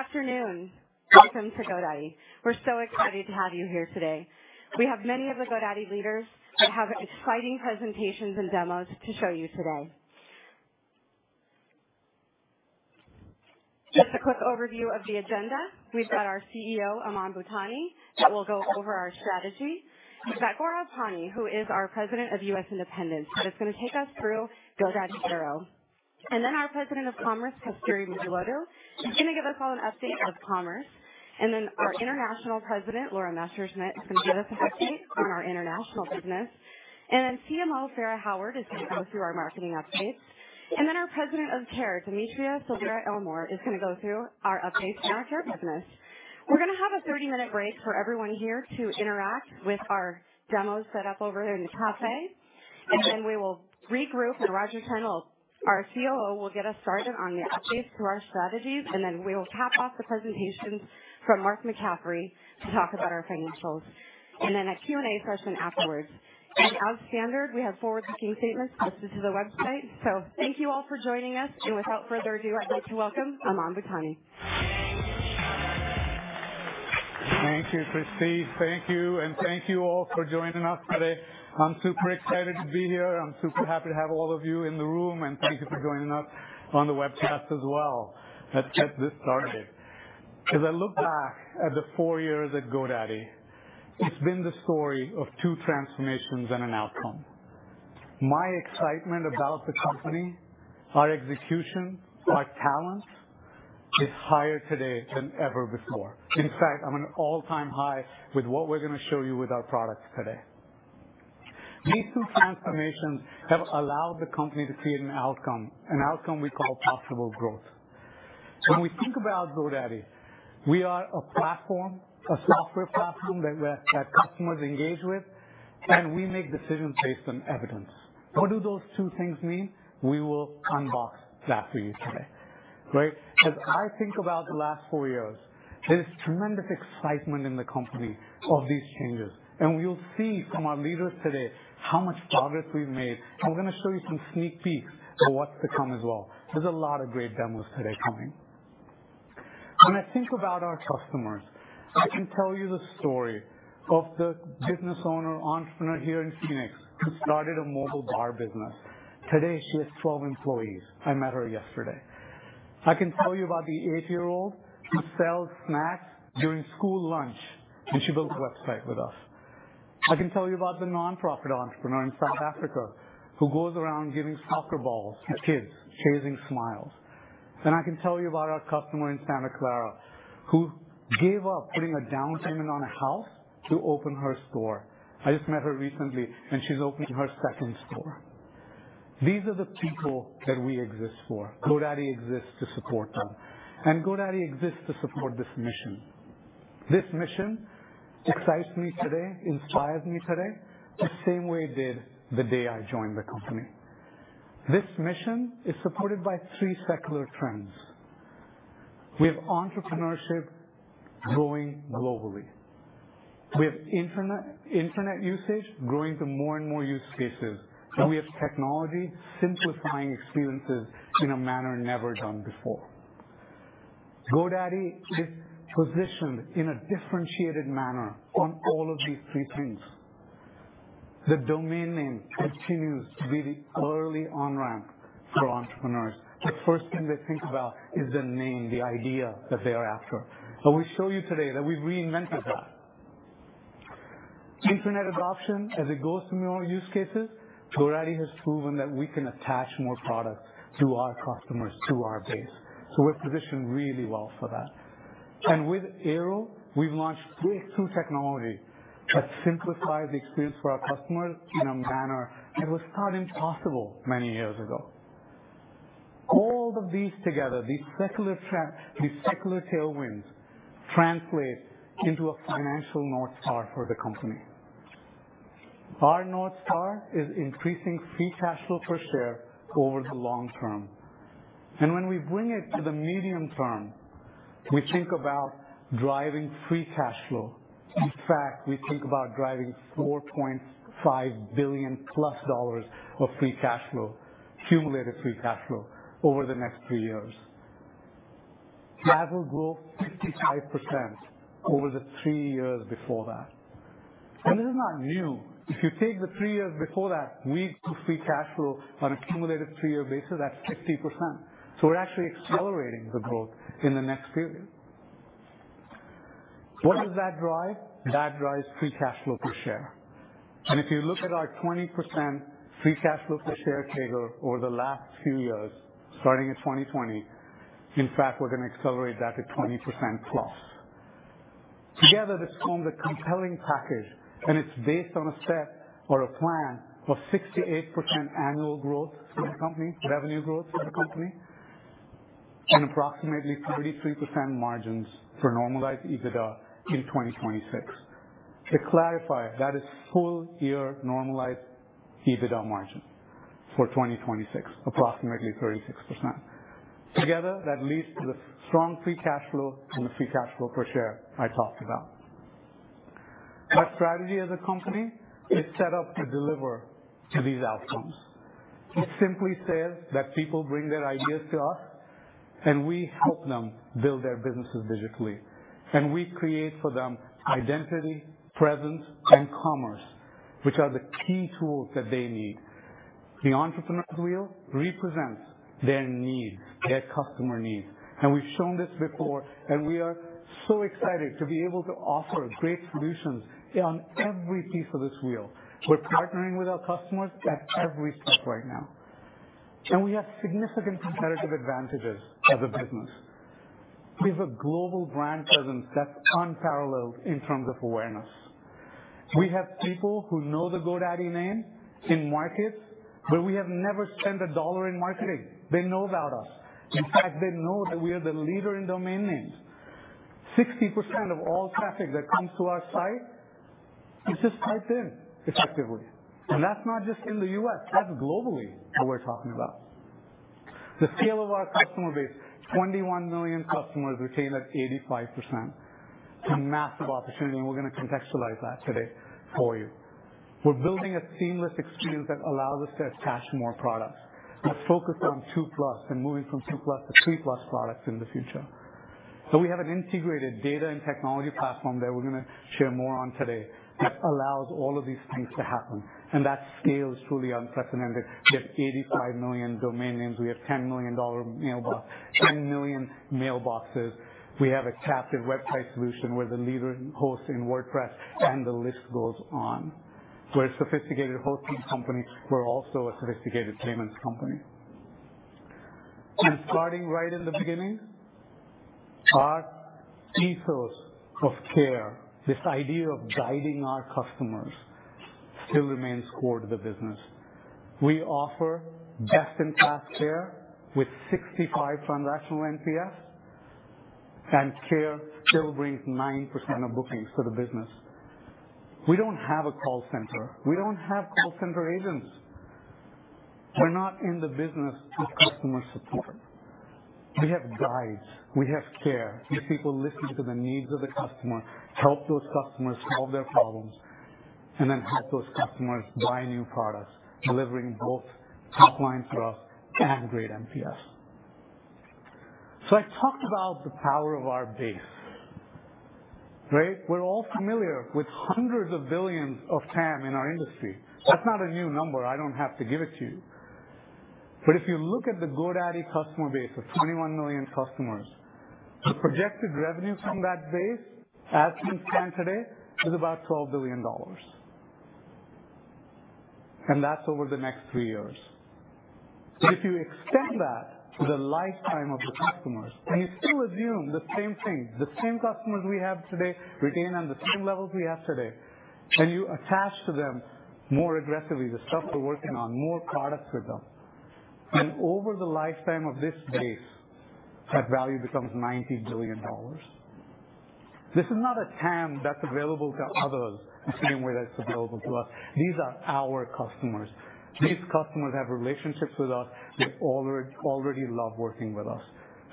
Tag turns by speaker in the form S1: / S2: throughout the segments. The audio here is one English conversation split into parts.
S1: Good afternoon. Welcome to GoDaddy. We're so excited to have you here today. We have many of the GoDaddy leaders that have exciting presentations and demos to show you today. Just a quick overview of the agenda: we've got our CEO, Aman Bhutani, that will go over our strategy. We've got Gourav Pani, who is our President of U.S. Independents, that is going to take us through GoDaddy Airo. And then our President of Commerce, Kasturi Mudulodu, is going to give us all an update of commerce. And then our International President, Laura Messerschmitt, is going to give us an update on our international business. And then CMO, Fara Howard, is going to go through our marketing updates. And then our President of Care, Demetria Elmore, is going to go through our updates on our care business. We're going to have a 30-minute break for everyone here to interact with our demos set up over in the café. Then we will regroup, and Roger Chen, our COO, will get us started on the updates to our strategies, and then we will cap off the presentations from Mark McCaffrey to talk about our financials and then a Q&A session afterwards. As standard, we have forward-looking statements posted to the website. Thank you all for joining us. Without further ado, I'd like to welcome Aman Bhutani.
S2: Thank you, Christie. Thank you. And thank you all for joining us today. I'm super excited to be here. I'm super happy to have all of you in the room. And thank you for joining us on the webcast as well. Let's get this started. As I look back at the four years at GoDaddy, it's been the story of two transformations and an outcome. My excitement about the company, our execution, our talent is higher today than ever before. In fact, I'm at an all-time high with what we're going to show you with our products today. These two transformations have allowed the company to create an outcome, an outcome we call possible growth. When we think about GoDaddy, we are a platform, a software platform, that customers engage with, and we make decisions based on evidence. What do those two things mean? We will unbox that for you today, right? As I think about the last four years, there is tremendous excitement in the company of these changes. We'll see from our leaders today how much progress we've made. We're going to show you some sneak peeks of what's to come as well. There's a lot of great demos today coming. When I think about our customers, I can tell you the story of the business owner, entrepreneur here in Phoenix who started a mobile bar business. Today, she has 12 employees. I met her yesterday. I can tell you about the 8-year-old who sells snacks during school lunch, and she built a website with us. I can tell you about the nonprofit entrepreneur in South Africa who goes around giving soccer balls to kids, chasing smiles. I can tell you about our customer in Santa Clara who gave up putting a down payment on a house to open her store. I just met her recently, and she's opening her second store. These are the people that we exist for. GoDaddy exists to support them. And GoDaddy exists to support this mission. This mission excites me today, inspires me today, the same way it did the day I joined the company. This mission is supported by three secular trends. We have entrepreneurship growing globally. We have internet usage growing to more and more use cases. And we have technology simplifying experiences in a manner never done before. GoDaddy is positioned in a differentiated manner on all of these three things. The domain name continues to be the early on-ramp for entrepreneurs. The first thing they think about is the name, the idea that they are after. We show you today that we've reinvented that. Internet adoption, as it goes to more use cases, GoDaddy has proven that we can attach more products to our customers, to our base. So we're positioned really well for that. With Airo, we've launched breakthrough technology that simplifies the experience for our customers in a manner that was thought impossible many years ago. All of these together, these secular tailwinds, translate into a financial North Star for the company. Our North Star is increasing free cash flow per share over the long term. When we bring it to the medium term, we think about driving free cash flow. In fact, we think about driving $4.5 billion-plus of free cash flow, cumulative free cash flow, over the next three years. That will grow 55% over the three years before that. This is not new. If you take the three years before that, our free cash flow on a cumulative three-year basis, that's 50%. So we're actually accelerating the growth in the next period. What does that drive? That drives free cash flow per share. And if you look at our 20% free cash flow per share CAGR over the last few years, starting in 2020, in fact, we're going to accelerate that to 20%+. Together, this forms a compelling package. And it's based on a set or a plan of 68% annual growth for the company, revenue growth for the company, and approximately 33% margins for normalized EBITDA in 2026. To clarify, that is full-year normalized EBITDA margin for 2026, approximately 36%. Together, that leads to the strong free cash flow and the free cash flow per share I talked about. Our strategy as a company, it's set up to deliver to these outcomes. It simply says that people bring their ideas to us, and we help them build their businesses digitally. We create for them identity, presence, and commerce, which are the key tools that they need. The entrepreneur's wheel represents their needs, their customer needs. We've shown this before. We are so excited to be able to offer great solutions on every piece of this wheel. We're partnering with our customers at every step right now. We have significant competitive advantages as a business. We have a global brand presence that's unparalleled in terms of awareness. We have people who know the GoDaddy name in markets, but we have never spent a dollar in marketing. They know about us. In fact, they know that we are the leader in domain names. 60% of all traffic that comes to our site is just typed in, effectively. That's not just in the US. That's globally what we're talking about. The scale of our customer base, 21 million customers retained at 85%. It's a massive opportunity. We're going to contextualize that today for you. We're building a seamless experience that allows us to attach more products. We're focused on 2+ and moving from 2+ to 3+ products in the future. We have an integrated data and technology platform that we're going to share more on today that allows all of these things to happen. That scale is truly unprecedented. We have 85 million domain names. We have 10 million mailboxes. We have a captive website solution where the leader hosts in WordPress, and the list goes on. We're a sophisticated hosting company. We're also a sophisticated payments company. Starting right in the beginning, our ethos of care, this idea of guiding our customers, still remains core to the business. We offer best-in-class care with 65 transactional NPS. Care still brings 9% of bookings to the business. We don't have a call center. We don't have call center agents. We're not in the business of customer support. We have guides. We have care. We have people listening to the needs of the customer, help those customers solve their problems, and then help those customers buy new products, delivering both top line for us and great NPS. I talked about the power of our base, right? We're all familiar with hundreds of billions of TAM in our industry. That's not a new number. I don't have to give it to you. But if you look at the GoDaddy customer base of 21 million customers, the projected revenue from that base, as we stand today, is about $12 billion. And that's over the next three years. But if you extend that to the lifetime of the customers, and you still assume the same thing, the same customers we have today retain on the same levels we have today, and you attach to them more aggressively the stuff we're working on, more products with them, then over the lifetime of this base, that value becomes $90 billion. This is not a TAM that's available to others the same way that it's available to us. These are our customers. These customers have relationships with us. They already love working with us.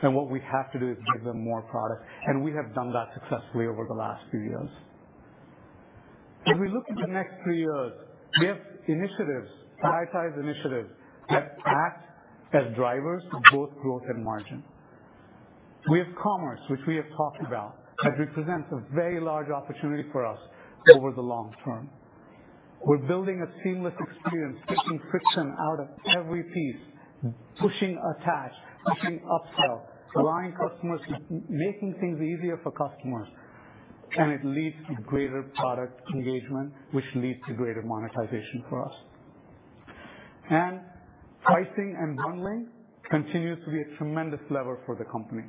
S2: And what we have to do is give them more products. And we have done that successfully over the last few years. As we look at the next three years, we have initiatives, prioritized initiatives that act as drivers of both growth and margin. We have commerce, which we have talked about, that represents a very large opportunity for us over the long term. We're building a seamless experience, taking friction out of every piece, pushing attach, pushing upsell, allowing customers, making things easier for customers. It leads to greater product engagement, which leads to greater monetization for us. Pricing and bundling continues to be a tremendous lever for the company.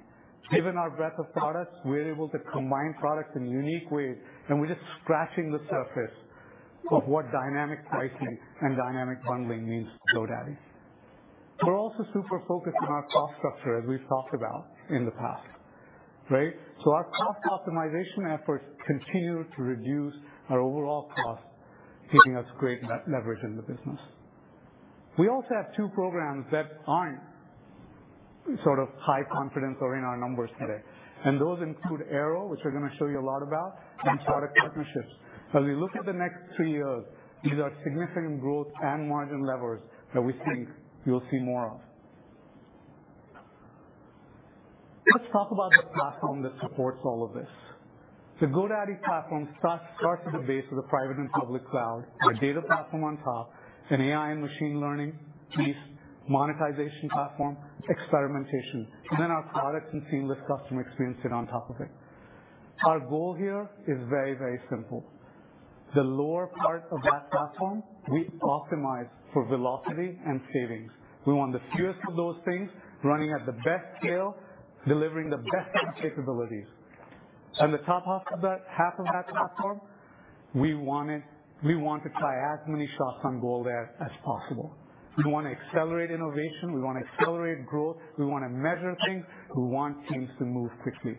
S2: Given our breadth of products, we're able to combine products in unique ways. We're just scratching the surface of what dynamic pricing and dynamic bundling means to GoDaddy. We're also super focused on our cost structure, as we've talked about in the past, right? So our cost optimization efforts continue to reduce our overall costs, giving us great leverage in the business. We also have two programs that aren't sort of high confidence or in our numbers today. And those include Airo, which we're going to show you a lot about, and product partnerships. As we look at the next three years, these are significant growth and margin levers that we think you'll see more of. Let's talk about the platform that supports all of this. The GoDaddy platform starts at the base with a private and public cloud, our data platform on top, an AI and machine learning piece, monetization platform, experimentation, and then our products and seamless customer experience sit on top of it. Our goal here is very, very simple. The lower part of that platform, we optimize for velocity and savings. We want the fewest of those things, running at the best scale, delivering the best capabilities. The top half of that platform, we want to try as many shots on goal there as possible. We want to accelerate innovation. We want to accelerate growth. We want to measure things. We want teams to move quickly.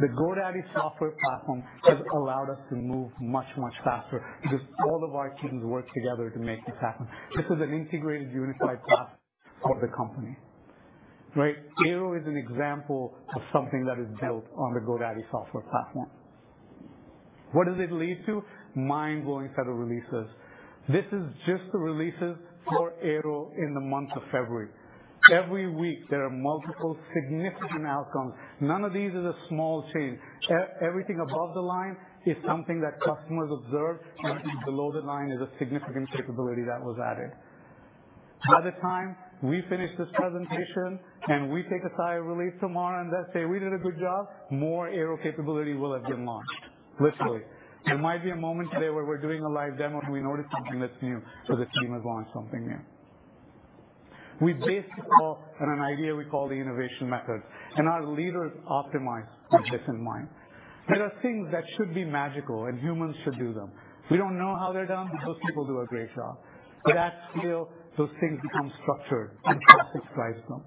S2: The GoDaddy software platform has allowed us to move much, much faster because all of our teams work together to make this happen. This is an integrated, unified platform for the company, right? Airo is an example of something that is built on the GoDaddy software platform. What does it lead to? Mind-blowing set of releases. This is just the releases for Airo in the month of February. Every week, there are multiple significant outcomes. None of these is a small change. Everything above the line is something that customers observe. Below the line is a significant capability that was added. By the time we finish this presentation, and we take a sigh of relief tomorrow and say, "We did a good job," more Airo capability will have been launched, literally. There might be a moment today where we're doing a live demo, and we notice something that's new, or the team has launched something new. We base it all on an idea we call the innovation methods. Our leaders optimize with this in mind. There are things that should be magical, and humans should do them. We don't know how they're done, but those people do a great job. At that scale, those things become structured, and pricing drives them.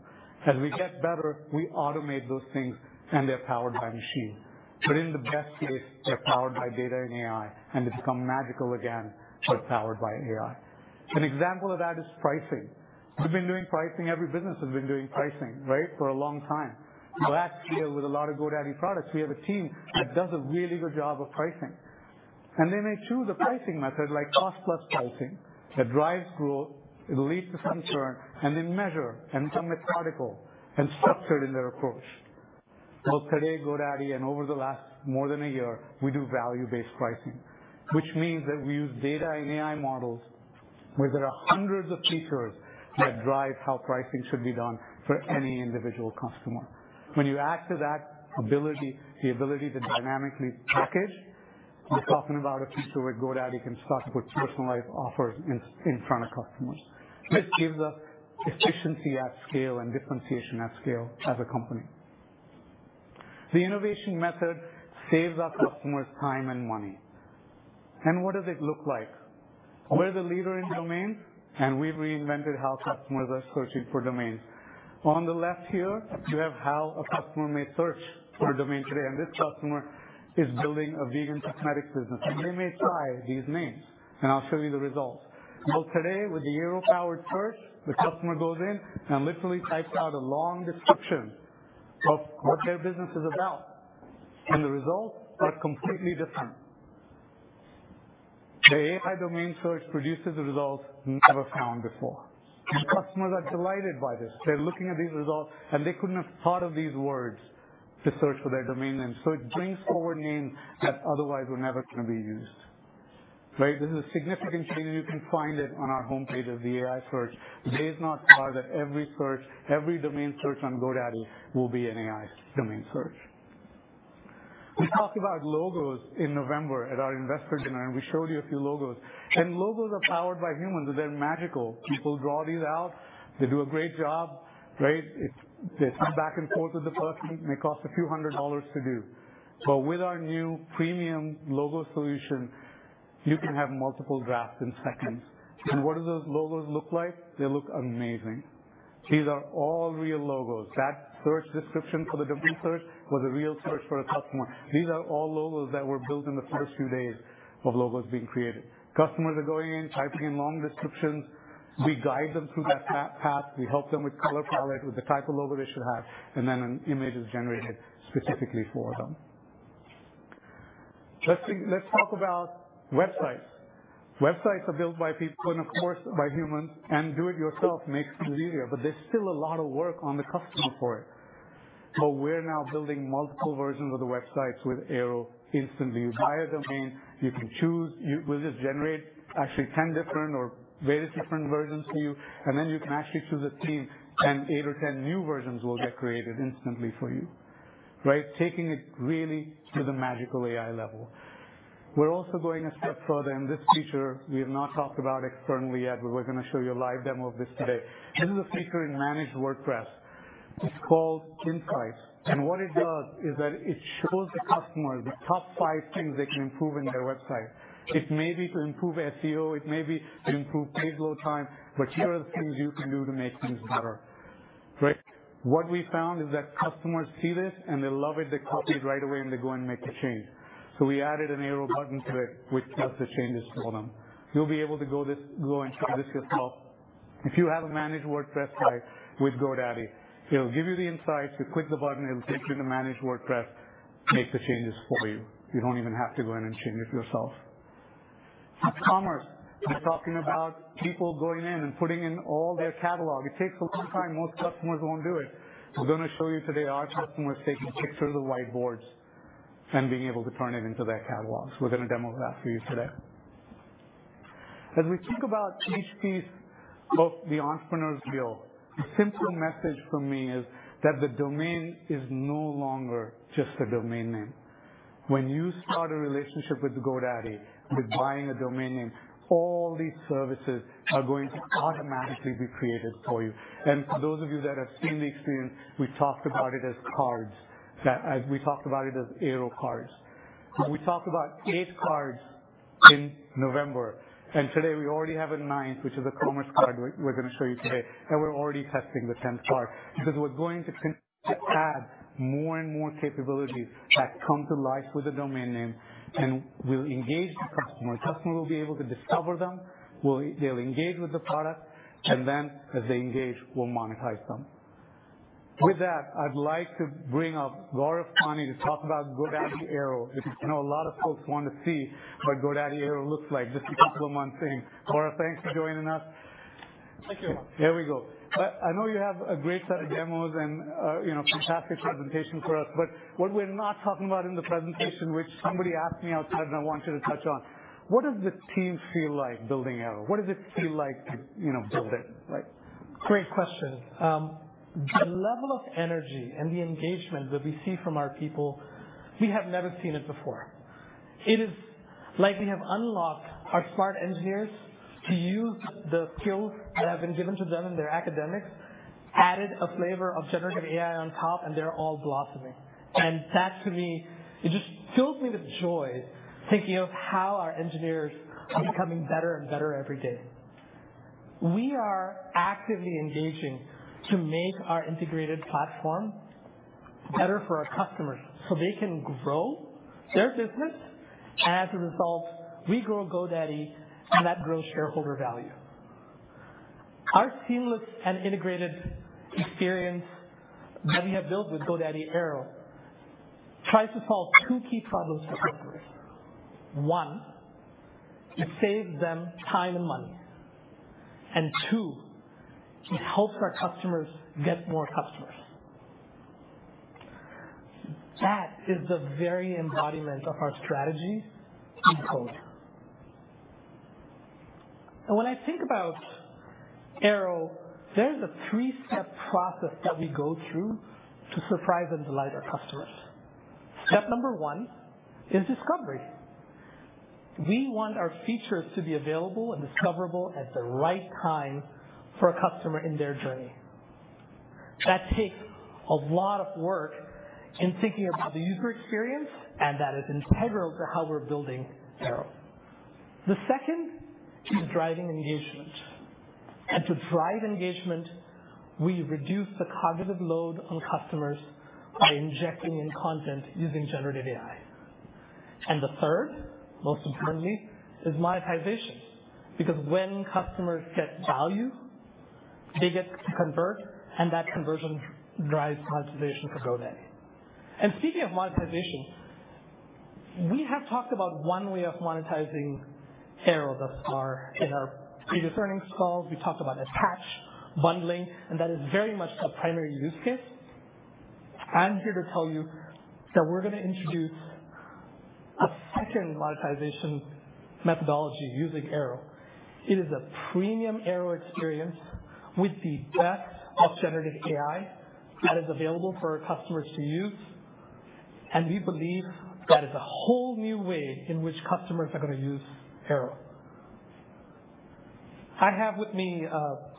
S2: As we get better, we automate those things, and they're powered by machines. But in the best case, they're powered by data and AI. And they become magical again, but powered by AI. An example of that is pricing. We've been doing pricing. Every business has been doing pricing, right, for a long time. At scale, with a lot of GoDaddy products, we have a team that does a really good job of pricing. And they may choose a pricing method like cost-plus pricing that drives growth. It'll lead to some churn. And they measure and become methodical and structured in their approach. Well, today, GoDaddy, and over the last more than a year, we do value-based pricing, which means that we use data and AI models where there are hundreds of features that drive how pricing should be done for any individual customer. When you add to that ability, the ability to dynamically package, we're talking about a feature where GoDaddy can start to put personalized offers in front of customers. This gives us efficiency at scale and differentiation at scale as a company. The innovation method saves our customers time and money. What does it look like? We're the leader in domains. We've reinvented how customers are searching for domains. On the left here, you have how a customer may search for a domain today. This customer is building a vegan cosmetics business. They may try these names. I'll show you the results. Well, today, with the Airo-powered search, the customer goes in and literally types out a long description of what their business is about. The results are completely different. The AI domain search produces results never found before. Customers are delighted by this. They're looking at these results. They couldn't have thought of these words to search for their domain names. So it brings forward names that otherwise were never going to be used, right? This is a significant change. You can find it on our home page of the AI search. It is not far that every search, every domain search on GoDaddy will be an AI domain search. We talked about logos in November at our investor dinner. We showed you a few logos. Logos are powered by humans. They're magical. People draw these out. They do a great job, right? They come back and forth with the person. It may cost $a few hundred to do. But with our new premium logo solution, you can have multiple drafts in seconds. What do those logos look like? They look amazing. These are all real logos. That search description for the domain search was a real search for a customer. These are all logos that were built in the first few days of logos being created. Customers are going in, typing in long descriptions. We guide them through that path. We help them with color palette, with the type of logo they should have. And then an image is generated specifically for them. Let's talk about websites. Websites are built by people and, of course, by humans. Do it yourself makes it easier. But there's still a lot of work on the customer for it. But we're now building multiple versions of the websites with Airo instantly. You buy a domain. You can choose. We'll just generate, actually, 10 different or various different versions for you. And then you can actually choose a team. And eight or 10 new versions will get created instantly for you, right, taking it really to the magical AI level. We're also going a step further. This feature, we have not talked about externally yet, but we're going to show you a live demo of this today. This is a feature in Managed WordPress. It's called Insights. What it does is that it shows the customers the top five things they can improve in their website. It may be to improve SEO. It may be to improve page load time. Here are the things you can do to make things better, right? What we found is that customers see this, and they love it. They copy it right away. They go and make a change. We added an Airo button to it, which does the changes for them. You'll be able to go and try this yourself if you have a Managed WordPress site with GoDaddy. It'll give you the insights. You click the button. It'll take you to Managed WordPress, make the changes for you. You don't even have to go in and change it yourself. Commerce. We're talking about people going in and putting in all their catalog. It takes a long time. Most customers won't do it. We're going to show you today our customers taking pictures of the whiteboards and being able to turn it into their catalogs. We're going to demo that for you today. As we think about each piece of the entrepreneur's skill, the simple message from me is that the domain is no longer just a domain name. When you start a relationship with GoDaddy, with buying a domain name, all these services are going to automatically be created for you. And for those of you that have seen the experience, we talked about it as cards. We talked about it as Airo cards. We talked about eight cards in November. And today, we already have a ninth, which is a commerce card we're going to show you today. And we're already testing the 10th card because we're going to add more and more capabilities that come to life with a domain name. And we'll engage the customer. The customer will be able to discover them. They'll engage with the product. And then, as they engage, we'll monetize them. With that, I'd like to bring up Gourav Pani to talk about GoDaddy Airo, because I know a lot of folks want to see what GoDaddy Airo looks like just a couple of months in. Gourav, thanks for joining us.
S3: Thank you a lot.
S2: There we go. I know you have a great set of demos and a fantastic presentation for us. But what we're not talking about in the presentation, which somebody asked me outside, and I want you to touch on, what does the team feel like building Airo? What does it feel like to build it, right?
S3: Great question. The level of energy and the engagement that we see from our people, we have never seen it before. It is like we have unlocked our smart engineers to use the skills that have been given to them in their academics, added a flavor of generative AI on top. And they're all blossoming. And that, to me, it just fills me with joy thinking of how our engineers are becoming better and better every day. We are actively engaging to make our integrated platform better for our customers so they can grow their business. And as a result, we grow GoDaddy. And that grows shareholder value. Our seamless and integrated experience that we have built with GoDaddy Airo tries to solve two key problems for customers. One, it saves them time and money. And two, it helps our customers get more customers. That is the very embodiment of our strategy in code. And when I think about Airo, there is a three-step process that we go through to surprise and delight our customers. Step number one is discovery. We want our features to be available and discoverable at the right time for a customer in their journey. That takes a lot of work in thinking about the user experience. And that is integral to how we're building Airo. The second is driving engagement. And to drive engagement, we reduce the cognitive load on customers by injecting in content using generative AI. And the third, most importantly, is monetization because when customers get value, they get to convert. And that conversion drives monetization for GoDaddy. And speaking of monetization, we have talked about one way of monetizing Airo thus far in our previous earnings calls. We talked about attach bundling. That is very much the primary use case. I'm here to tell you that we're going to introduce a second monetization methodology using Airo. It is a premium Airo experience with the best of generative AI that is available for our customers to use. We believe that is a whole new way in which customers are going to use Airo. I have with me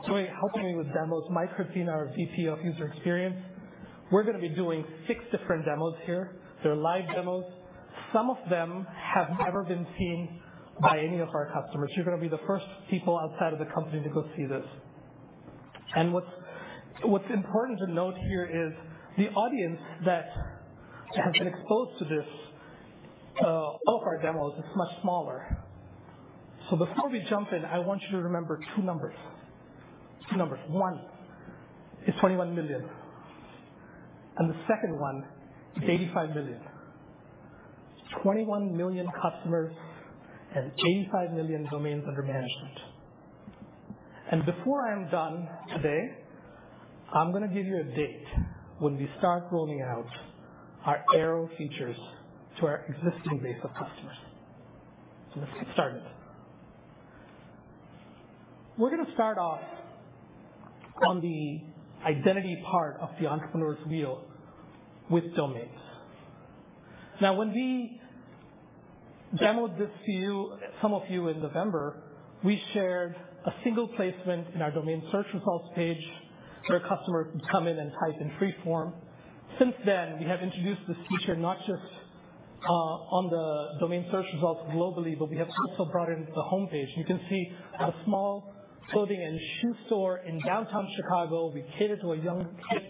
S3: somebody helping me with demos, Mike Gualtieri, our VP of user experience. We're going to be doing six different demos here. They're live demos. Some of them have never been seen by any of our customers. You're going to be the first people outside of the company to go see this. What's important to note here is the audience that has been exposed to all of our demos is much smaller. So before we jump in, I want you to remember two numbers, two numbers. One is 21 million. And the second one is 85 million. 21 million customers and 85 million domains under management. And before I am done today, I'm going to give you a date when we start rolling out our Airo features to our existing base of customers. So let's get started. We're going to start off on the identity part of the entrepreneur's wheel with domains. Now, when we demoed this to some of you in November, we shared a single placement in our domain search results page where a customer could come in and type in free form. Since then, we have introduced this feature not just on the domain search results globally, but we have also brought it into the home page. You can see a small clothing and shoe store in downtown Chicago. We cater to a younger kid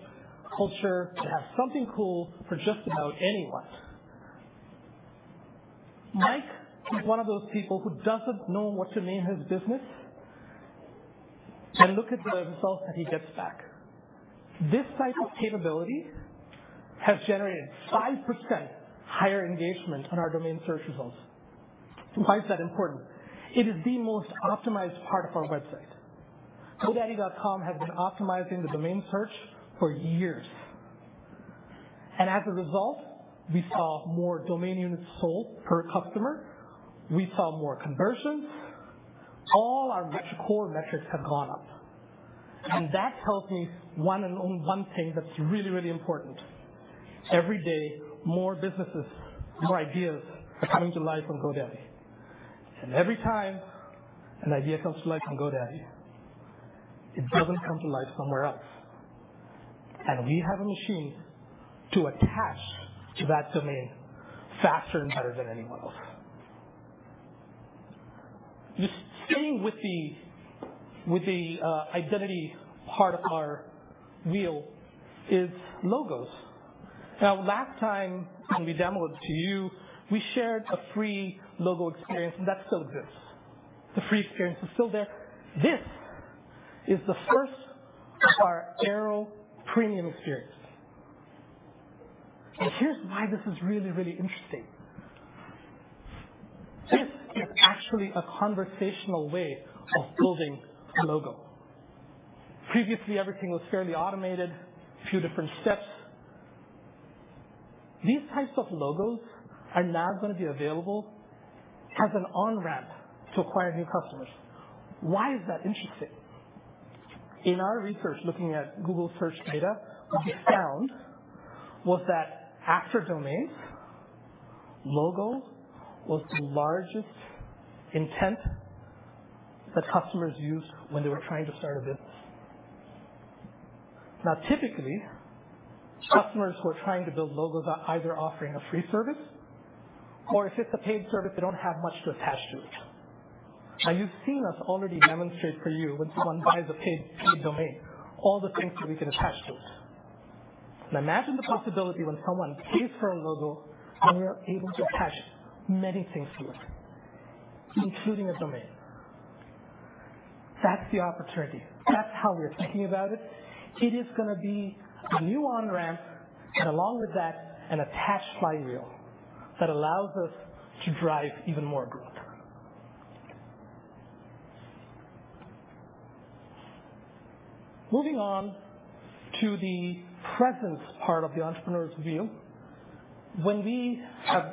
S3: culture to have something cool for just about anyone. Mike is one of those people who doesn't know what to name his business. Look at the results that he gets back. This type of capability has generated 5% higher engagement on our domain search results. Why is that important? It is the most optimized part of our website. GoDaddy.com has been optimizing the domain search for years. As a result, we saw more domain units sold per customer. We saw more conversions. All our core metrics have gone up. That tells me one thing that's really, really important. Every day, more businesses, more ideas are coming to life on GoDaddy. Every time an idea comes to life on GoDaddy, it doesn't come to life somewhere else. We have a machine to attach to that domain faster and better than anyone else. Just staying with the identity part of our wheel is logos. Now, last time when we demoed it to you, we shared a free logo experience. That still exists. The free experience is still there. This is the first of our Airo premium experience. Here's why this is really, really interesting. This is actually a conversational way of building a logo. Previously, everything was fairly automated, a few different steps. These types of logos are now going to be available as an on-ramp to acquire new customers. Why is that interesting? In our research, looking at Google search data, what we found was that after domains, logo was the largest intent that customers used when they were trying to start a business. Now, typically, customers who are trying to build logos are either offering a free service, or if it's a paid service, they don't have much to attach to it. Now, you've seen us already demonstrate for you when someone buys a paid domain all the things that we can attach to it. And imagine the possibility when someone pays for a logo, then we are able to attach many things to it, including a domain. That's the opportunity. That's how we're thinking about it. It is going to be a new on-ramp. And along with that, an attached flywheel that allows us to drive even more growth. Moving on to the presence part of the entrepreneur's wheel,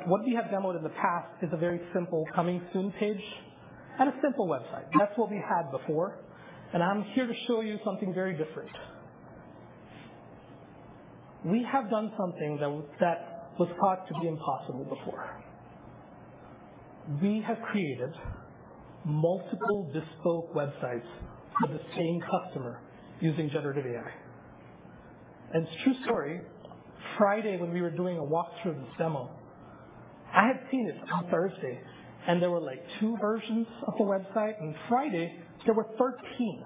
S3: what we have demoed in the past is a very simple coming soon page and a simple website. That's what we had before. And I'm here to show you something very different. We have done something that was thought to be impossible before. We have created multiple bespoke websites for the same customer using generative AI. It's a true story. Friday, when we were doing a walkthrough of this demo, I had seen it on Thursday. There were two versions of the website. Friday, there were 13.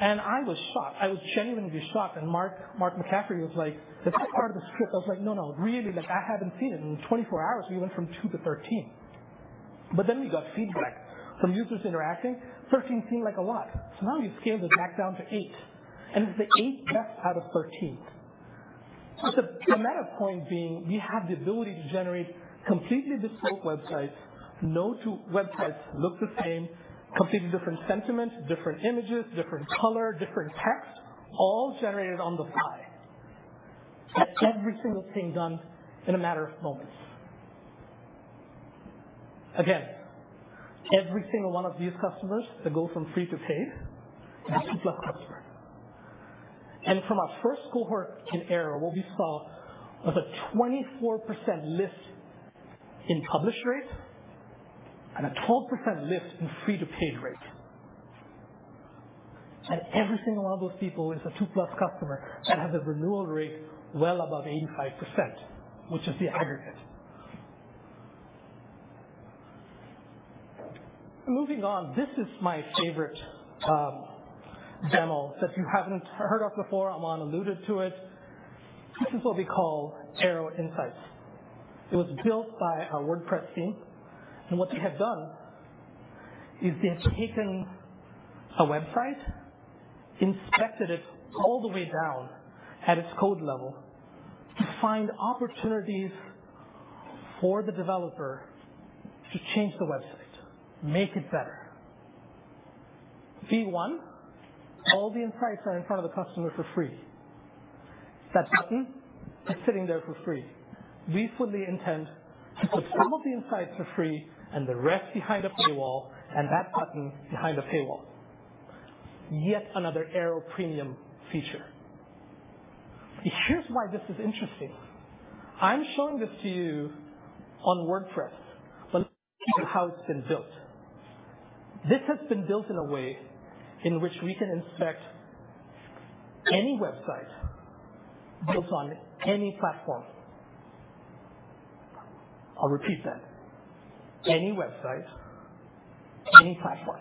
S3: I was shocked. I was genuinely shocked. Mark McCaffrey was like, "That's not part of the script." I was like, "No, no. Really, I haven't seen it." In 24 hours, we went from two to 13. But then we got feedback from users interacting. 13 seemed like a lot. So now, you scale the deck down to eight. It's the eight best out of 13. The meta point being, we have the ability to generate completely bespoke websites, no two websites look the same, completely different sentiment, different images, different color, different text, all generated on the fly. Every single thing done in a matter of moments. Again, every single one of these customers that go from free to paid is a two plus customer. From our first cohort in Airo, what we saw was a 24% lift in publish rate and a 12% lift in free-to-paid rate. Every single one of those people is a two plus customer that has a renewal rate well above 85%, which is the aggregate. Moving on, this is my favorite demo that you haven't heard of before. Aman alluded to it. This is what we call Airo Insights. It was built by our WordPress team. What they have done is they have taken a website, inspected it all the way down at its code level to find opportunities for the developer to change the website, make it better. V1, all the insights are in front of the customer for free. That button is sitting there for free. We fully intend to put some of the insights for free and the rest behind a paywall and that button behind a paywall. Yet another Airo premium feature. Here's why this is interesting. I'm showing this to you on WordPress. But let's look at how it's been built. This has been built in a way in which we can inspect any website built on any platform. I'll repeat that, any website, any platform.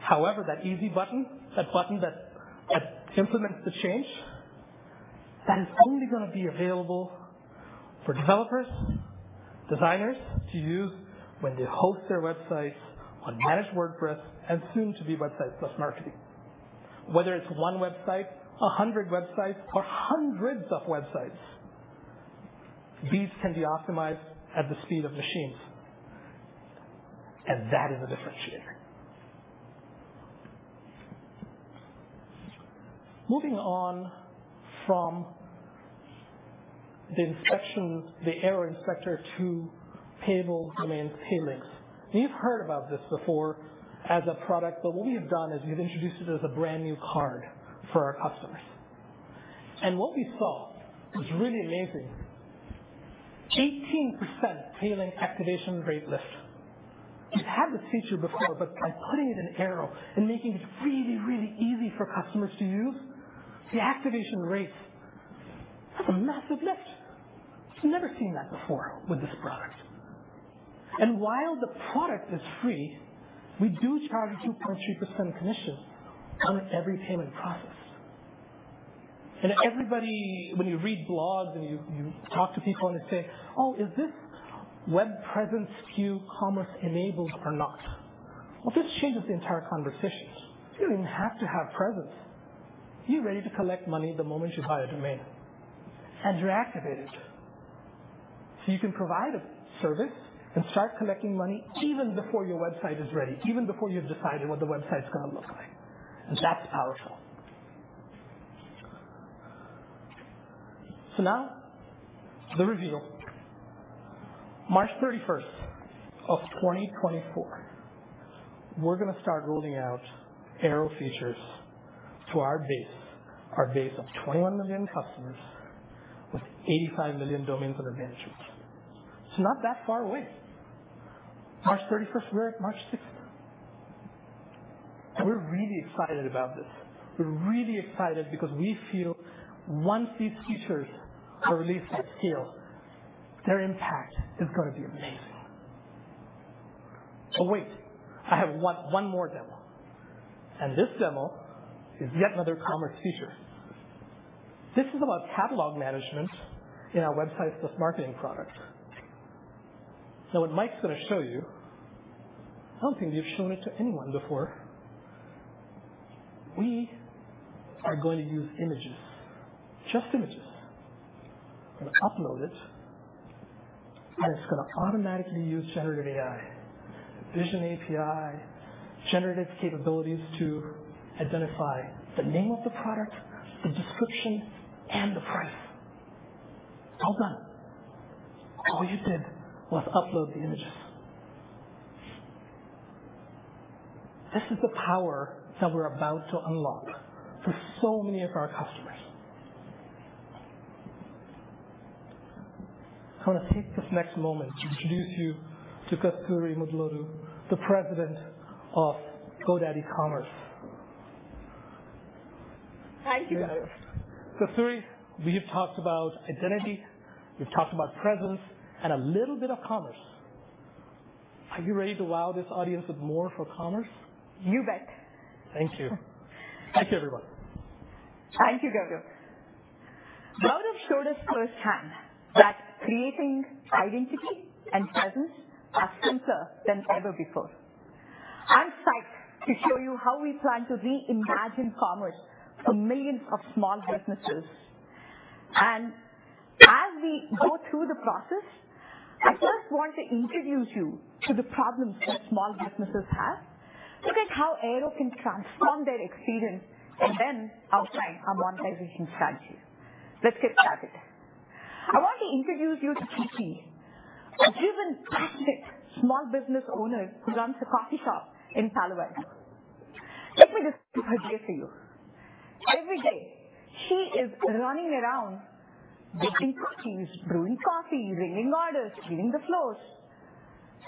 S3: However, that easy button, that button that implements the change, that is only going to be available for developers, designers to use when they host their websites on Managed WordPress and soon-to-be Websites + Marketing. Whether it's one website, 100 websites, or hundreds of websites, these can be optimized at the speed of machines. That is a differentiator. Moving on from the Airo inspector to Pay Linkss. you've heard about this before as a product. But what we have done is we have introduced it as a brand new card for our customers. What we saw was really amazing, 18% Paylink activation rate lift. We've had this feature before. But by putting it in Airo and making it really, really easy for customers to use, the activation rate has a massive lift. I've never seen that before with this product. And while the product is free, we do charge a 2.3% commission on every payment process. And when you read blogs and you talk to people and they say, "Oh, is this web presence e-commerce enabled or not?" Well, this changes the entire conversation. You don't even have to have presence. You're ready to collect money the moment you buy a domain. And you're activated. So you can provide a service and start collecting money even before your website is ready, even before you've decided what the website's going to look like. And that's powerful. So now, the reveal. 31st March of 2024, we're going to start rolling out Airo features to our base, our base of 21 million customers with 85 million domains under management. It's not that far away. 31st March, we're at March 6th. We're really excited about this. We're really excited because we feel once these features are released at scale, their impact is going to be amazing. But wait. I have one more demo. This demo is yet another commerce feature. This is about catalog management in our Websites + Marketing product. Now, what Mike's going to show you, I don't think we've shown it to anyone before, we are going to use images, just images. We're going to upload it. It's going to automatically use generative AI, Vision API, generative capabilities to identify the name of the product, the description, and the price. It's all done. All you did was upload the images. This is the power that we're about to unlock for so many of our customers. I want to take this next moment to introduce you to Kasturi Mudulodu, the President of GoDaddy Commerce.
S4: Thank you, Gourav.
S3: Kasturi, we have talked about identity. We've talked about presence and a little bit of commerce. Are you ready to wow this audience with more for commerce?
S4: You bet.
S3: Thank you. Thank you, everyone.
S4: Thank you, Gourav. Gourav showed us firsthand that creating identity and presence are simpler than ever before. I'm psyched to show you how we plan to reimagine commerce for millions of small businesses. As we go through the process, I first want to introduce you to the problems that small businesses have, look at how Airo can transform their experience, and then outline our monetization strategy. Let's get started. I want to introduce you to Kiki, a driven, passionate small business owner who runs a coffee shop in Palo Alto. Let me describe her day for you. Every day, she is running around, brewing coffee, ringing orders, cleaning the floors.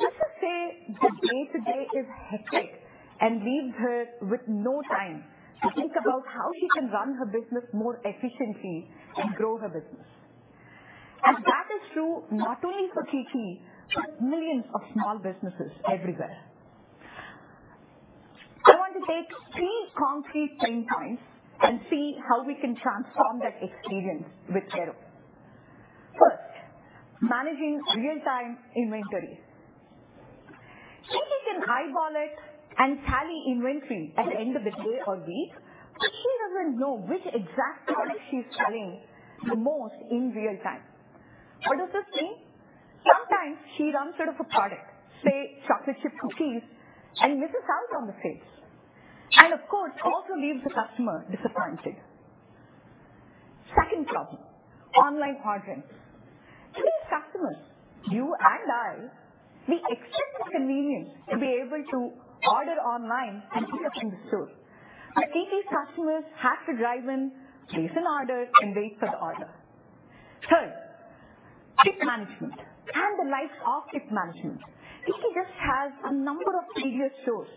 S4: Let's just say the day-to-day is hectic and leaves her with no time to think about how she can run her business more efficiently and grow her business. That is true not only for Kiki, but millions of small businesses everywhere. I want to take three concrete pain points and see how we can transform that experience with Airo. First, managing real-time inventory. Kiki can eyeball it and tally inventory at the end of the day or week, but she doesn't know which exact product she's selling the most in real time. What does this mean? Sometimes, she runs out of a product, say, chocolate chip cookies, and misses out on the sales. And of course, also leaves the customer disappointed. Second problem, online ordering. Today's customers, you and I, we expect the convenience to be able to order online and pick up from the store. But Kiki's customers have to drive in, place an order, and wait for the order. Third, tip management and the likes of tip management. Kiki just has a number of previous stores.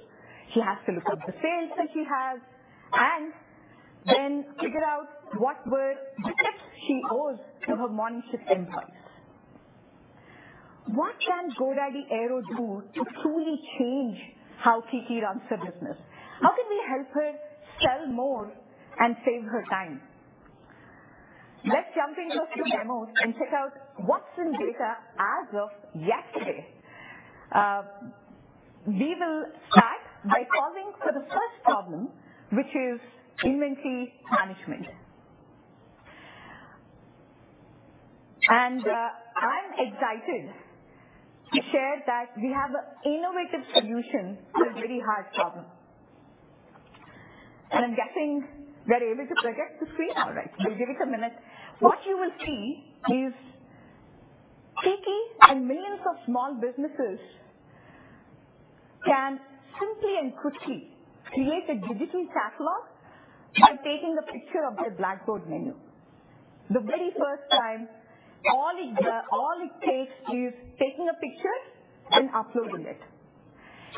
S4: She has to look up the sales that she has and then figure out what were the tips she owes to her morning shift employees. What can GoDaddy Airo do to truly change how Kiki runs her business? How can we help her sell more and save her time? Let's jump into a few demos and check out what's in data as of yesterday. We will start by solving for the first problem, which is inventory management. I'm excited to share that we have an innovative solution to a very hard problem. I'm guessing they're able to project the screen already. We'll give it a minute. What you will see is Kiki and millions of small businesses can simply and quickly create a digital catalog by taking a picture of their blackboard menu. The very first time, all it takes is taking a picture and uploading it.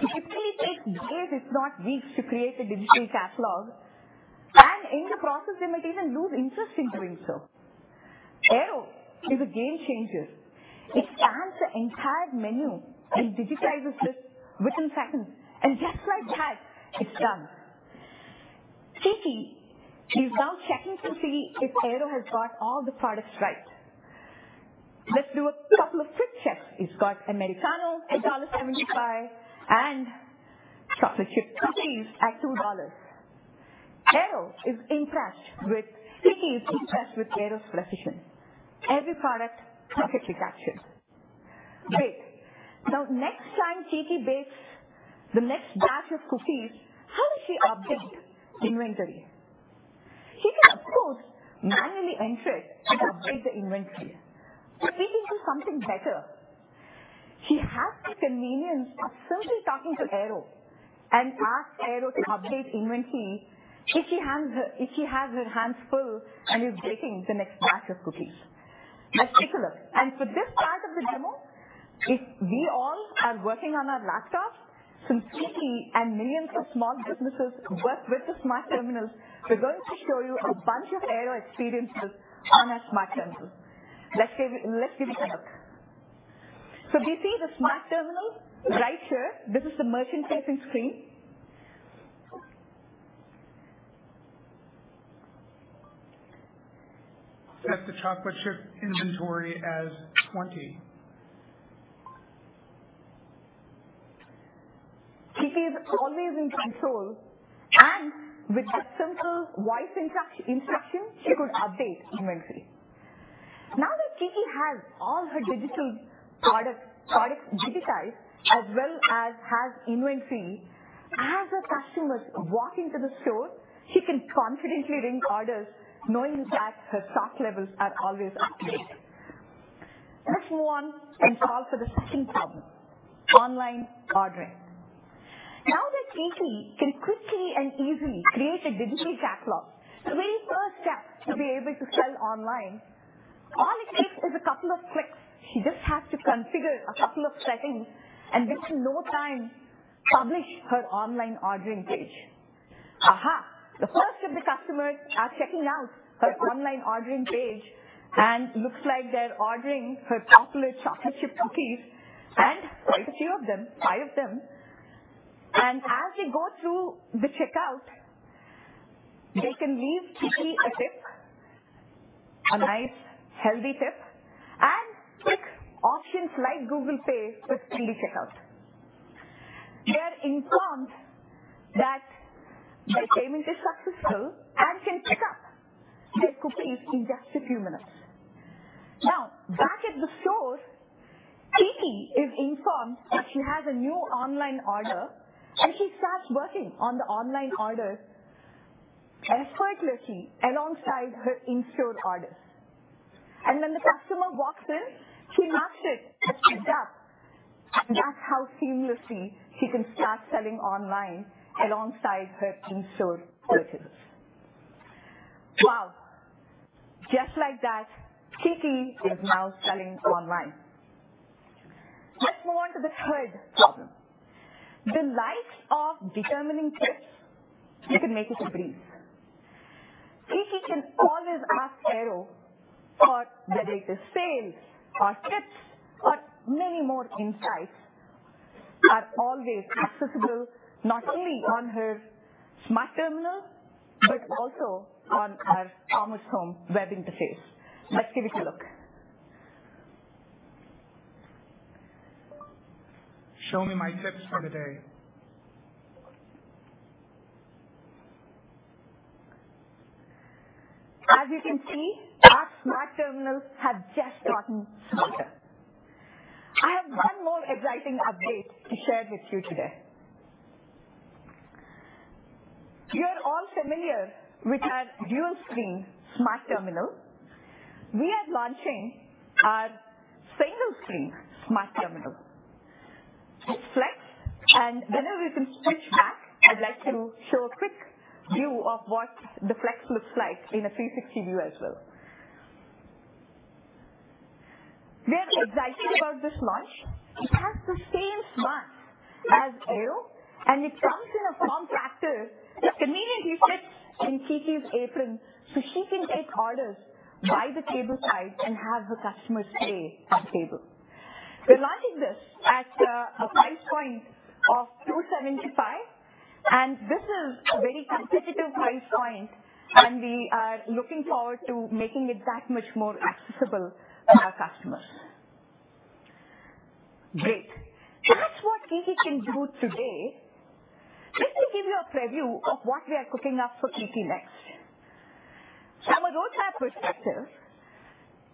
S4: It typically takes days, if not weeks, to create a digital catalog. And in the process, they might even lose interest in doing so. Airo is a game changer. It scans the entire menu and digitizes this within seconds. And just like that, it's done. Kiki is now checking to see if Airo has got all the products right. Let's do a couple of quick checks. It's got Americano at $1.75 and chocolate chip cookies at $2. Kiki is impressed with Airo's precision, every product perfectly captured. Great. Now, next time Kiki bakes the next batch of cookies, how does she update inventory? She can, of course, manually enter it and update the inventory. Speaking to something better, she has the convenience of simply talking to Airo and asking Airo to update inventory if she has her hands full and is baking the next batch of cookies. Let's take a look. For this part of the demo, if we all are working on our laptops, since Kiki and millions of small businesses work with the smart terminals, we're going to show you a bunch of Airo experiences on our smart terminals. Let's give it a look. We see the smart terminal right here. This is the merchant-facing screen. Kiki is always in control. With a simple voice instruction, she could update inventory. Now that Kiki has all her digital products digitized as well as has inventory, as her customers walk into the store, she can confidently ring orders knowing that her stock levels are always up to date. Let's move on and solve for the second problem, online ordering. Now that Kiki can quickly and easily create a digital catalog, the very first step to be able to sell online, all it takes is a couple of clicks. She just has to configure a couple of settings. And we have no time to publish her online ordering page. Aha, the first of the customers are checking out her online ordering page. It looks like they're ordering her popular chocolate chip cookies and quite a few of them, 5 of them. As they go through the checkout, they can leave Kiki a tip, a nice, healthy tip, and pick options like Google Pay for early checkout. They're informed that their payment is successful and can pick up their cookies in just a few minutes. Now, back at the store, Kiki is informed that she has a new online order. She starts working on the online order effortlessly alongside her in-store orders. When the customer walks in, she marks it as picked up. That's how seamlessly she can start selling online alongside her in-store purchases. Wow. Just like that, Kiki is now selling online. Let's move on to the third problem. The likes of determining tips, you can make it a breeze. Kiki can always ask Airo for whether the sales or tips or many more insights are always accessible not only on her smart terminal but also on our commerce home web interface. Let's give it a look.
S3: Show me my tips for the day.
S4: As you can see, our smart terminals have just gotten smarter. I have one more exciting update to share with you today. You are all familiar with our dual-screen smart terminal. We are launching our single-screen smart terminal. It's Flex. Whenever we can switch back, I'd like to show a quick view of what the Flex looks like in a 360 view as well. We are excited about this launch. It has the same smarts as Airo. It comes in a form factor that conveniently fits in Kiki's apron so she can take orders by the table side and have her customers stay at the table. We're launching this at a price point of $275. This is a very competitive price point. We are looking forward to making it that much more accessible for our customers. Great. That's what Kiki can do today. Let me give you a preview of what we are cooking up for Kiki next. From a roadmap perspective,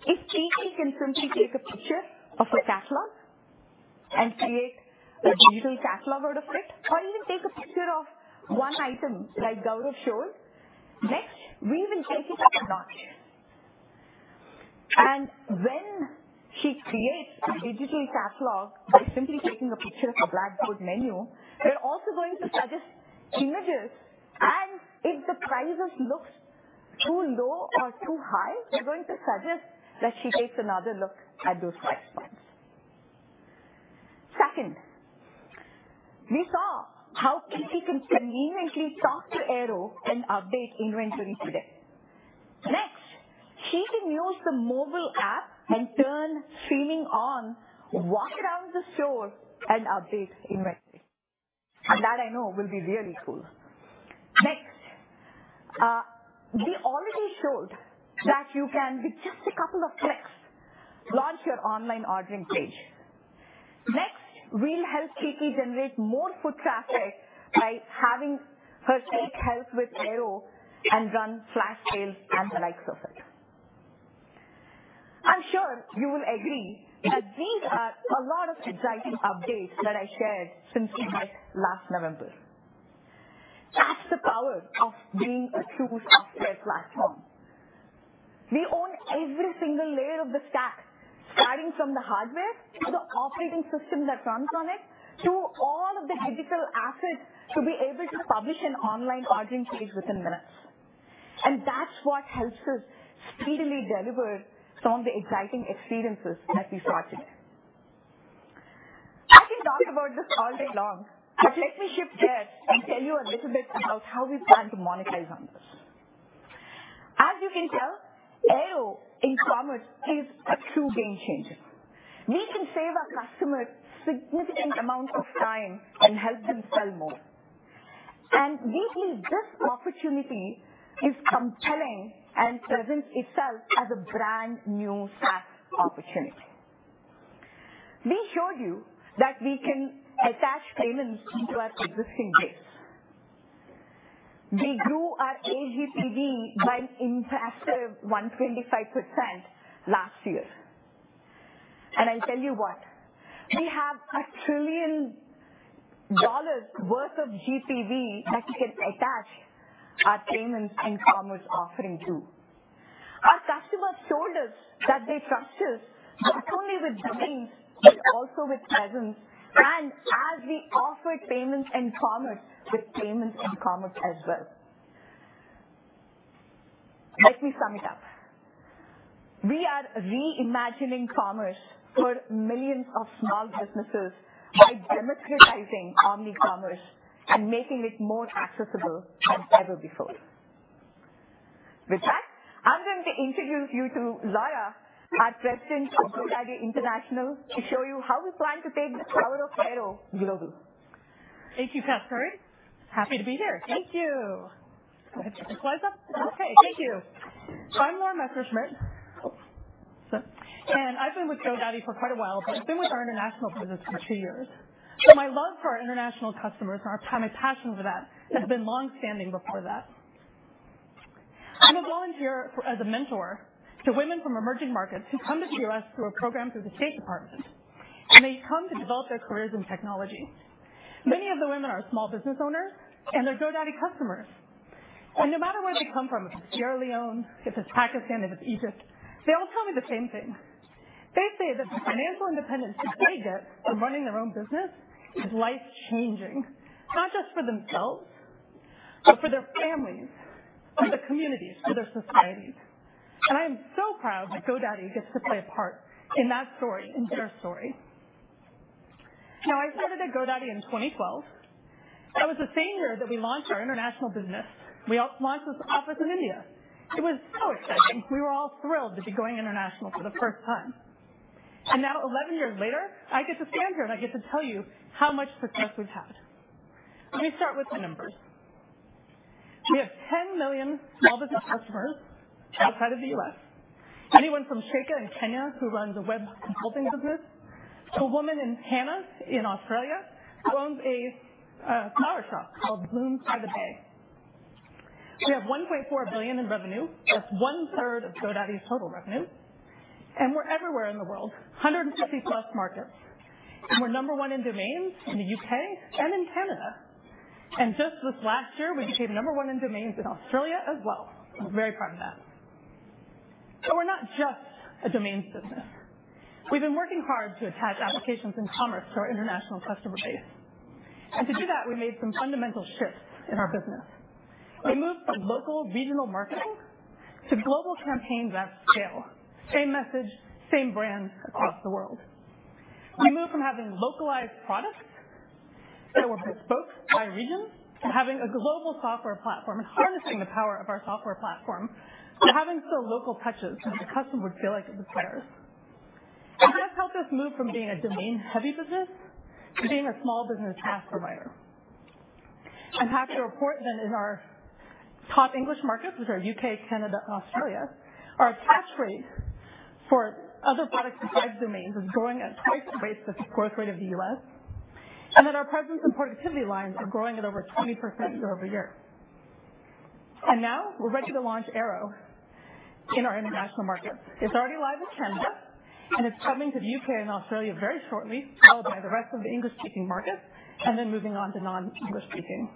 S4: if Kiki can simply take a picture of her catalog and create a digital catalog out of it or even take a picture of one item like Gourav showed, next, we will take it to the notch. And when she creates a digital catalog by simply taking a picture of the blackboard menu, we're also going to suggest images. And if the prices look too low or too high, we're going to suggest that she takes another look at those price points. Second, we saw how Kiki can conveniently talk to Airo and update inventory today. Next, she can use the mobile app and turn streaming on, walk around the store, and update inventory. And that, I know, will be really cool. Next, we already showed that you can, with just a couple of clicks, launch your online ordering page. Next, we'll help Kiki generate more foot traffic by having her take help with Airo and run flash sales and the likes of it. I'm sure you will agree that these are a lot of exciting updates that I shared since we met last November. That's the power of being a true software platform. We own every single layer of the stack, starting from the hardware, the operating system that runs on it, to all of the digital assets to be able to publish an online ordering page within minutes. That's what helps us speedily deliver some of the exciting experiences that we saw today. I can talk about this all day long. But let me shift gears and tell you a little bit about how we plan to monetize on this. As you can tell, Airo in commerce is a true game changer. We can save our customers significant amounts of time and help them sell more. And we believe this opportunity is compelling and presents itself as a brand new SaaS opportunity. We showed you that we can attach payments to our existing base. We grew our AGPV by an impressive 125% last year. And I'll tell you what. We have $1 trillion worth of GPV that we can attach our payments and commerce offering to. Our customers told us that they trust us not only with domains but also with presence. And as we offered payments and commerce. With payments and commerce as well. Let me sum it up. We are reimagining commerce for millions of small businesses by democratizing omnicommerce and making it more accessible than ever before. With that, I'm going to introduce you to Laura, our President of GoDaddy International, to show you how we plan to take the power of Airo global.
S5: Thank you, Kasturi. Happy to be here.
S4: Thank you.
S5: Go ahead and close up. Okay. Thank you. I'm Laura Messerschmitt. And I've been with GoDaddy for quite a while. But I've been with our international business for two years. So my love for our international customers and my passion for that has been longstanding before that. I'm a volunteer as a mentor to women from emerging markets who come to see us through a program through the State Department. And they come to develop their careers in technology. Many of the women are small business owners. And they're GoDaddy customers. And no matter where they come from, if it's Sierra Leone, if it's Pakistan, if it's Egypt, they all tell me the same thing. They say that the financial independence that they get from running their own business is life-changing, not just for themselves but for their families, for the communities, for their societies. I am so proud that GoDaddy gets to play a part in that story, in their story. Now, I started at GoDaddy in 2012. That was the same year that we launched our international business. We launched this office in India. It was so exciting. We were all thrilled to be going international for the first time. And now, 11 years later, I get to stand here. And I get to tell you how much success we've had. Let me start with the numbers. We have 10 million small business customers outside of the U.S., anyone from Sheikha in Kenya who runs a web consulting business to a woman named Hannah in Australia who owns a flower shop called Blooms by the Bay. We have $1.4 billion in revenue. That's one-third of GoDaddy's total revenue. And we're everywhere in the world, 150+ markets. We're number one in domains in the UK and in Canada. Just this last year, we became number one in domains in Australia as well. I'm very proud of that. But we're not just a domains business. We've been working hard to attach applications and commerce to our international customer base. To do that, we made some fundamental shifts in our business. We moved from local, regional marketing to global campaigns at scale, same message, same brand across the world. We moved from having localized products that were bespoke by region to having a global software platform and harnessing the power of our software platform to having so local touches that the customer would feel like it was theirs. That's helped us move from being a domain-heavy business to being a small business SaaS provider. I'm happy to report that in our top English markets, which are U.K., Canada, and Australia, our attach rate for other products besides domains is growing at twice the rate that the growth rate of the U.S. And that our presence and productivity lines are growing at over 20% year-over-year. And now, we're ready to launch Airo in our international markets. It's already live in Canada. And it's coming to the U.K. and Australia very shortly, followed by the rest of the English-speaking markets and then moving on to non-English-speaking.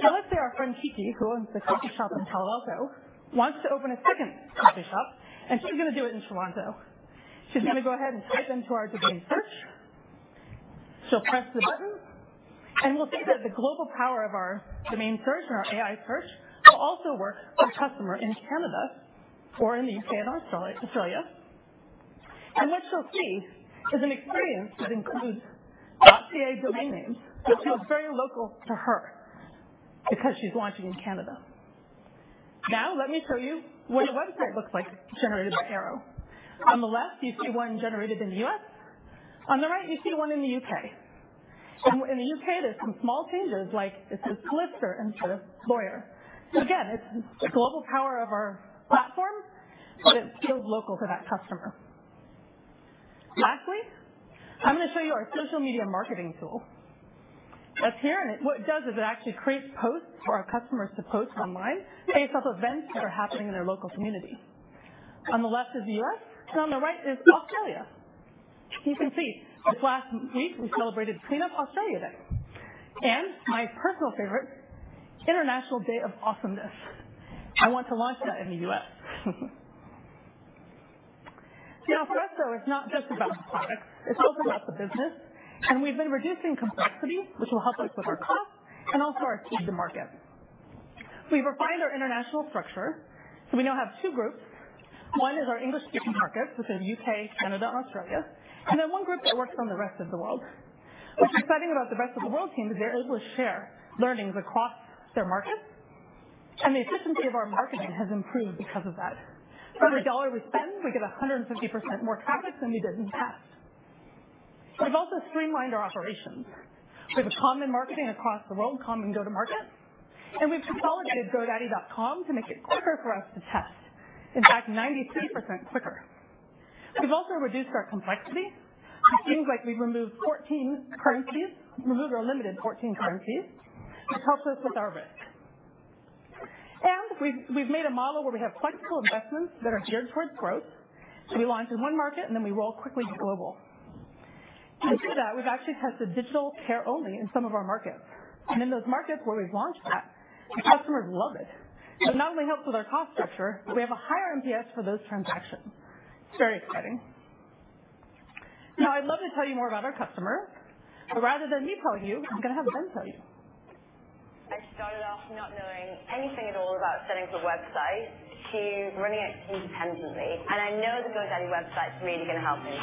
S5: Now, let's say our friend Kiki, who owns the coffee shop in Palo Alto, wants to open a second coffee shop. And she's going to do it in Toronto. She's going to go ahead and type into our domain search. She'll press the button. We'll see that the global power of our domain search and our AI search will also work for a customer in Canada or in the U.K. and Australia. What she'll see is an experience that includes .ca domain names, which feels very local to her because she's launching in Canada. Now, let me show you what a website looks like generated by Airo. On the left, you see one generated in the U.S. On the right, you see one in the U.K. And in the U.K., there's some small changes like it says "Solicitor" instead of "Lawyer." Again, it's the global power of our platform. But it feels local to that customer. Lastly, I'm going to show you our social media marketing tool. That's here. What it does is it actually creates posts for our customers to post online based off events that are happening in their local community. On the left is the U.S. On the right is Australia. You can see this last week, we celebrated Cleanup Australia Day and my personal favorite, International Day of Awesomeness. I want to launch that in the U.S. Now, for us, though, it's not just about the products. It's also about the business. We've been reducing complexity, which will help us with our costs and also our speed to market. We've refined our international structure. We now have two groups. One is our English-speaking markets, which are the U.K., Canada, and Australia. Then one group that works on the rest of the world. What's exciting about the rest of the world team is they're able to share learnings across their markets. The efficiency of our marketing has improved because of that. For every $1 we spend, we get 150% more traffic than we did in the past. We've also streamlined our operations. We have a common marketing across the world, common go-to-market. We've consolidated GoDaddy.com to make it quicker for us to test, in fact, 93% quicker. We've also reduced our complexity. It seems like we've removed 14 currencies, removed or limited 14 currencies, which helps us with our risk. We've made a model where we have flexible investments that are geared towards growth. We launch in one market. Then we roll quickly to global. To do that, we've actually tested digital care only in some of our markets. In those markets where we've launched that, the customers love it. It not only helps with our cost structure, but we have a higher NPS for those transactions. It's very exciting. Now, I'd love to tell you more about our customers. Rather than me telling you, I'm going to have them tell you.
S6: I started off not knowing anything at all about setting up a website to run it independently. I know the GoDaddy website's really going to help me.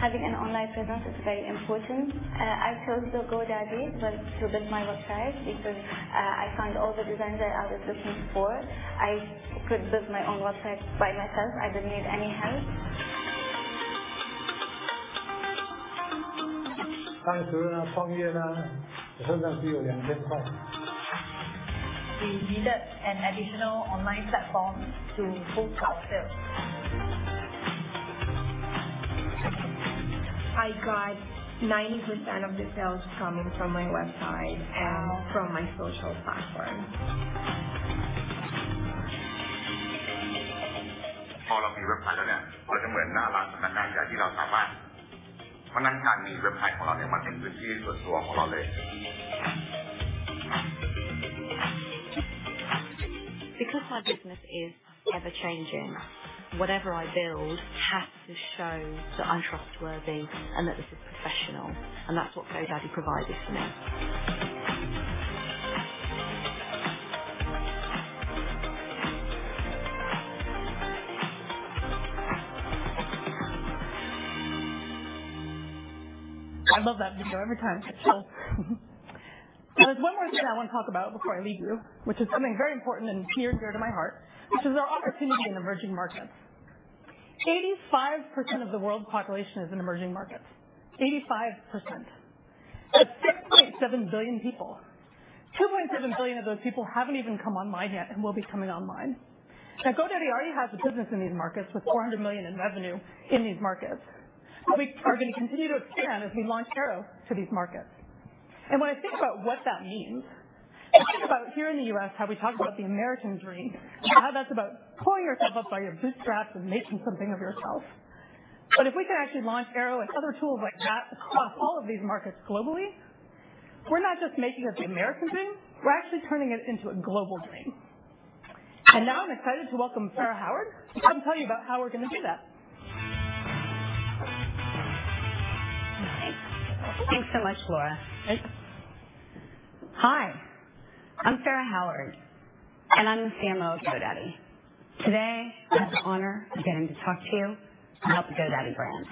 S6: Having an online presence is very important. I chose GoDaddy to build my website because I found all the designs that I was looking for. I could build my own website by myself. I didn't need any help. We needed an additional online platform to boost our sales. I got 90% of the sales coming from my website and from my social platform. Because my business is ever-changing, whatever I build has to show that I'm trustworthy and that this is professional. That's what GoDaddy provided for me.
S5: I love that video every time. So there's one more thing I want to talk about before I leave you, which is something very important and near and dear to my heart, which is our opportunity in emerging markets. 85% of the world's population is in emerging markets, 85%. That's 6.7 billion people. 2.7 billion of those people haven't even come online yet and will be coming online. Now, GoDaddy already has a business in these markets with $400 million in revenue in these markets. We are going to continue to expand as we launch Airo to these markets. And when I think about what that means, I think about here in the U.S. how we talk about the American dream and how that's about pulling yourself up by your bootstraps and making something of yourself. But if we can actually launch Airo and other tools like that across all of these markets globally, we're not just making it the American dream. We're actually turning it into a global dream. And now, I'm excited to welcome Fara Howard to come tell you about how we're going to do that.
S7: Thanks. Thanks so much, Laura. Hi. I'm Fara Howard. I'm the CMO of GoDaddy. Today, I have the honor of getting to talk to you about the GoDaddy brand.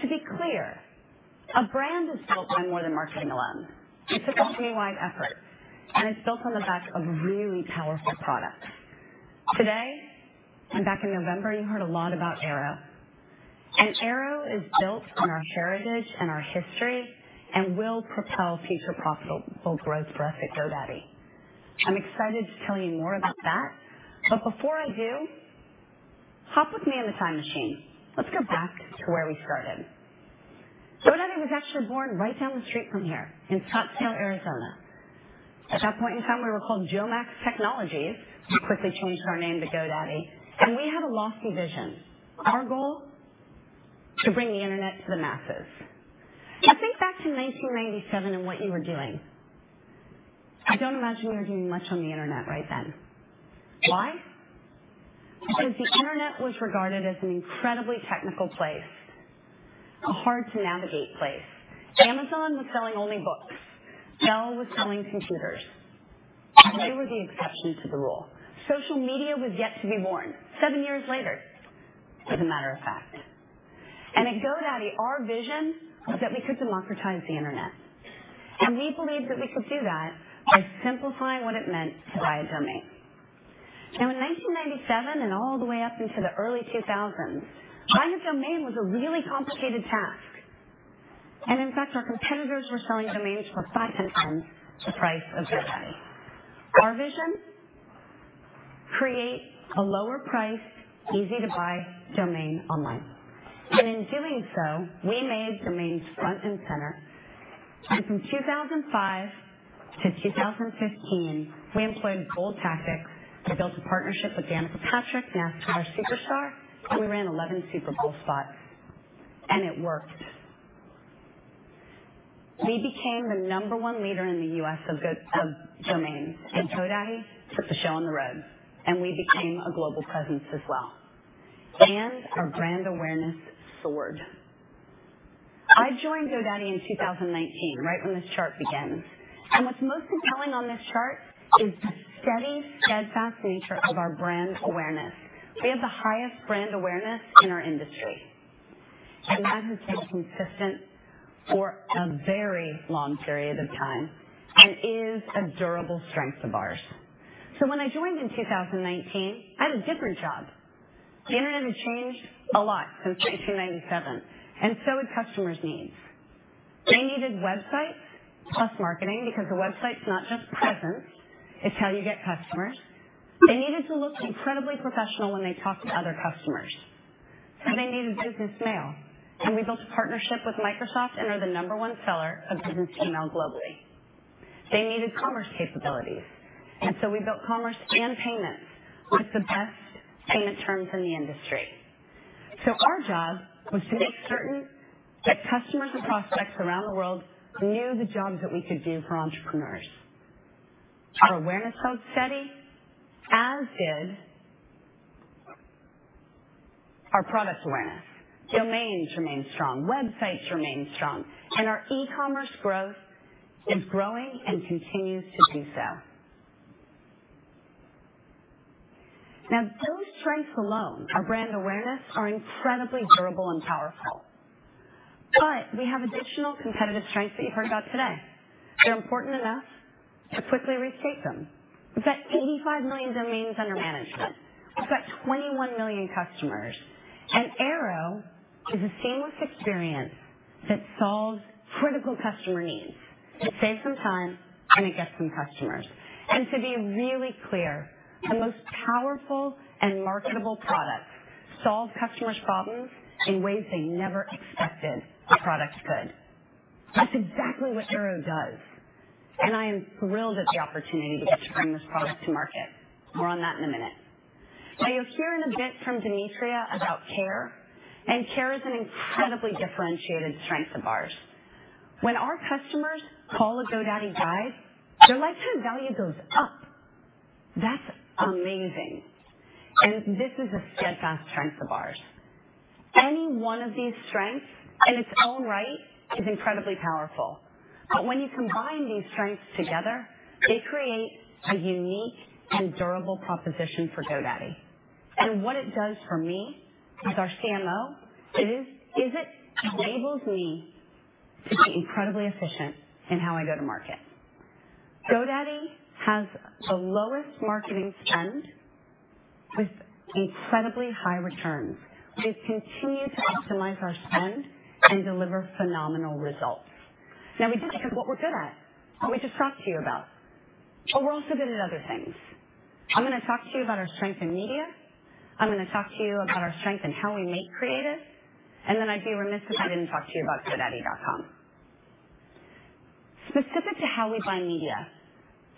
S7: To be clear, a brand is built by more than marketing alone. It's a company-wide effort. It's built on the back of really powerful products. Today, and back in November, you heard a lot about Airo. Airo is built on our heritage and our history and will propel future profitable growth for us at GoDaddy. I'm excited to tell you more about that. Before I do, hop with me in the time machine. Let's go back to where we started. GoDaddy was actually born right down the street from here in Scottsdale, Arizona. At that point in time, we were called Jomax Technologies. We quickly changed our name to GoDaddy. We had a lofty vision, our goal, to bring the internet to the masses. Now, think back to 1997 and what you were doing. I don't imagine you were doing much on the internet right then. Why? Because the internet was regarded as an incredibly technical place, a hard-to-navigate place. Amazon was selling only books. Dell was selling computers. And they were the exception to the rule. Social media was yet to be born seven years later, as a matter of fact. And at GoDaddy, our vision was that we could democratize the internet. And we believed that we could do that by simplifying what it meant to buy a domain. Now, in 1997 and all the way up into the early 2000s, buying a domain was a really complicated task. And in fact, our competitors were selling domains for 500 times the price of GoDaddy. Our vision? Create a lower-price, easy-to-buy domain online. In doing so, we made domains front and center. From 2005 to 2015, we employed bold tactics to build a partnership with Danica Patrick, NASCAR superstar. We ran 11 Super Bowl spots. It worked. We became the number one leader in the U.S. of domains. GoDaddy took the show on the road. We became a global presence as well. Our brand awareness soared. I joined GoDaddy in 2019, right when this chart begins. What's most compelling on this chart is the steady, steadfast nature of our brand awareness. We have the highest brand awareness in our industry. That has been consistent for a very long period of time and is a durable strength of ours. When I joined in 2019, I had a different job. The internet had changed a lot since 1997. And so had customers' needs. They needed Websites + Marketing because a website's not just presence. It's how you get customers. They needed to look incredibly professional when they talked to other customers. So they needed business email. And we built a partnership with Microsoft and are the No. 1 seller of business email globally. They needed commerce capabilities. And so we built commerce and payments with the best payment terms in the industry. So our job was to make certain that customers and prospects around the world knew the jobs that we could do for entrepreneurs. Our awareness felt steady, as did our product awareness. Domains remain strong. Websites remain strong. And our e-commerce growth is growing and continues to do so. Now, those strengths alone, our brand awareness, are incredibly durable and powerful. But we have additional competitive strengths that you've heard about today. They're important enough to quickly reshape them. We've got 85 million domains under management. We've got 21 million customers. Airo is a seamless experience that solves critical customer needs. It saves some time. It gets some customers. To be really clear, the most powerful and marketable products solve customers' problems in ways they never expected a product could. That's exactly what Airo does. I am thrilled at the opportunity to get to bring this product to market. More on that in a minute. Now, you'll hear in a bit from Demetria about Care. Care is an incredibly differentiated strength of ours. When our customers call a GoDaddy Guide, their lifetime value goes up. That's amazing. This is a steadfast strength of ours. Any one of these strengths in its own right is incredibly powerful. But when you combine these strengths together, they create a unique and durable proposition for GoDaddy. And what it does for me as our CMO is it enables me to be incredibly efficient in how I go to market. GoDaddy has the lowest marketing spend with incredibly high returns. We've continued to optimize our spend and deliver phenomenal results. Now, we did because what we're good at, what we just talked to you about. But we're also good at other things. I'm going to talk to you about our strength in media. I'm going to talk to you about our strength in how we make creative. And then I'd be remiss if I didn't talk to you about GoDaddy.com. Specific to how we buy media,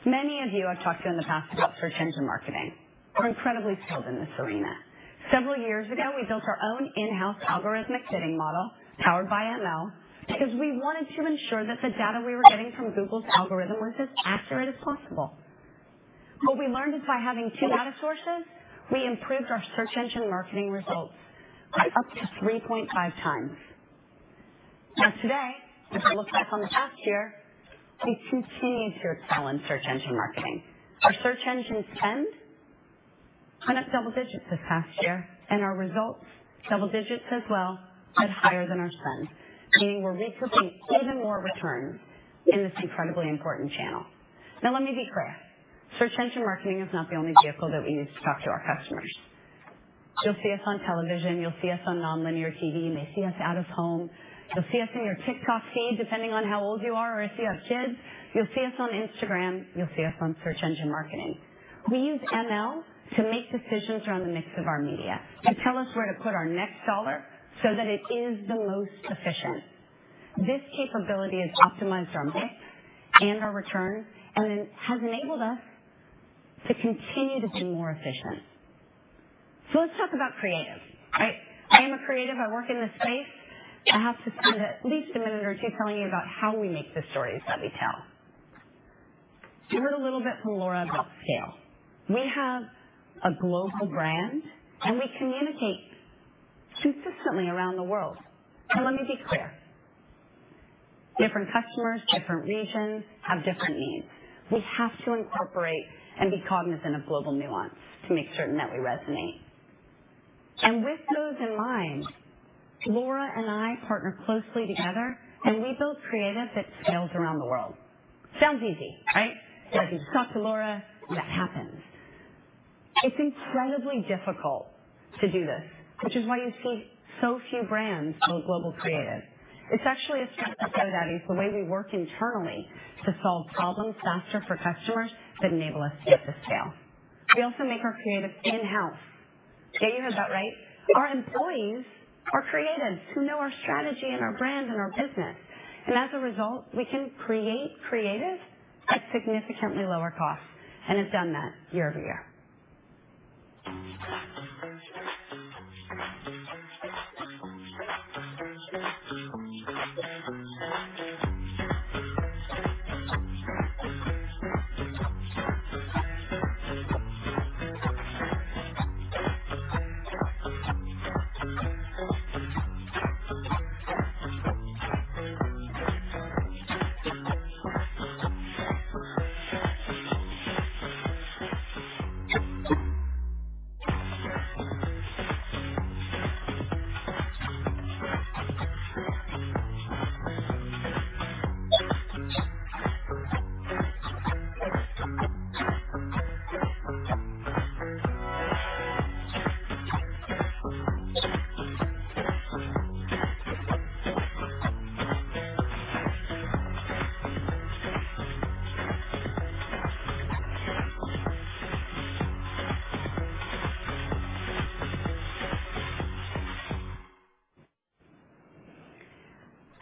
S7: many of you I've talked to in the past about search engine marketing. We're incredibly skilled in this arena. Several years ago, we built our own in-house algorithmic bidding model powered by ML because we wanted to ensure that the data we were getting from Google's algorithm was as accurate as possible. What we learned is by having two data sources, we improved our search engine marketing results by up to 3.5 times. Now, today, if I look back on the past year, we continue to excel in search engine marketing. Our search engine spend went up double digits this past year. Our results double digits as well, but higher than our spend, meaning we're recouping even more returns in this incredibly important channel. Now, let me be clear. Search engine marketing is not the only vehicle that we use to talk to our customers. You'll see us on television. You'll see us on nonlinear TV. You may see us out of home. You'll see us in your TikTok feed, depending on how old you are. Or if you have kids, you'll see us on Instagram. You'll see us on search engine marketing. We use ML to make decisions around the mix of our media, to tell us where to put our next dollar so that it is the most efficient. This capability has optimized our mix and our return and then has enabled us to continue to be more efficient. So let's talk about creative, right? I am a creative. I work in this space. I have to spend at least a minute or two telling you about how we make the stories that we tell. You heard a little bit from Laura about scale. We have a global brand. And we communicate consistently around the world. And let me be clear. Different customers, different regions have different needs. We have to incorporate and be cognizant of global nuance to make certain that we resonate. With those in mind, Laura and I partner closely together. We build creative that scales around the world. Sounds easy, right? You just talk to Laura. That happens. It's incredibly difficult to do this, which is why you see so few brands build global creative. It's actually a strength of GoDaddy's, the way we work internally to solve problems faster for customers that enable us to get to scale. We also make our creative in-house. Yeah, you heard that right. Our employees are creatives who know our strategy and our brand and our business. As a result, we can create creative at significantly lower costs and have done that year-over-year.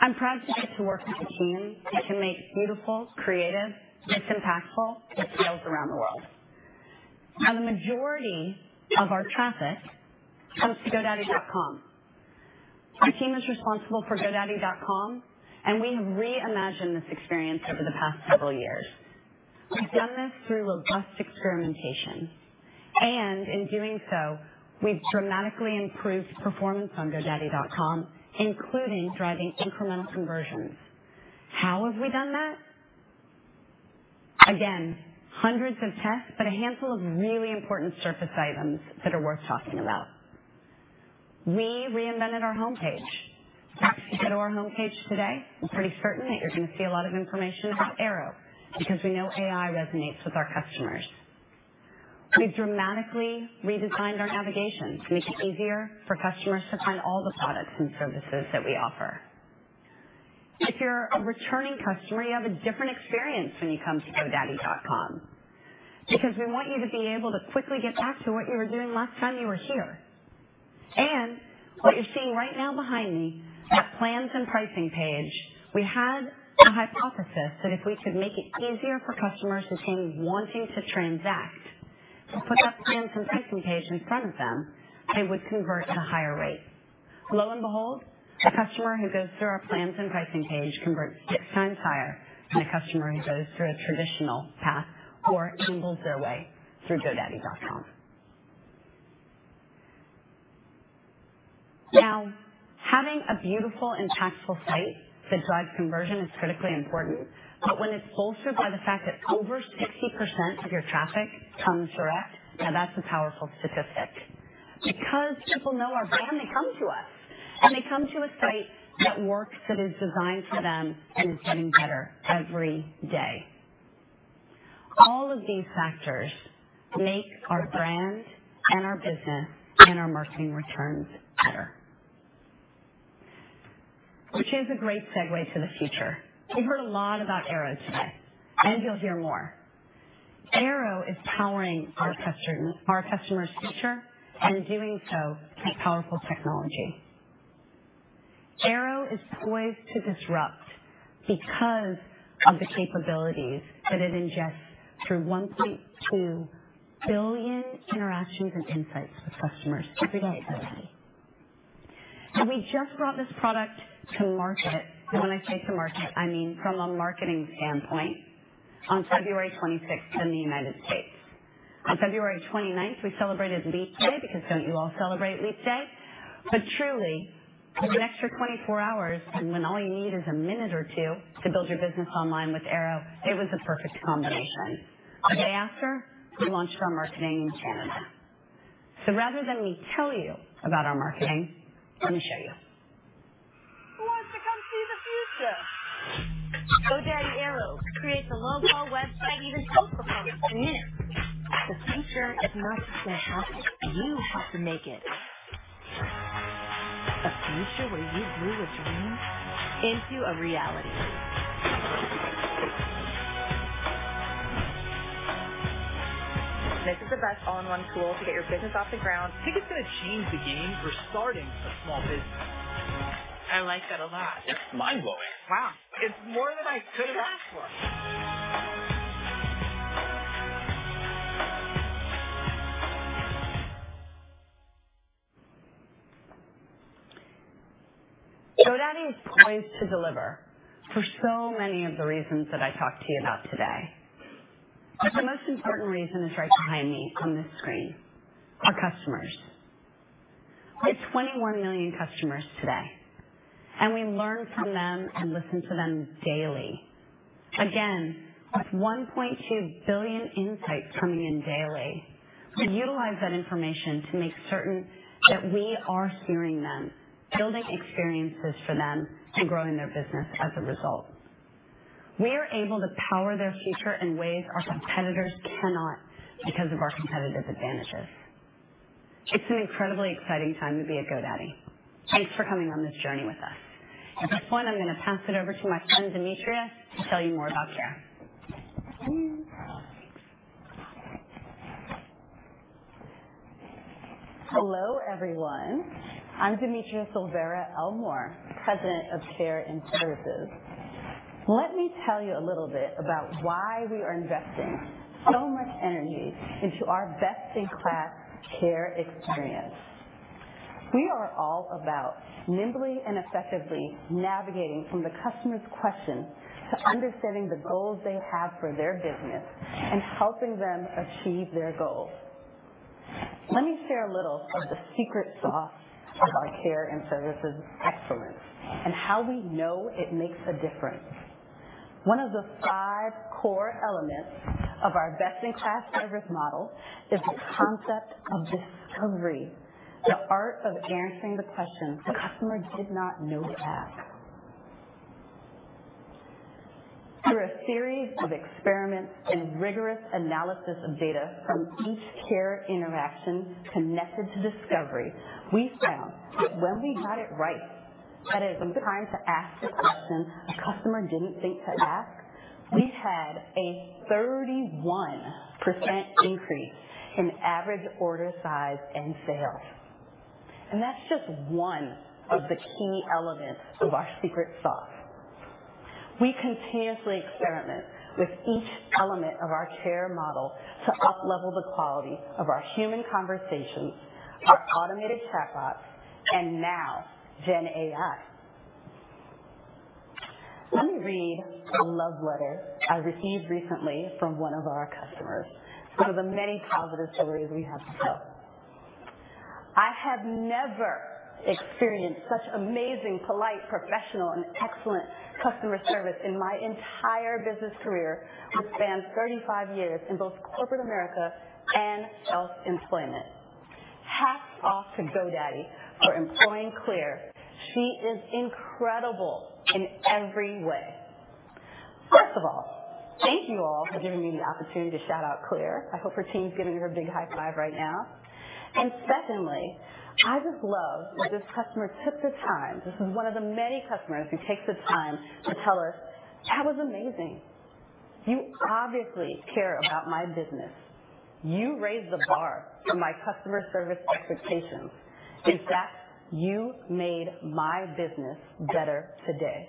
S7: I'm proud today to work with my team that can make beautiful, creative, and impactful that scales around the world. Now, the majority of our traffic comes to GoDaddy.com. Our team is responsible for GoDaddy.com. We have reimagined this experience over the past several years. We've done this through robust experimentation. And in doing so, we've dramatically improved performance on GoDaddy.com, including driving incremental conversions. How have we done that? Again, hundreds of tests, but a handful of really important surface items that are worth talking about. We reinvented our homepage. If you go to our homepage today, I'm pretty certain that you're going to see a lot of information about Airo because we know AI resonates with our customers. We've dramatically redesigned our navigation to make it easier for customers to find all the products and services that we offer. If you're a returning customer, you have a different experience when you come to GoDaddy.com because we want you to be able to quickly get back to what you were doing last time you were here. And what you're seeing right now behind me, that plans and pricing page, we had a hypothesis that if we could make it easier for customers who came wanting to transact, we put that plans and pricing page in front of them, they would convert at a higher rate. Lo and behold, a customer who goes through our plans and pricing page converts six times higher than a customer who goes through a traditional path or ambles their way through GoDaddy.com. Now, having a beautiful, impactful site that drives conversion is critically important. But when it's bolstered by the fact that over 60% of your traffic comes direct, now, that's a powerful statistic because people know our brand. They come to us. They come to a site that works, that is designed for them, and is getting better every day. All of these factors make our brand and our business and our marketing returns better, which is a great segue to the future. We've heard a lot about Airo today. And you'll hear more. Airo is powering our customers' future. And doing so through powerful technology. Airo is poised to disrupt because of the capabilities that it ingests through 1.2 billion interactions and insights with customers every day. And we just brought this product to market. And when I say to market, I mean from a marketing standpoint on February 26th in the United States. On 29th February, we celebrated Leap Day because don't you all celebrate Leap Day? But truly, in the next 24 hours, when all you need is a minute or two to build your business online with Airo, it was the perfect combination. The day after, we launched our marketing in Canada. So rather than me tell you about our marketing, let me show you. Who wants to come see the future? GoDaddy Airo creates a low-code website even in 12 minutes. The future is not just going to happen. You have to make it a future where you grew a dream into a reality. This is the best all-in-one tool to get your business off the ground. I think it's going to change the game for starting a small business. I like that a lot. That's mind-blowing. Wow. It's more than I could have asked for. GoDaddy is poised to deliver for so many of the reasons that I talked to you about today. But the most important reason is right behind me on this screen, our customers. We have 21 million customers today. We learn from them and listen to them daily. Again, with 1.2 billion insights coming in daily, we utilize that information to make certain that we are hearing them, building experiences for them, and growing their business as a result. We are able to power their future in ways our competitors cannot because of our competitive advantages. It's an incredibly exciting time to be at GoDaddy. Thanks for coming on this journey with us. At this point, I'm going to pass it over to my friend Demetria to tell you more about Care.
S8: Hello, everyone. I'm Demetria Elmore, President of Care and Services. Let me tell you a little bit about why we are investing so much energy into our best-in-class care experience. We are all about nimbly and effectively navigating from the customer's question to understanding the goals they have for their business and helping them achieve their goals. Let me share a little of the secret sauce of our care and services excellence and how we know it makes a difference. One of the five core elements of our best-in-class service model is the concept of discovery, the art of answering the question the customer did not know to ask. Through a series of experiments and rigorous analysis of data from each care interaction connected to discovery, we found that when we got it right, that is, in time to ask the question a customer didn't think to ask, we had a 31% increase in average order size and sales. That's just one of the key elements of our secret sauce. We continuously experiment with each element of our care model to uplevel the quality of our human conversations, our automated chatbots, and now, GenAI. Let me read a love letter I received recently from one of our customers, some of the many positive stories we have to tell. I have never experienced such amazing, polite, professional, and excellent customer service in my entire business career, which spans 35 years in both corporate America and self-employment. Hats off to GoDaddy for employing Claire. She is incredible in every way. First of all, thank you all for giving me the opportunity to shout out Claire. I hope her team's giving her a big high five right now. And secondly, I just love that this customer took the time. This is one of the many customers who takes the time to tell us, "That was amazing. You obviously care about my business. You raised the bar for my customer service expectations. In fact, you made my business better today."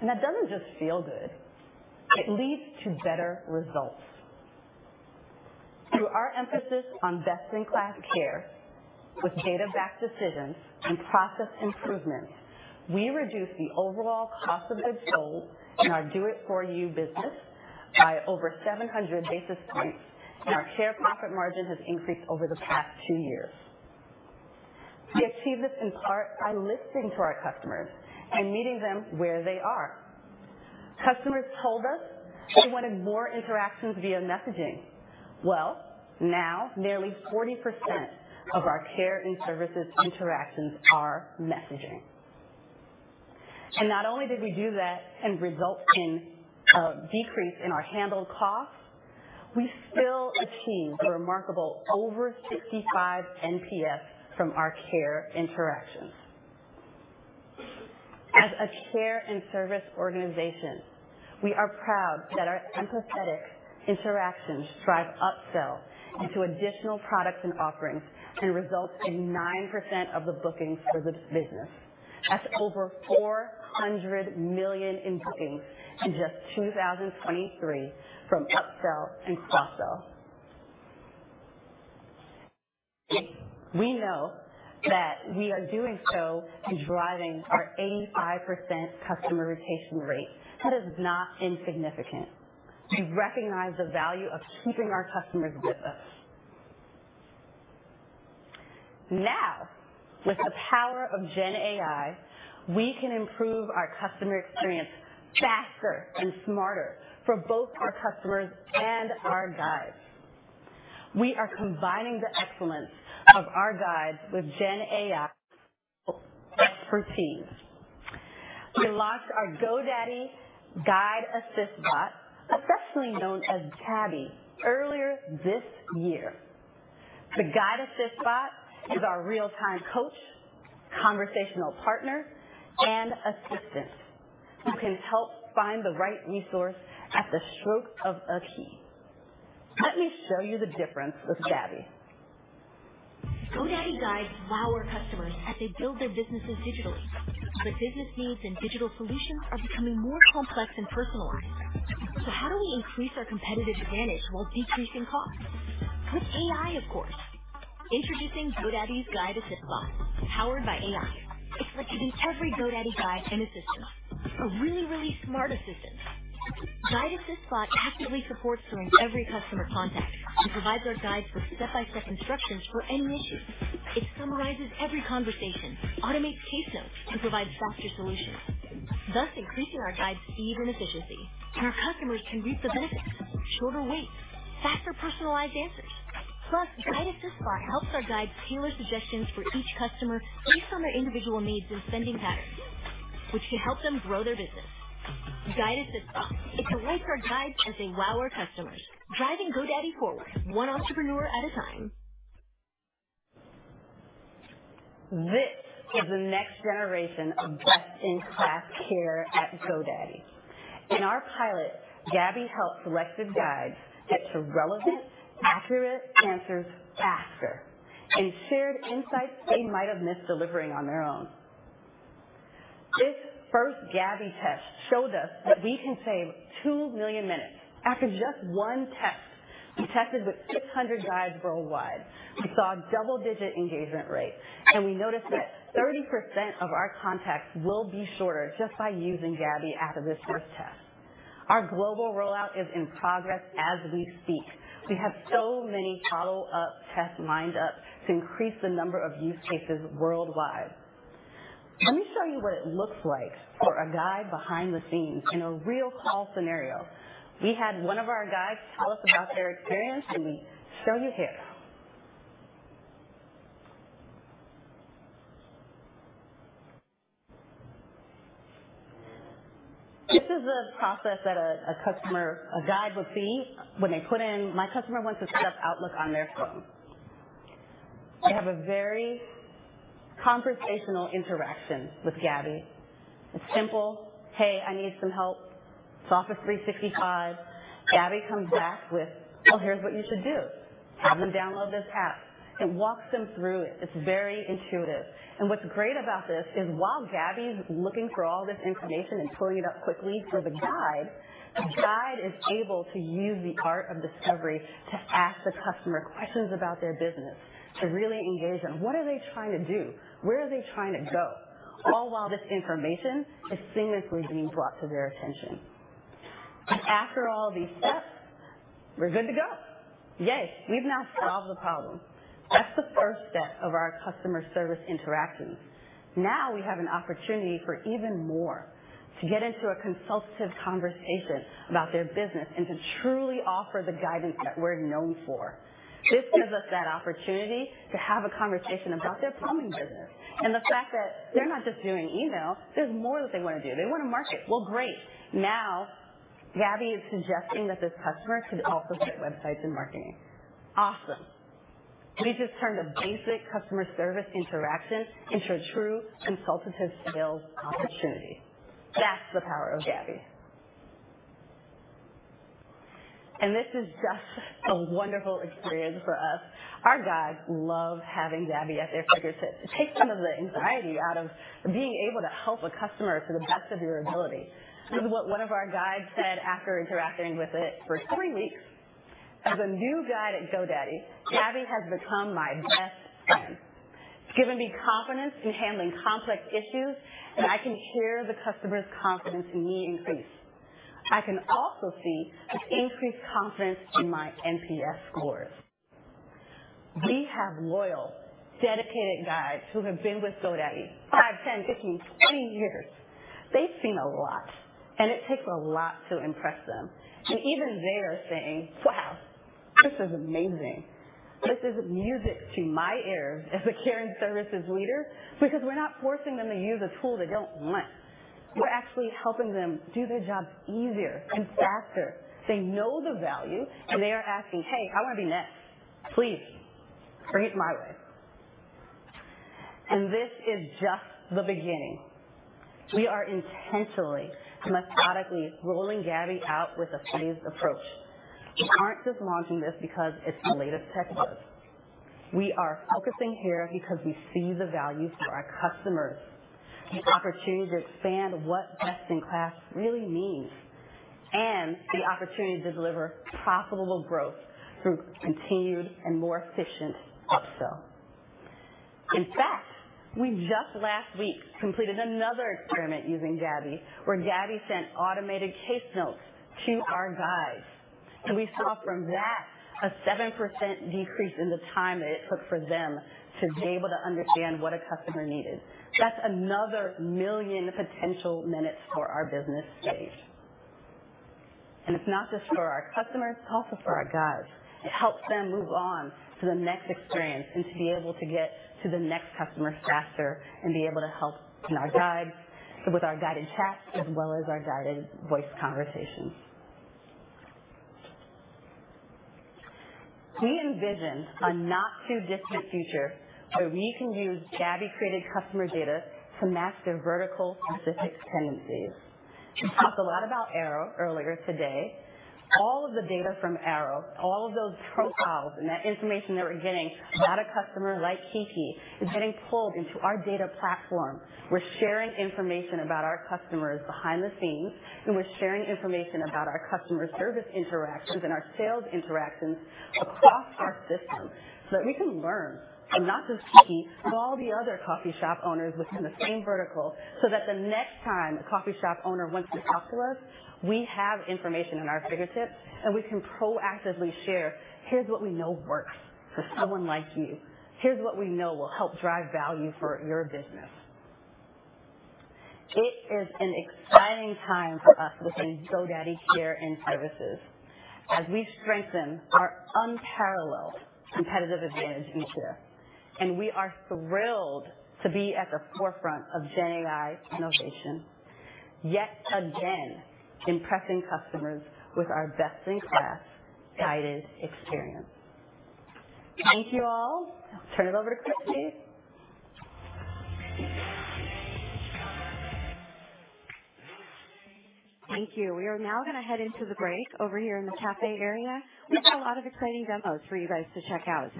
S8: And that doesn't just feel good. It leads to better results. Through our emphasis on best-in-class care with data-backed decisions and process improvements, we reduce the overall cost of goods sold in our do-it-for-you business by over 700 basis points. And our care profit margin has increased over the past two years. We achieve this in part by listening to our customers and meeting them where they are. Customers told us they wanted more interactions via messaging. Well, now, nearly 40% of our care and services interactions are messaging. Not only did we do that and result in a decrease in our handled costs, we still achieved a remarkable over 65 NPS from our care interactions. As a care and service organization, we are proud that our empathetic interactions drive upsell into additional products and offerings and result in 9% of the bookings for this business. That's over $400 million in bookings in just 2023 from upsell and cross-sell. We know that we are doing so and driving our 85% customer retention rate. That is not insignificant. We recognize the value of keeping our customers with us. Now, with the power of GenAI, we can improve our customer experience faster and smarter for both our customers and our guides. We are combining the excellence of our guides with GenAI expertise. We launched our GoDaddy Guide Assist Bot, officially known as Gabby, earlier this year. The Guide Assist Bot is our real-time coach, conversational partner, and assistant who can help find the right resource at the stroke of a key. Let me show you the difference with Gabby. GoDaddy Guides wow our customers as they build their businesses digitally. But business needs and digital solutions are becoming more complex and personalized. So how do we increase our competitive advantage while decreasing costs? With AI, of course. Introducing GoDaddy's Guide Assist Bot, powered by AI. It's like you need every GoDaddy guide and assistant, a really, really smart assistant. Guide Assist Bot actively supports during every customer contact and provides our guides with step-by-step instructions for any issue. It summarizes every conversation, automates case notes, and provides faster solutions, thus increasing our guides' speed and efficiency. Our customers can reap the benefits: shorter waits, faster personalized answers. Plus, Guide Assist Bot helps our guides tailor suggestions for each customer based on their individual needs and spending patterns, which can help them grow their business. Guide Assist Bot, it delights our guides as they wow our customers, driving GoDaddy forward, one entrepreneur at a time. This is the next generation of best-in-class care at GoDaddy. In our pilot, Gabby helped selective guides get to relevant, accurate answers faster and shared insights they might have missed delivering on their own. This first Gabby test showed us that we can save two million minutes. After just one test, we tested with 600 guides worldwide. We saw a double-digit engagement rate. And we noticed that 30% of our contacts will be shorter just by using Gabby after this first test. Our global rollout is in progress as we speak. We have so many follow-up tests lined up to increase the number of use cases worldwide. Let me show you what it looks like for a guide behind the scenes in a real call scenario. We had one of our guides tell us about their experience. We show you here. This is the process that a guide would be when they put in my customer wants to set up Outlook on their phone. They have a very conversational interaction with Gabby. It's simple. "Hey, I need some help. It's Office 365." Gabby comes back with, "Well, here's what you should do. Have them download this app." It walks them through it. It's very intuitive. What's great about this is while Gabby's looking through all this information and pulling it up quickly through the guide, the guide is able to use the art of discovery to ask the customer questions about their business, to really engage in, "What are they trying to do? Where are they trying to go?" all while this information is seamlessly being brought to their attention. After all these steps, we're good to go. Yay. We've now solved the problem. That's the first step of our customer service interactions. Now, we have an opportunity for even more, to get into a consultative conversation about their business and to truly offer the guidance that we're known for. This gives us that opportunity to have a conversation about their plumbing business and the fact that they're not just doing email. There's more that they want to do. They want to market. Well, great. Now, Gabby is suggesting that this customer could also get websites and marketing. Awesome. We just turned a basic customer service interaction into a true consultative sales opportunity. That's the power of Gabby. And this is just a wonderful experience for us. Our guides love having Gabby at their fingertips. It takes some of the anxiety out of being able to help a customer to the best of your ability. This is what one of our guides said after interacting with it for three weeks. "As a new guide at GoDaddy, Gabby has become my best friend. It's given me confidence in handling complex issues. And I can hear the customer's confidence in me increase. I can also see an increased confidence in my NPS scores." We have loyal, dedicated guides who have been with GoDaddy five, 10, 15, 20 years. They've seen a lot. It takes a lot to impress them. Even they are saying, "Wow. This is amazing. This is music to my ears as a care and services leader because we're not forcing them to use a tool they don't want. We're actually helping them do their jobs easier and faster. They know the value. They are asking, 'Hey, I want to be next. Please bring it my way.' This is just the beginning. We are intentionally, methodically rolling Gabby out with a phased approach. We aren't just launching this because it's the latest tech buzz. We are focusing here because we see the value for our customers, the opportunity to expand what best-in-class really means, and the opportunity to deliver profitable growth through continued and more efficient upsell. In fact, we just last week completed another experiment using Gabby where Gabby sent automated case notes to our guides. We saw from that a 7% decrease in the time that it took for them to be able to understand what a customer needed. That's another 1 million potential minutes for our business saved. It's not just for our customers. It's also for our guides. It helps them move on to the next experience and to be able to get to the next customer faster and be able to help in our guides with our guided chats as well as our guided voice conversations. We envision a not-too-distant future where we can use Gabby-created customer data to match their vertical-specific tendencies. We talked a lot about Airo earlier today. All of the data from Airo, all of those profiles and that information that we're getting about a customer like Kiki is getting pulled into our data platform. We're sharing information about our customers behind the scenes. We're sharing information about our customer service interactions and our sales interactions across our system so that we can learn from not just Kiki but all the other coffee shop owners within the same vertical so that the next time a coffee shop owner wants to talk to us, we have information in our fingertips. We can proactively share, "Here's what we know works for someone like you. Here's what we know will help drive value for your business." It is an exciting time for us within GoDaddy Care and Services as we strengthen our unparalleled competitive advantage in care. We are thrilled to be at the forefront of Gen AI innovation, yet again impressing customers with our best-in-class guided experience. Thank you all. I'll turn it over to Christie.
S1: Thank you. We are now going to head into the break over here in the café area. We've got a lot of exciting demos for you guys to check out.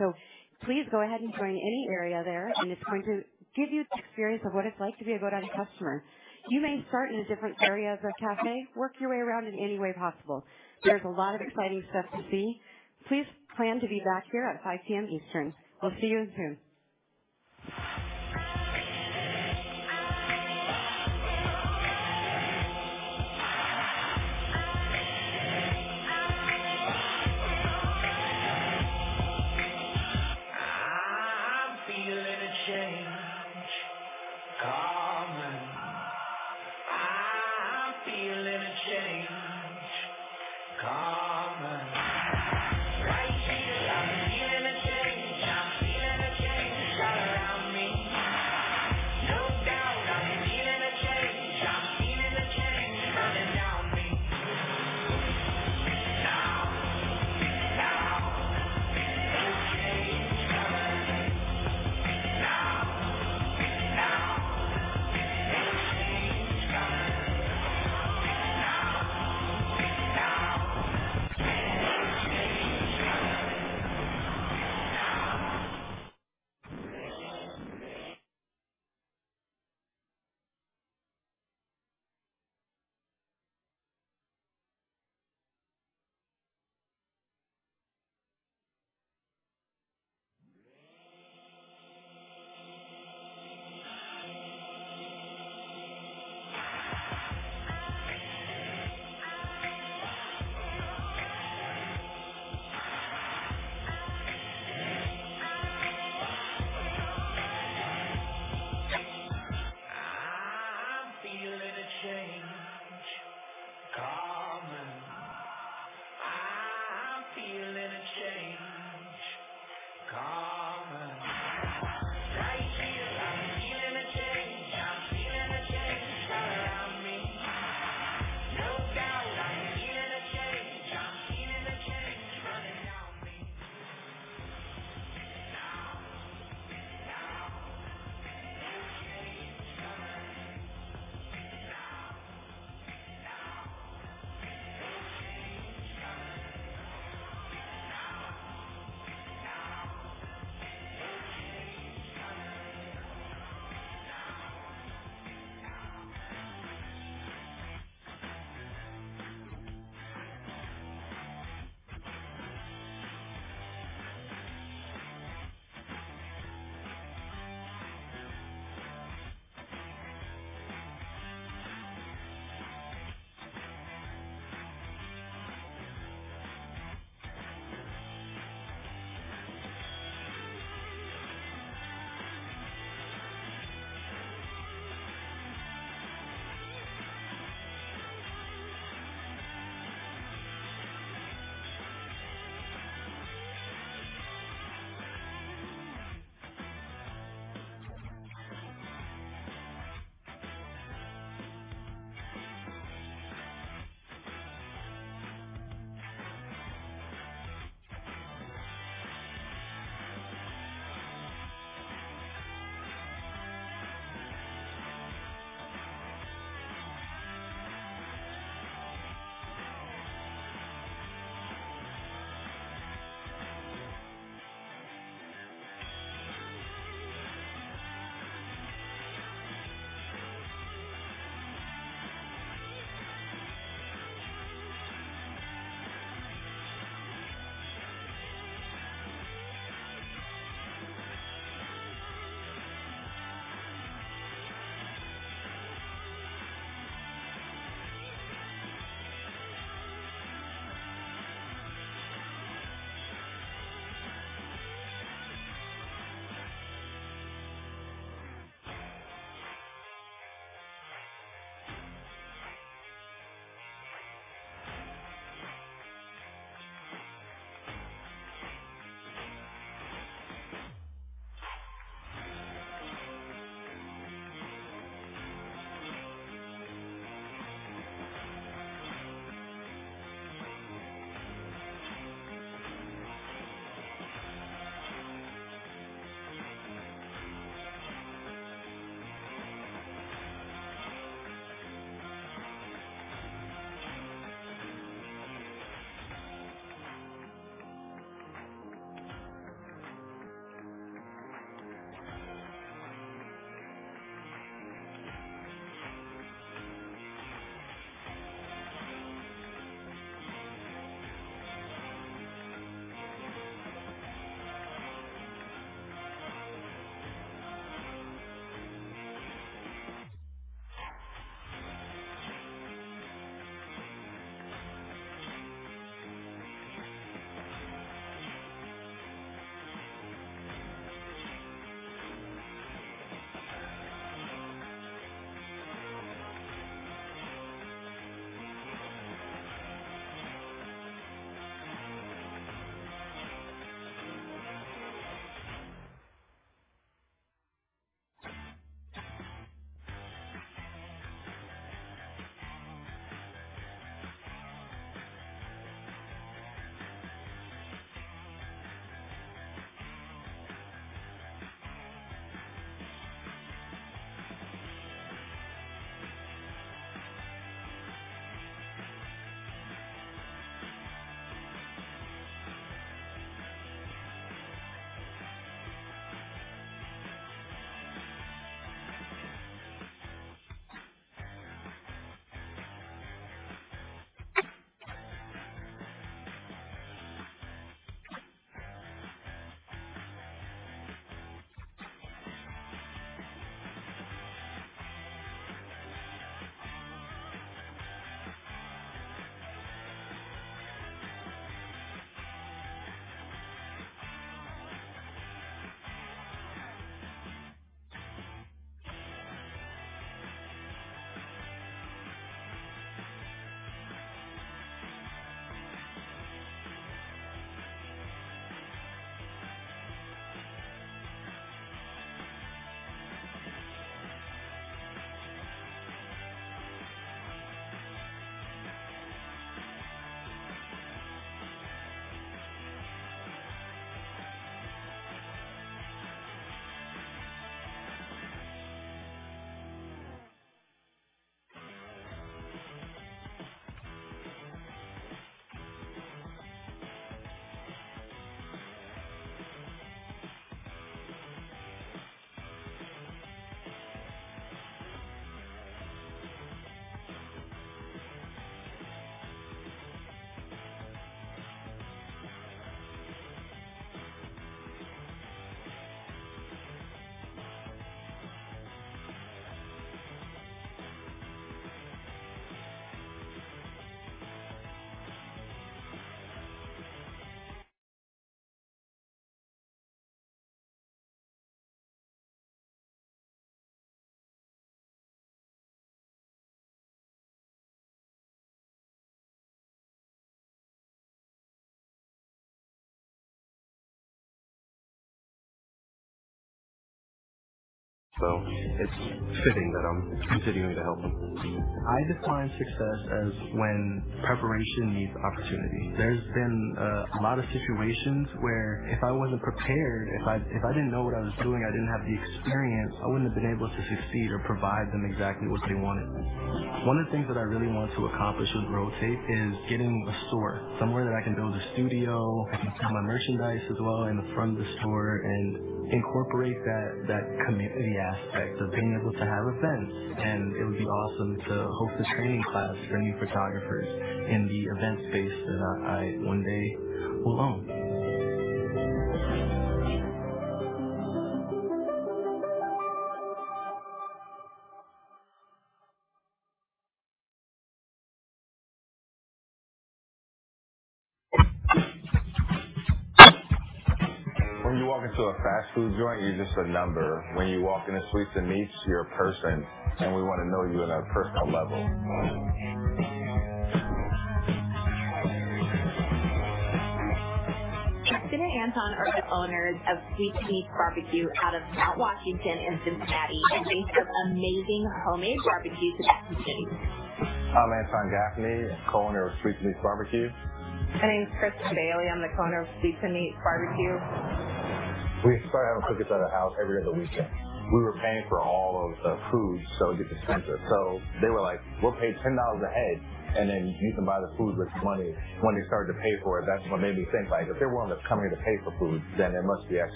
S1: Please go ahead and join any area there. It's going to give you the experience of what it's like to be a GoDaddy customer. You may start in a different area of the café, work your way around in any way possible. There's a lot of exciting stuff to see. Please plan to be back here at 5:00 P.M. Eastern. We'll see you soon.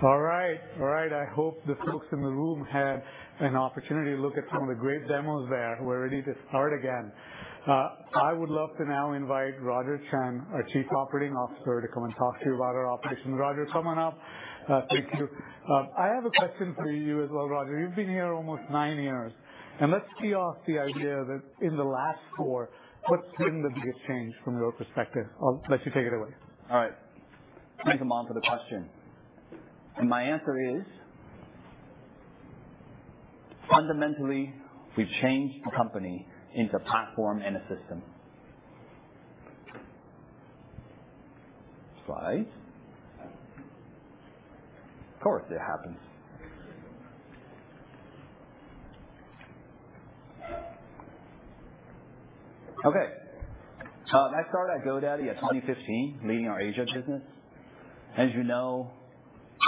S2: We're ready to start again. I would love to now invite Roger Chen, our Chief Operating Officer, to come and talk to you about our operations. Roger, come on up. Thank you. I have a question for you as well, Roger. You've been here almost nine years. Let's see off the idea that in the last four, what's been the biggest change from your perspective? I'll let you take it away. All right. Thank you, Aman, for the question. My answer is, fundamentally, we've changed the company into a platform and a system. Slides. Of course, it happens.
S9: Okay. I started at GoDaddy in 2015, leading our Asia business. As you know,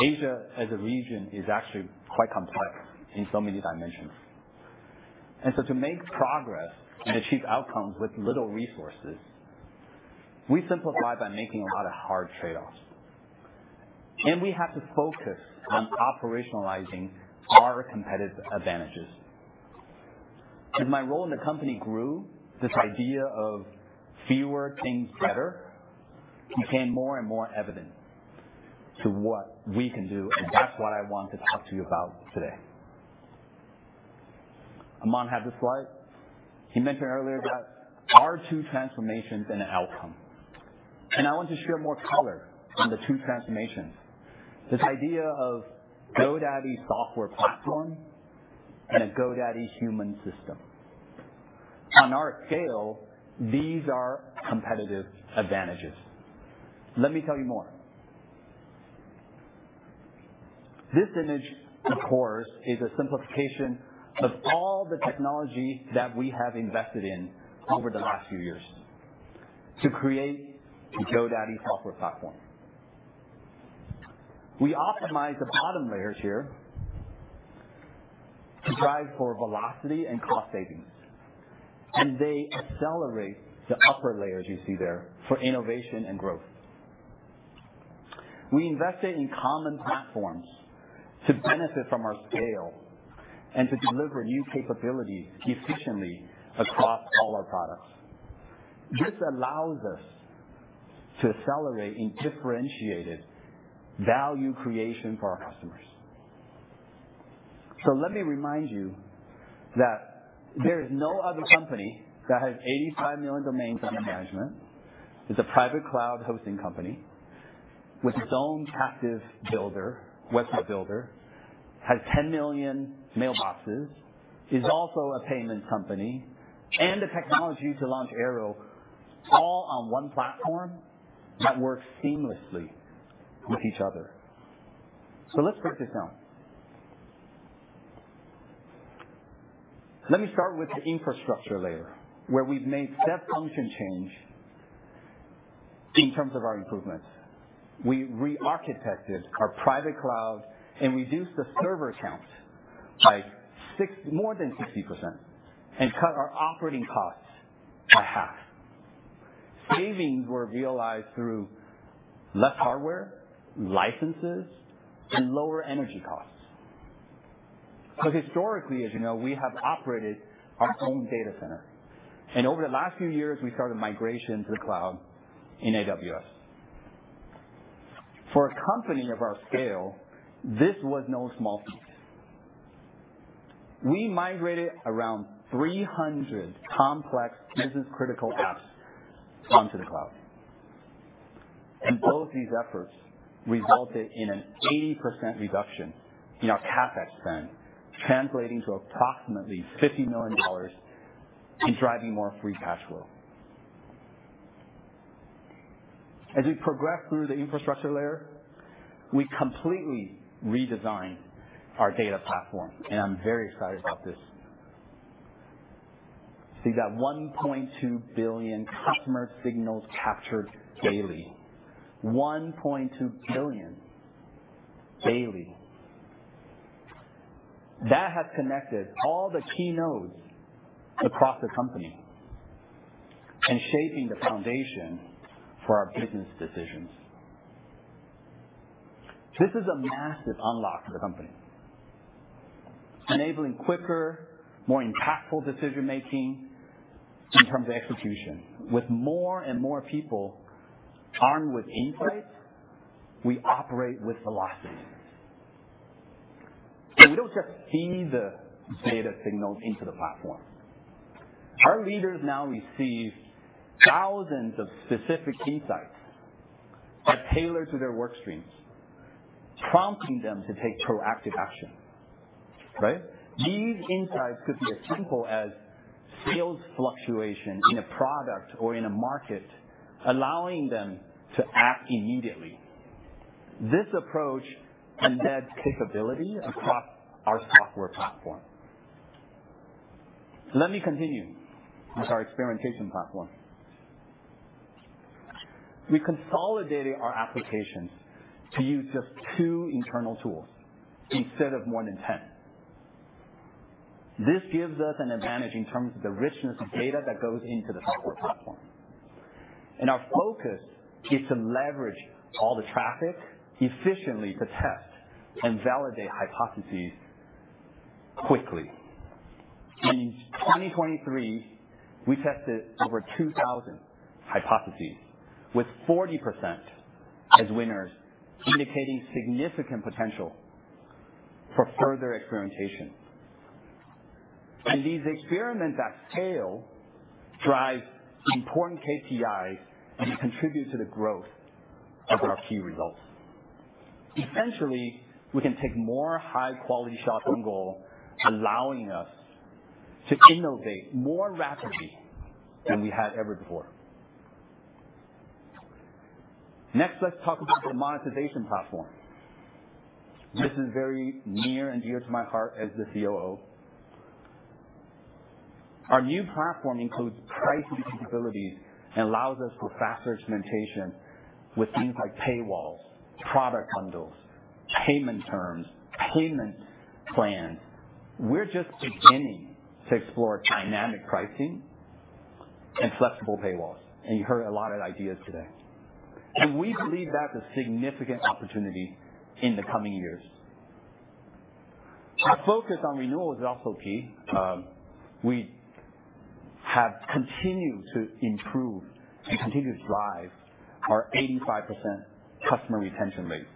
S9: Asia as a region is actually quite complex in so many dimensions. And so to make progress and achieve outcomes with little resources, we simplify by making a lot of hard trade-offs. And we have to focus on operationalizing our competitive advantages. As my role in the company grew, this idea of fewer things better became more and more evident to what we can do. And that's what I want to talk to you about today. I'm going to have the slide. You mentioned earlier that our two transformations and an outcome. I want to share more color on the two transformations, this idea of GoDaddy software platform and a GoDaddy human system. On our scale, these are competitive advantages. Let me tell you more. This image, of course, is a simplification of all the technology that we have invested in over the last few years to create the GoDaddy software platform. We optimize the bottom layers here to drive for velocity and cost savings. They accelerate the upper layers you see there for innovation and growth. We invested in common platforms to benefit from our scale and to deliver new capabilities efficiently across all our products. This allows us to accelerate and differentiate value creation for our customers. Let me remind you that there is no other company that has 85 million domains under management. It's a private cloud hosting company with its own captive builder, website builder, has 10 million mailboxes, is also a payments company, and the technology to launch Airo all on one platform that works seamlessly with each other. So let's break this down. Let me start with the infrastructure layer where we've made step function change in terms of our improvements. We re-architected our private cloud and reduced the server count by more than 60% and cut our operating costs by half. Savings were realized through less hardware, licenses, and lower energy costs. So historically, as you know, we have operated our own data center. And over the last few years, we started migration to the cloud in AWS. For a company of our scale, this was no small feat. We migrated around 300 complex business-critical apps onto the cloud. Both these efforts resulted in an 80% reduction in our CapEx spend, translating to approximately $50 million in driving more free cash flow. As we progressed through the infrastructure layer, we completely redesigned our data platform. And I'm very excited about this. See that 1.2 billion customer signals captured daily? 1.2 billion daily. That has connected all the key nodes across the company and shaping the foundation for our business decisions. This is a massive unlock for the company, enabling quicker, more impactful decision-making in terms of execution. With more and more people armed with insights, we operate with velocity. So we don't just feed the data signals into the platform. Our leaders now receive thousands of specific insights that tailor to their workstreams, prompting them to take proactive action, right? These insights could be as simple as sales fluctuation in a product or in a market, allowing them to act immediately. This approach embeds capability across our software platform. Let me continue with our experimentation platform. We consolidated our applications to use just two internal tools instead of more than 10. This gives us an advantage in terms of the richness of data that goes into the software platform. Our focus is to leverage all the traffic efficiently to test and validate hypotheses quickly. In 2023, we tested over 2,000 hypotheses, with 40% as winners, indicating significant potential for further experimentation. These experiments at scale drive important KPIs and contribute to the growth of our key results. Essentially, we can take more high-quality shots on goal, allowing us to innovate more rapidly than we had ever before. Next, let's talk about the monetization platform. This is very near and dear to my heart as the COO. Our new platform includes pricing capabilities and allows us for faster instrumentation with things like paywalls, product bundles, payment terms, payment plans. We're just beginning to explore dynamic pricing and flexible paywalls. You heard a lot of ideas today. We believe that's a significant opportunity in the coming years. Our focus on renewal is also key. We have continued to improve and continue to drive our 85% customer retention rate.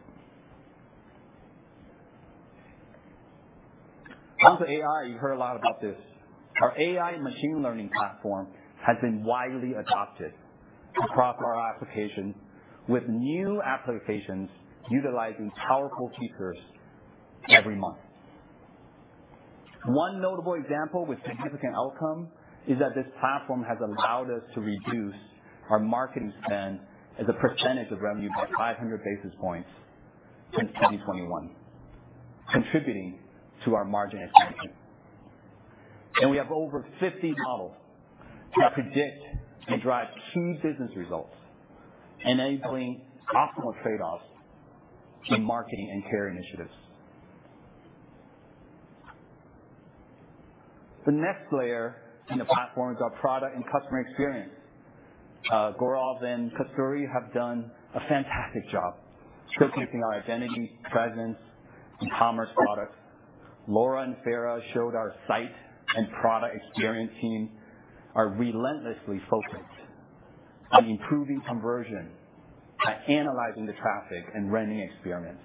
S9: Onto AI. You've heard a lot about this. Our AI machine learning platform has been widely adopted across our applications, with new applications utilizing powerful features every month. One notable example with significant outcome is that this platform has allowed us to reduce our marketing spend as a percentage of revenue by 500 basis points since 2021, contributing to our margin expansion. We have over 50 models to predict and drive key business results, enabling optimal trade-offs in marketing and care initiatives. The next layer in the platform is our product and customer experience. Gourav and Kasturi have done a fantastic job showcasing our identity, presence, and commerce products. Laura and Fara showed our site and product experience team are relentlessly focused on improving conversion, analyzing the traffic, and rendering experience.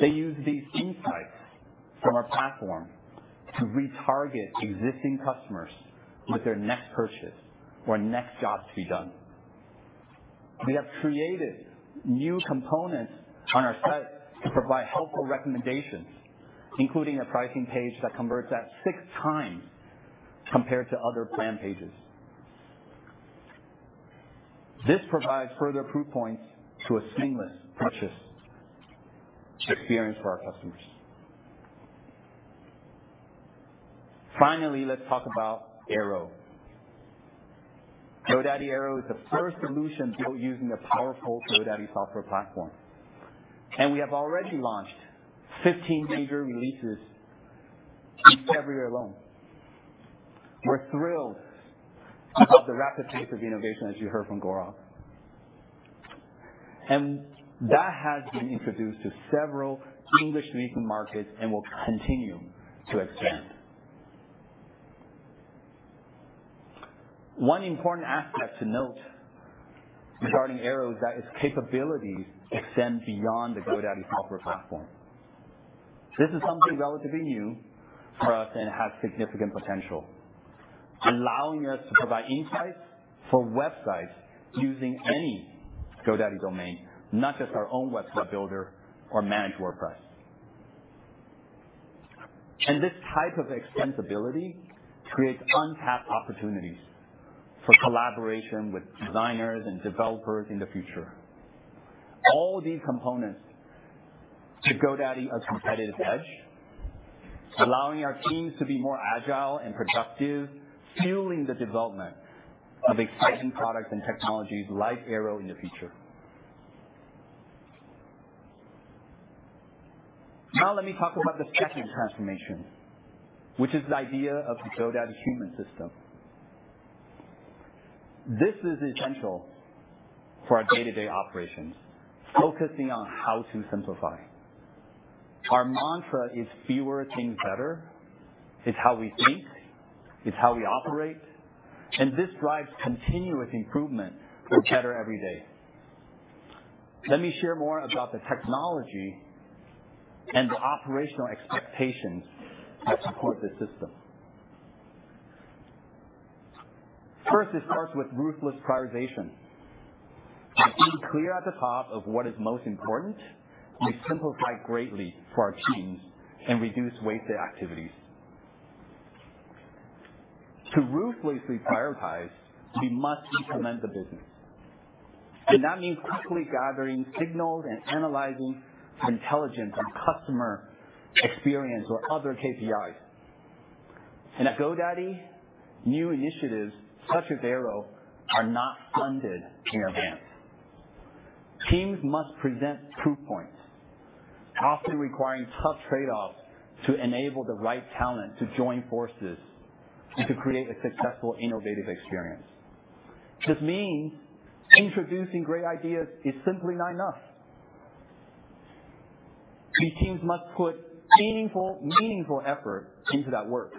S9: They use these insights from our platform to retarget existing customers with their next purchase or next jobs to be done. We have created new components on our site to provide helpful recommendations, including a pricing page that converts at six times compared to other plan pages. This provides further proof points to a seamless purchase experience for our customers. Finally, let's talk about Airo. GoDaddy Airo is the first solution built using a powerful GoDaddy software platform. We have already launched 15 major releases in February alone. We're thrilled about the rapid pace of innovation, as you heard from Gourav. That has been introduced to several English-speaking markets and will continue to expand. One important aspect to note regarding Airo is that its capabilities extend beyond the GoDaddy software platform. This is something relatively new for us and has significant potential, allowing us to provide insights for websites using any GoDaddy domain, not just our own website builder or Managed WordPress. This type of extensibility creates untapped opportunities for collaboration with designers and developers in the future. All these components give GoDaddy a competitive edge, allowing our teams to be more agile and productive, fueling the development of exciting products and technologies like Airo in the future. Now, let me talk about the second transformation, which is the idea of the GoDaddy human system. This is essential for our day-to-day operations, focusing on how to simplify. Our mantra is, "Fewer things better." It's how we think. It's how we operate. And this drives continuous improvement for better every day. Let me share more about the technology and the operational expectations that support this system. First, it starts with ruthless prioritization. By being clear at the top of what is most important, we simplify greatly for our teams and reduce wasted activities. To ruthlessly prioritize, we must implement the business. And that means quickly gathering signals and analyzing intelligence and customer experience or other KPIs. And at GoDaddy, new initiatives such as Airo are not funded in advance. Teams must present proof points, often requiring tough trade-offs to enable the right talent to join forces and to create a successful, innovative experience. This means introducing great ideas is simply not enough. These teams must put meaningful effort into that work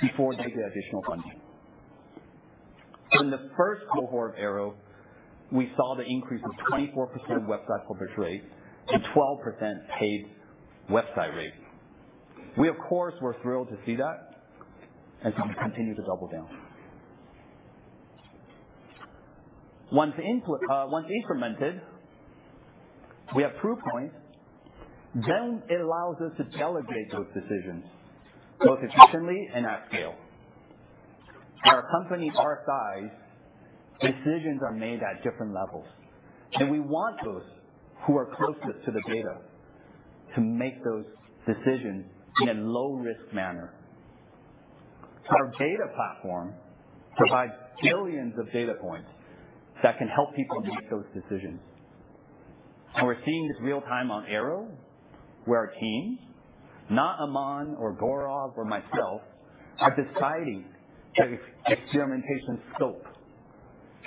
S9: before they get additional funding. In the first cohort of Airo, we saw the increase of 24% website publish rate to 12% paid website rate. We, of course, were thrilled to see that and to continue to double down. Once instrumented, we have proof points. Then it allows us to delegate those decisions both efficiently and at scale. At our company our size, decisions are made at different levels. We want those who are closest to the data to make those decisions in a low-risk manner. Our data platform provides billions of data points that can help people make those decisions. We're seeing this real-time on Airo, where our teams, not Aman or Gorov or myself, are deciding the experimentation scope.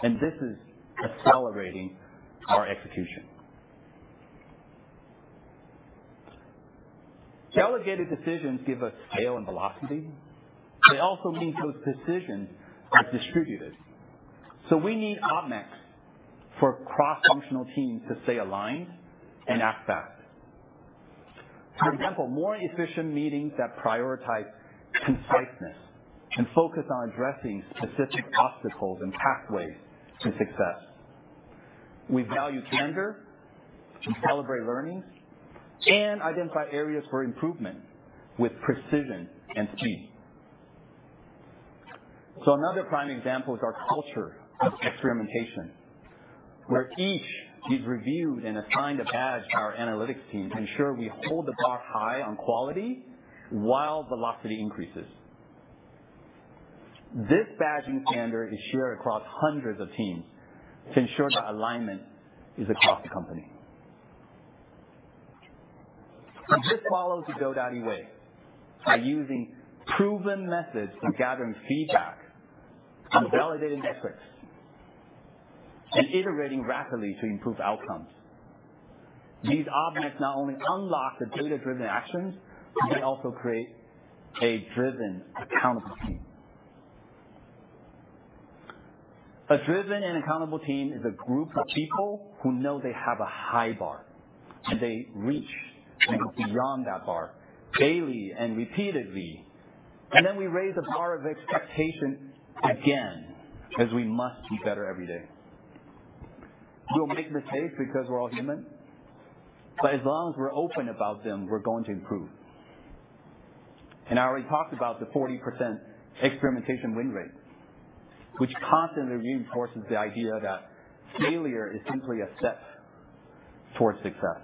S9: This is accelerating our execution. Delegated decisions give us scale and velocity. They also mean those decisions are distributed. So we need OpMechs for cross-functional teams to stay aligned and act fast. For example, more efficient meetings that prioritize conciseness and focus on addressing specific obstacles and pathways to success. We value candor and celebrate learnings and identify areas for improvement with precision and speed. So another prime example is our culture of experimentation, where each is reviewed and assigned a badge by our analytics team to ensure we hold the bar high on quality while velocity increases. This badging standard is shared across hundreds of teams to ensure that alignment is across the company. This follows the GoDaddy way by using proven methods for gathering feedback and validating metrics and iterating rapidly to improve outcomes. These OpMechs not only unlock the data-driven actions. They also create a driven, accountable team. A driven and accountable team is a group of people who know they have a high bar. They reach and go beyond that bar daily and repeatedly. Then we raise the bar of expectation again because we must be better every day. We'll make mistakes because we're all human. But as long as we're open about them, we're going to improve. I already talked about the 40% experimentation win rate, which constantly reinforces the idea that failure is simply a step towards success.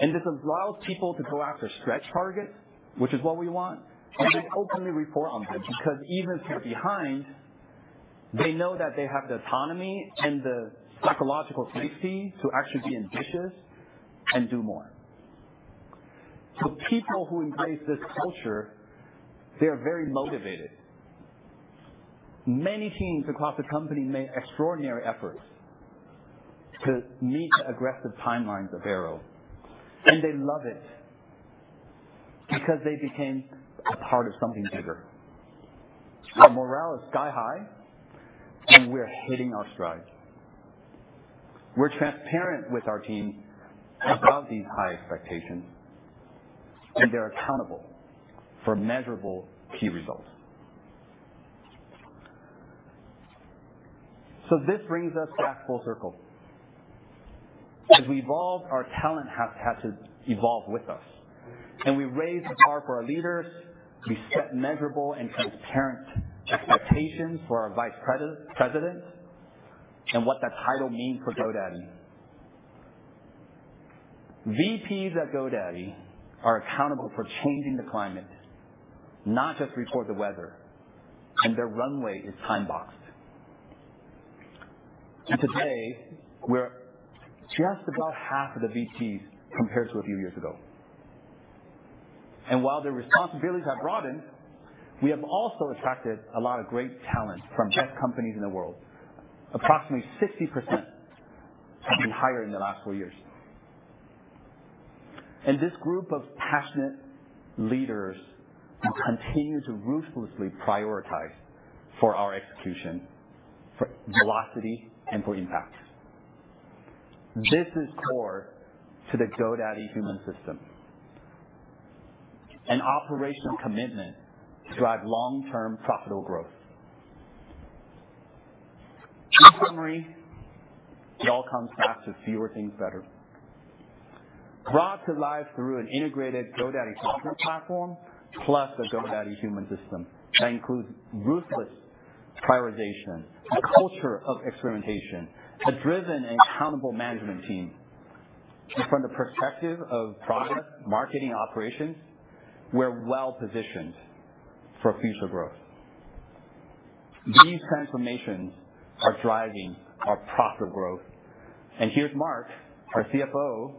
S9: This allows people to go after stretch targets, which is what we want, and then openly report on them because even if they're behind, they know that they have the autonomy and the psychological safety to actually be ambitious and do more. People who embrace this culture are very motivated. Many teams across the company made extraordinary efforts to meet the aggressive timelines of Airo. They love it because they became a part of something bigger. Our morale is sky-high. We're hitting our strides. We're transparent with our team about these high expectations. They're accountable for measurable key results. So this brings us back full circle. As we evolved, our talent has had to evolve with us. We raised the bar for our leaders. We set measurable and transparent expectations for our vice president and what that title means for GoDaddy. VPs at GoDaddy are accountable for changing the climate, not just report the weather. Their runway is time-boxed. Today, we're just about half of the VPs compared to a few years ago. While their responsibilities have broadened, we have also attracted a lot of great talent from best companies in the world. Approximately 60% have been hired in the last four years. And this group of passionate leaders continue to ruthlessly prioritize for our execution, for velocity, and for impact. This is core to the GoDaddy human system, an operational commitment to drive long-term, profitable growth. In summary, it all comes back to fewer things better. Brought to life through an integrated GoDaddy software platform plus a GoDaddy human system that includes ruthless prioritization, a culture of experimentation, a driven and accountable management team from the perspective of product, marketing, and operations. We're well-positioned for future growth. These transformations are driving our profitable growth. And here's Mark, our CFO,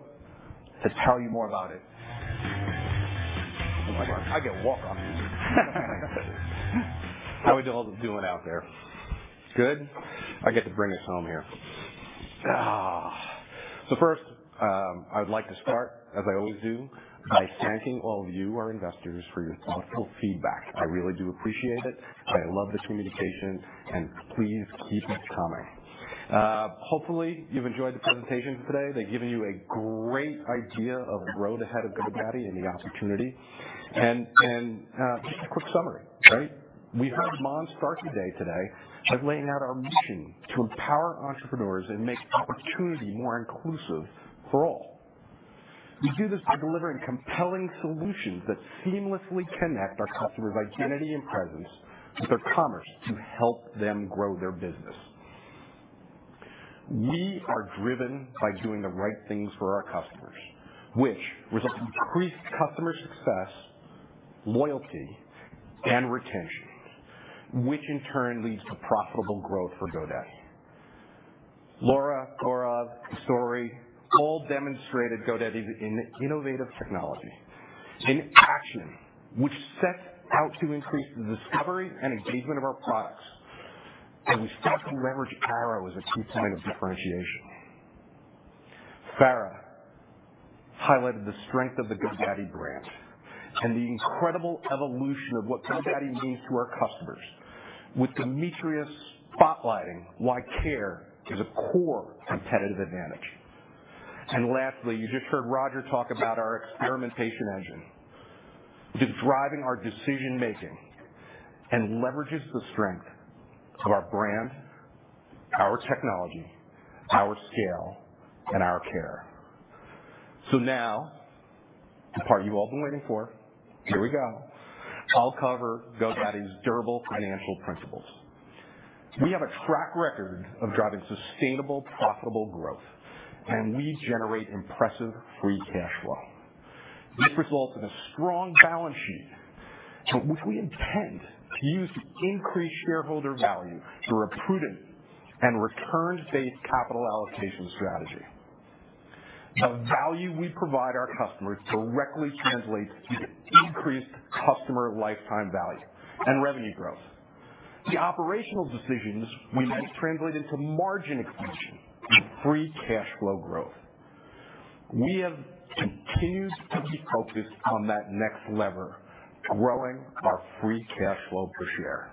S9: to tell you more about it.
S10: Oh my gosh. I get a walk on me. How are we doing out there? Good? I get to bring us home here. So first, I would like to start, as I always do, by thanking all of you, our investors, for your thoughtful feedback. I really do appreciate it. I love the communication. Please keep coming. Hopefully, you've enjoyed the presentations today. They've given you a great idea of the road ahead of GoDaddy and the opportunity. Just a quick summary, right? We've had Aman start the day today of laying out our mission to empower entrepreneurs and make opportunity more inclusive for all. We do this by delivering compelling solutions that seamlessly connect our customers' identity and presence with their commerce to help them grow their business. We are driven by doing the right things for our customers, which results in increased customer success, loyalty, and retention, which in turn leads to profitable growth for GoDaddy. Laura, Gourav, Kasturi, all demonstrated GoDaddy's innovative technology in action, which sets out to increase the discovery and engagement of our products. And we start to leverage Airo as a key point of differentiation. Fara highlighted the strength of the GoDaddy brand and the incredible evolution of what GoDaddy means to our customers, with Demetria spotlighting why care is a core competitive advantage. And lastly, you just heard Roger talk about our experimentation engine, which is driving our decision-making and leverages the strength of our brand, our technology, our scale, and our care. So now, the part you've all been waiting for, here we go. I'll cover GoDaddy's durable financial principles. We have a track record of driving sustainable, profitable growth. We generate impressive free cash flow. This results in a strong balance sheet, which we intend to use to increase shareholder value through a prudent and returns-based capital allocation strategy. The value we provide our customers directly translates into increased customer lifetime value and revenue growth. The operational decisions we make translate into margin expansion and free cash flow growth. We have continued to be focused on that next lever, growing our free cash flow per share.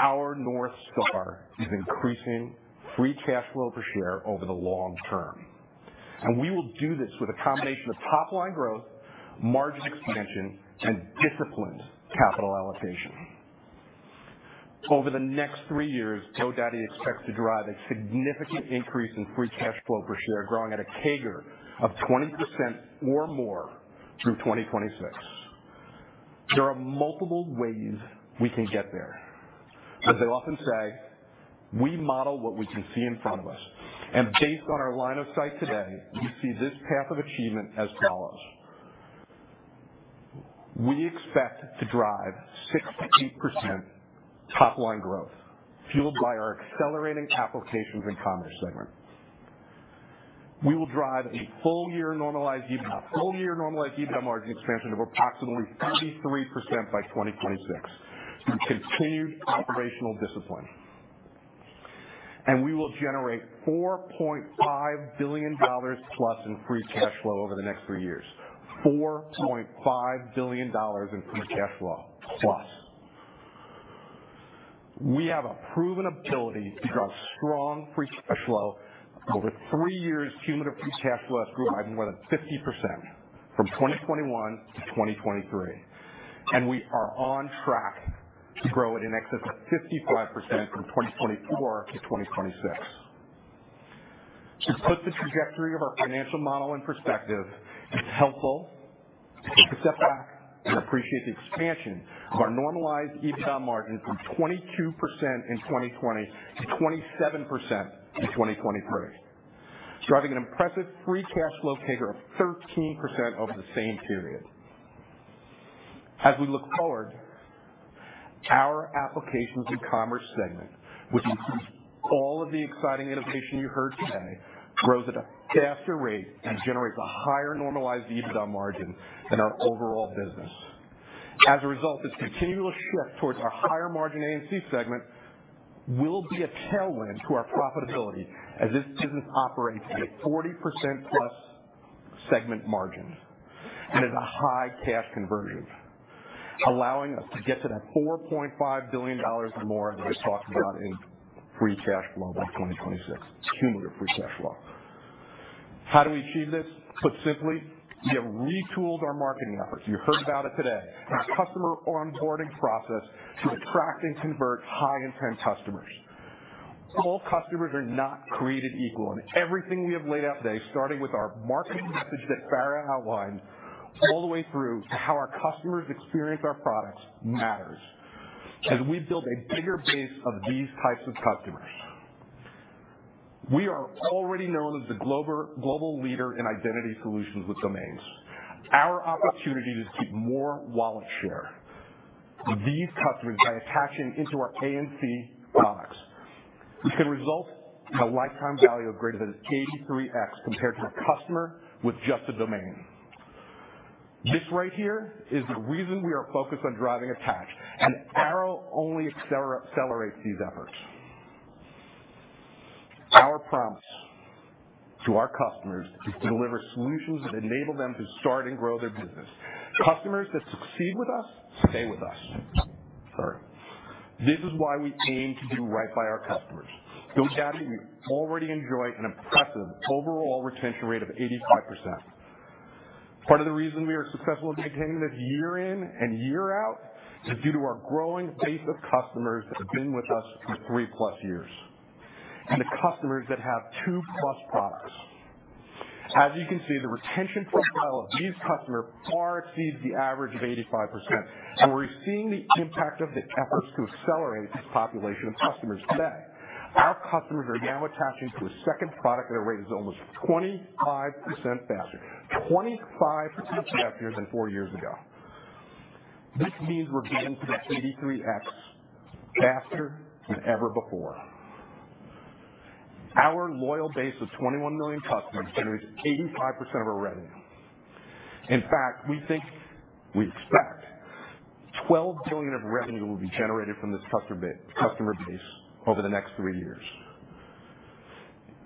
S10: Our North Star is increasing free cash flow per share over the long term. We will do this with a combination of top-line growth, margin expansion, and disciplined capital allocation. Over the next three years, GoDaddy expects to drive a significant increase in free cash flow per share, growing at a CAGR of 20% or more through 2026. There are multiple ways we can get there. As they often say, we model what we can see in front of us. Based on our line of sight today, we see this path of achievement as follows. We expect to drive 68% top-line growth fueled by our accelerating applications and commerce segment. We will drive a full-year normalized EBITDA margin expansion of approximately 33% by 2026 through continued operational discipline. We will generate $4.5 billion+ in free cash flow over the next three years, $4.5 billion in free cash flow plus. We have a proven ability to drive strong free cash flow over three years. Cumulative free cash flow has grown by more than 50% from 2021 to 2023. We are on track to grow it in excess of 55% from 2024 to 2026. To put the trajectory of our financial model in perspective, it's helpful to take a step back and appreciate the expansion of our normalized EBITDA margin from 22% in 2020 to 27% in 2023, driving an impressive free cash flow CAGR of 13% over the same period. As we look forward, our applications and commerce segment, which includes all of the exciting innovation you heard today, grows at a faster rate and generates a higher normalized EBITDA margin than our overall business. As a result, this continual shift towards our higher margin A&C segment will be a tailwind to our profitability as this business operates at a 40%+ segment margin and has a high cash conversion, allowing us to get to that $4.5 billion or more that I talked about in free cash flow by 2026, cumulative free cash flow. How do we achieve this? Put simply, we have retooled our marketing efforts. You heard about it today, our customer onboarding process to attract and convert high-intent customers. All customers are not created equal. Everything we have laid out today, starting with our marketing message that Fara outlined all the way through to how our customers experience our products, matters as we build a bigger base of these types of customers. We are already known as the global leader in identity solutions with domains, our opportunity to keep more wallet share with these customers by attaching into our A&C products, which can result in a lifetime value of greater than 83x compared to a customer with just a domain. This right here is the reason we are focused on driving attach. Airo only accelerates these efforts. Our promise to our customers is to deliver solutions that enable them to start and grow their business. Customers that succeed with us, stay with us. Sorry. This is why we aim to do right by our customers. GoDaddy, we already enjoy an impressive overall retention rate of 85%. Part of the reason we are successful in maintaining this year in and year out is due to our growing base of customers that have been with us for three-plus years and the customers that have two-plus products. As you can see, the retention profile of these customers far exceeds the average of 85%. We're seeing the impact of the efforts to accelerate this population of customers today. Our customers are now attaching to a second product at a rate that is almost 25% faster, 25% faster than four years ago. This means we're getting to that 83x faster than ever before. Our loyal base of 21 million customers generates 85% of our revenue. In fact, we think we expect $12 billion of revenue will be generated from this customer base over the next three years.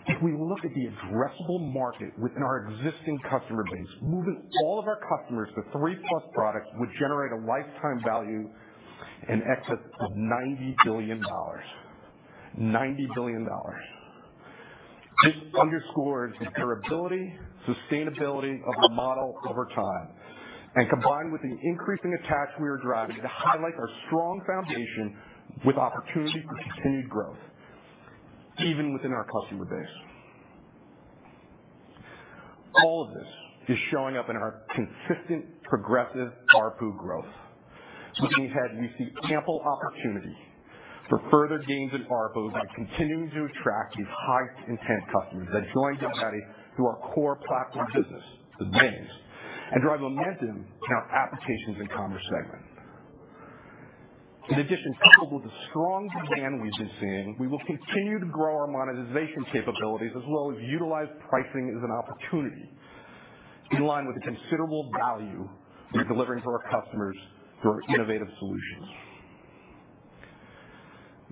S10: If we look at the addressable market within our existing customer base, moving all of our customers to 3-plus products would generate a lifetime value in excess of $90 billion, $90 billion. This underscores the durability, sustainability of the model over time. Combined with the increasing attach we are driving to highlight our strong foundation with opportunity for continued growth, even within our customer base. All of this is showing up in our consistent, progressive ARPU growth. Looking ahead, we see ample opportunity for further gains in ARPU by continuing to attract these high-intent customers that join GoDaddy through our core platform business, the domains, and drive momentum in our applications and commerce segment. In addition, coupled with the strong demand we've been seeing, we will continue to grow our monetization capabilities as well as utilize pricing as an opportunity in line with the considerable value we're delivering to our customers through our innovative solutions.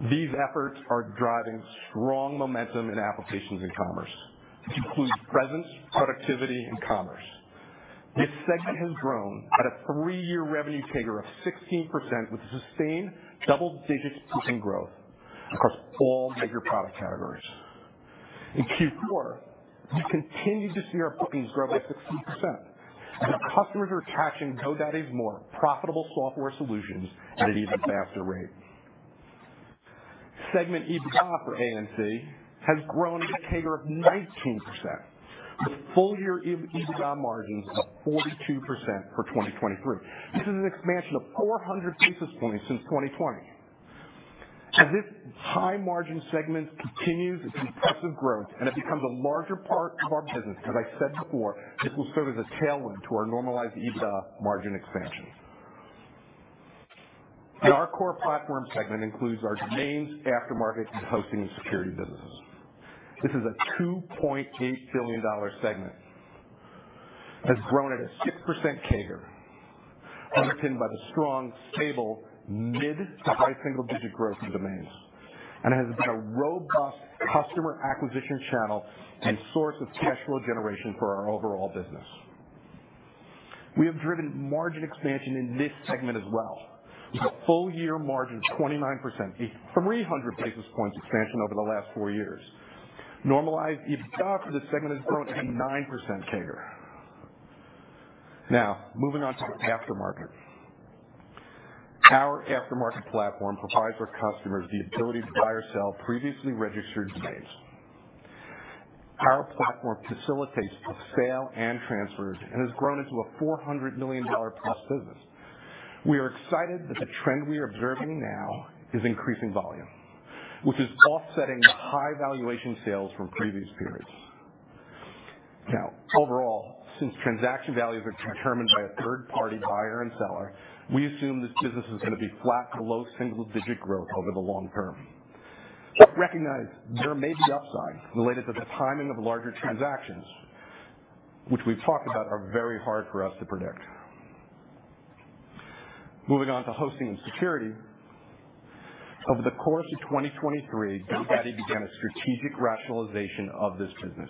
S10: These efforts are driving strong momentum in applications and commerce. This includes presence, productivity, and commerce. This segment has grown at a three-year revenue CAGR of 16% with sustained double-digit peaking growth across all major product categories. In Q4, we continue to see our bookings grow by 16% as our customers are attaching GoDaddy's more profitable software solutions at an even faster rate. Segment EBITDA for A&C has grown at a CAGR of 19% with full-year EBITDA margins of 42% for 2023. This is an expansion of 400 basis points since 2020. As this high-margin segment continues its impressive growth, and it becomes a larger part of our business because, as I said before, this will serve as a tailwind to our normalized EBITDA margin expansion. Our core platform segment includes our domains, aftermarket, and hosting and security businesses. This is a $2.8 billion segment. It has grown at a 6% CAGR underpinned by the strong, stable, mid to high single-digit growth in domains. And it has been a robust customer acquisition channel and source of cash flow generation for our overall business. We have driven margin expansion in this segment as well with a full-year margin of 29%, a 300 basis points expansion over the last four years. Normalized EBITDA for this segment has grown at a 9% CAGR. Now, moving on to the aftermarket. Our aftermarket platform provides our customers the ability to buy or sell previously registered domains. Our platform facilitates the sale and transfers and has grown into a $400 million-plus business. We are excited that the trend we are observing now is increasing volume, which is offsetting the high valuation sales from previous periods. Now, overall, since transaction values are determined by a third-party buyer and seller, we assume this business is going to be flat to low single-digit growth over the long term. But recognize there may be upside related to the timing of larger transactions, which we've talked about are very hard for us to predict. Moving on to hosting and security, over the course of 2023, GoDaddy began a strategic rationalization of this business.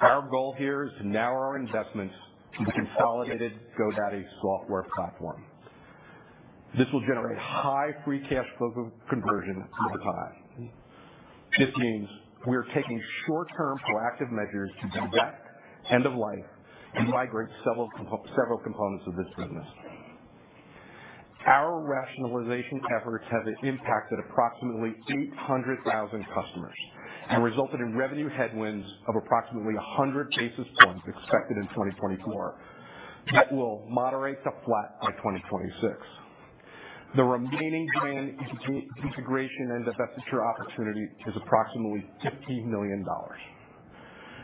S10: Our goal here is to narrow our investments into a consolidated GoDaddy software platform. This will generate high free cash flow conversion over time. This means we are taking short-term proactive measures to detect end-of-life and migrate several components of this business. Our rationalization efforts have impacted approximately 800,000 customers and resulted in revenue headwinds of approximately 100 basis points expected in 2024 that will moderate to flat by 2026. The remaining domain migration and divestiture opportunity is approximately $50 million.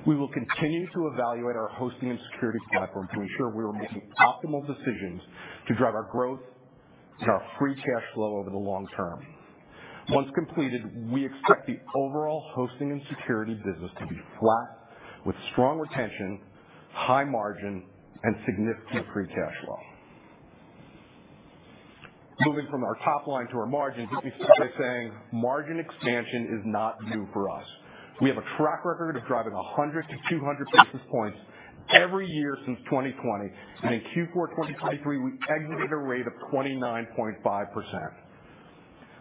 S10: We will continue to evaluate our hosting and security platform to ensure we are making optimal decisions to drive our growth and our free cash flow over the long term. Once completed, we expect the overall hosting and security business to be flat with strong retention, high margin, and significant free cash flow. Moving from our top-line to our margin, let me start by saying margin expansion is not new for us. We have a track record of driving 100-200 basis points every year since 2020. In Q4 2023, we exited at a rate of 29.5%.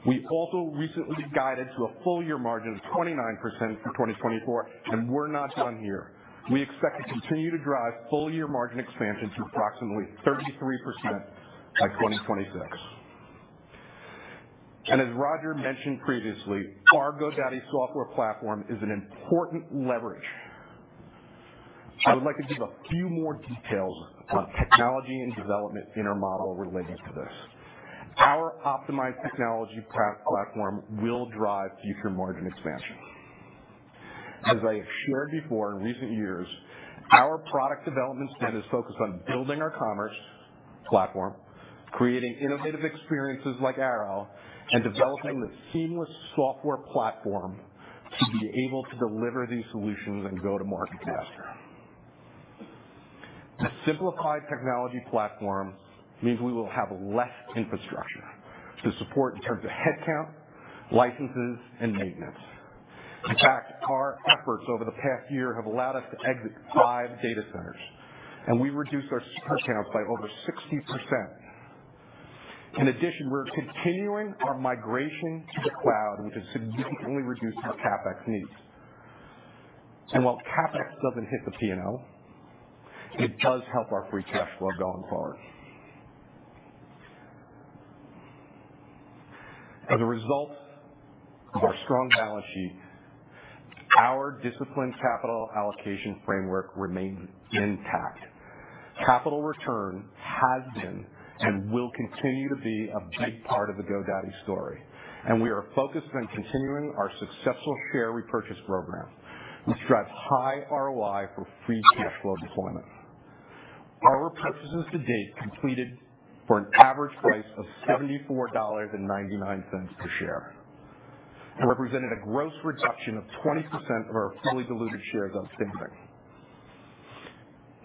S10: We also recently guided to a full-year margin of 29% in 2024. We're not done here. We expect to continue to drive full-year margin expansion to approximately 33% by 2026. As Roger mentioned previously, our GoDaddy software platform is an important leverage. I would like to give a few more details on technology and development in our model related to this. Our optimized technology platform will drive future margin expansion. As I have shared before in recent years, our product development spend is focused on building our commerce platform, creating innovative experiences like Airo, and developing the seamless software platform to be able to deliver these solutions and go to market faster. The simplified technology platform means we will have less infrastructure to support in terms of headcount, licenses, and maintenance. In fact, our efforts over the past year have allowed us to exit 5 data centers. We reduced our server counts by over 60%. In addition, we're continuing our migration to the cloud, which has significantly reduced our CapEx needs. While CapEx doesn't hit the P&L, it does help our free cash flow going forward. As a result of our strong balance sheet, our disciplined capital allocation framework remains intact. Capital return has been and will continue to be a big part of the GoDaddy story. We are focused on continuing our successful share repurchase program, which drives high ROI for Free Cash Flow deployment. Our repurchases to date completed for an average price of $74.99 per share and represented a gross reduction of 20% of our fully diluted shares outstanding.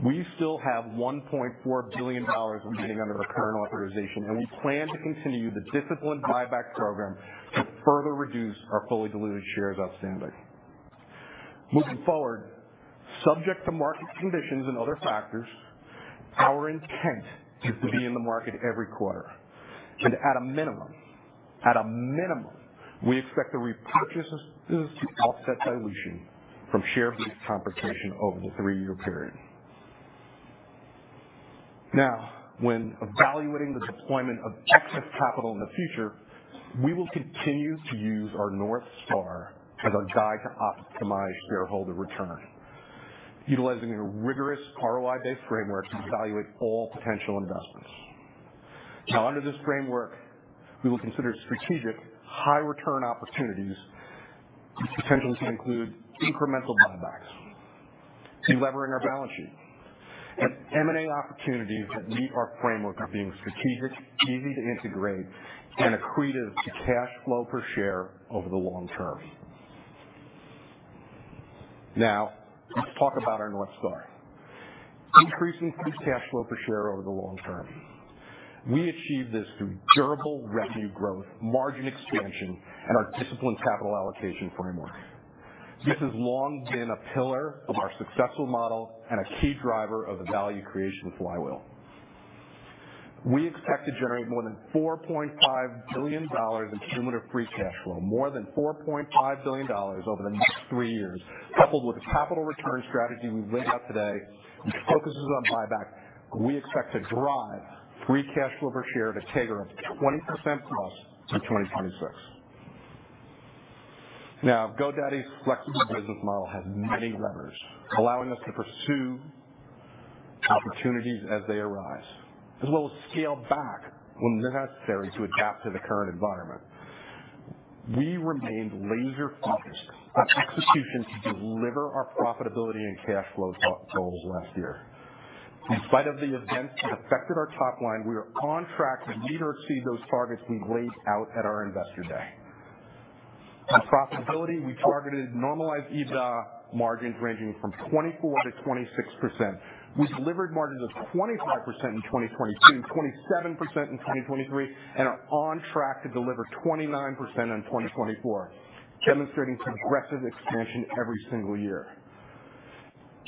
S10: We still have $1.4 billion remaining under our current authorization. We plan to continue the disciplined buyback program to further reduce our fully diluted shares outstanding. Moving forward, subject to market conditions and other factors, our intent is to be in the market every quarter. At a minimum, we expect the repurchases to offset dilution from share-based compensation over the three-year period. Now, when evaluating the deployment of excess capital in the future, we will continue to use our North Star as our guide to optimize shareholder return, utilizing a rigorous ROI-based framework to evaluate all potential investments. Now, under this framework, we will consider strategic high-return opportunities, which potentially can include incremental buybacks, delevering our balance sheet, and M&A opportunities that meet our framework of being strategic, easy to integrate, and accretive to cash flow per share over the long term. Now, let's talk about our North Star, increasing free cash flow per share over the long term. We achieve this through durable revenue growth, margin expansion, and our disciplined capital allocation framework. This has long been a pillar of our successful model and a key driver of the value creation flywheel. We expect to generate more than $4.5 billion in cumulative free cash flow, more than $4.5 billion over the next three years, coupled with the capital return strategy we've laid out today, which focuses on buyback. We expect to drive free cash flow per share at a CAGR of 20%+ in 2026. Now, GoDaddy's flexible business model has many levers, allowing us to pursue opportunities as they arise as well as scale back when necessary to adapt to the current environment. We remained laser-focused on execution to deliver our profitability and cash flow goals last year. In spite of the events that affected our top line, we are on track to meet or exceed those targets we laid out at our investor day. In profitability, we targeted normalized EBITDA margins ranging from 24%-26%. We delivered margins of 25% in 2022, 27% in 2023, and are on track to deliver 29% in 2024, demonstrating progressive expansion every single year.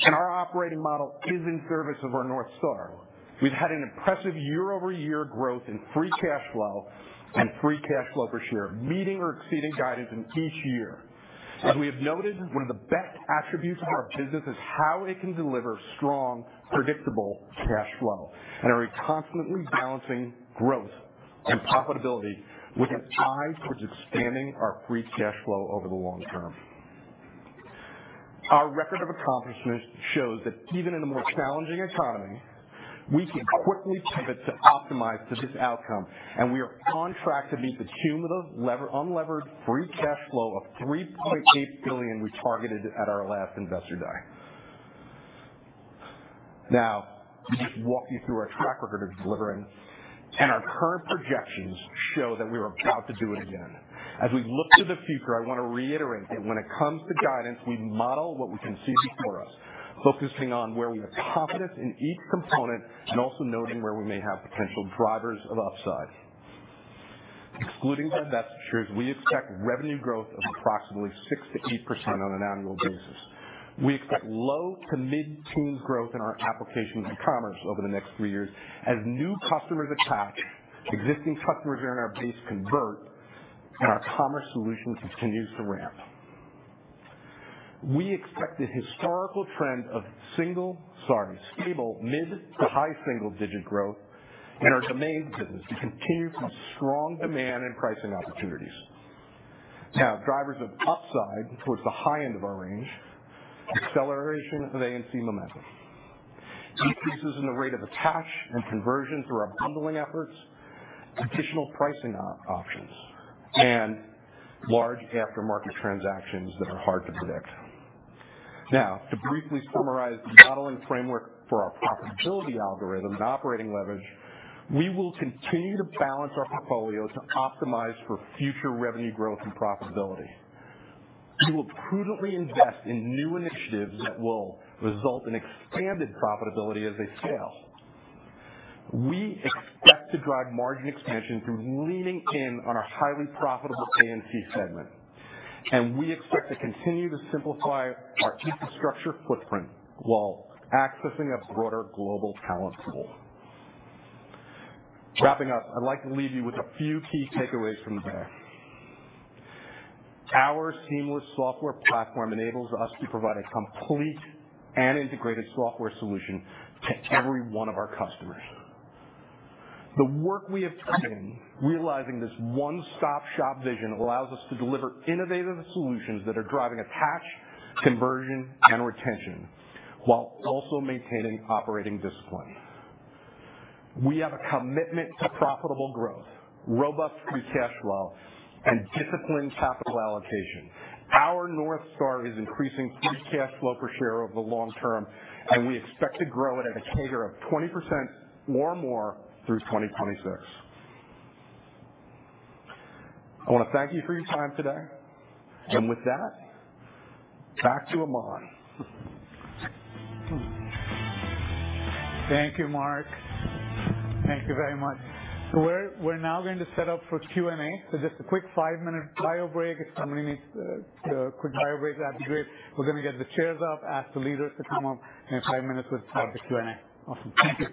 S10: Our operating model is in service of our North Star. We've had an impressive year-over-year growth in Free Cash Flow and Free Cash Flow per share, meeting or exceeding guidance in each year. As we have noted, one of the best attributes of our business is how it can deliver strong, predictable cash flow and our constantly balancing growth and profitability with an eye towards expanding our free cash flow over the long term. Our record of accomplishments shows that even in a more challenging economy, we can quickly pivot to optimize to this outcome. We are on track to meet the cumulative unlevered free cash flow of $3.8 billion we targeted at our last investor day. Now, let me just walk you through our track record of delivering. Our current projections show that we are about to do it again. As we look to the future, I want to reiterate that when it comes to guidance, we model what we can see before us, focusing on where we have confidence in each component and also noting where we may have potential drivers of upside. Excluding divestitures, we expect revenue growth of approximately 6%-8% on an annual basis. We expect low to mid-teens growth in our applications and commerce over the next three years as new customers attach, existing customers are in our base convert, and our commerce solution continues to ramp. We expect the historical trend of stable mid to high single-digit growth in our domains business to continue from strong demand and pricing opportunities. Now, drivers of upside towards the high end of our range, acceleration of A&C momentum, increases in the rate of attach and conversion through our bundling efforts, additional pricing options, and large aftermarket transactions that are hard to predict. Now, to briefly summarize the modeling framework for our profitability algorithm, the operating leverage, we will continue to balance our portfolio to optimize for future revenue growth and profitability. We will prudently invest in new initiatives that will result in expanded profitability as they scale. We expect to drive margin expansion through leaning in on our highly profitable A&C segment. We expect to continue to simplify our infrastructure footprint while accessing a broader global talent pool. Wrapping up, I'd like to leave you with a few key takeaways from today. Our seamless software platform enables us to provide a complete and integrated software solution to every one of our customers. The work we have put in realizing this one-stop shop vision allows us to deliver innovative solutions that are driving attach, conversion, and retention while also maintaining operating discipline. We have a commitment to profitable growth, robust free cash flow, and disciplined capital allocation. Our North Star is increasing free cash flow per share over the long term. We expect to grow it at a CAGR of 20% or more through 2026. I want to thank you for your time today. With that, back to Aman.
S2: Thank you, Mark. Thank you very much. We're now going to set up for Q&A. So just a quick five-minute bio break. If somebody needs a quick bio break, that'd be great. We're going to get the chairs up, ask the leaders to come up in five minutes with the Q&A. Awesome. Thank you.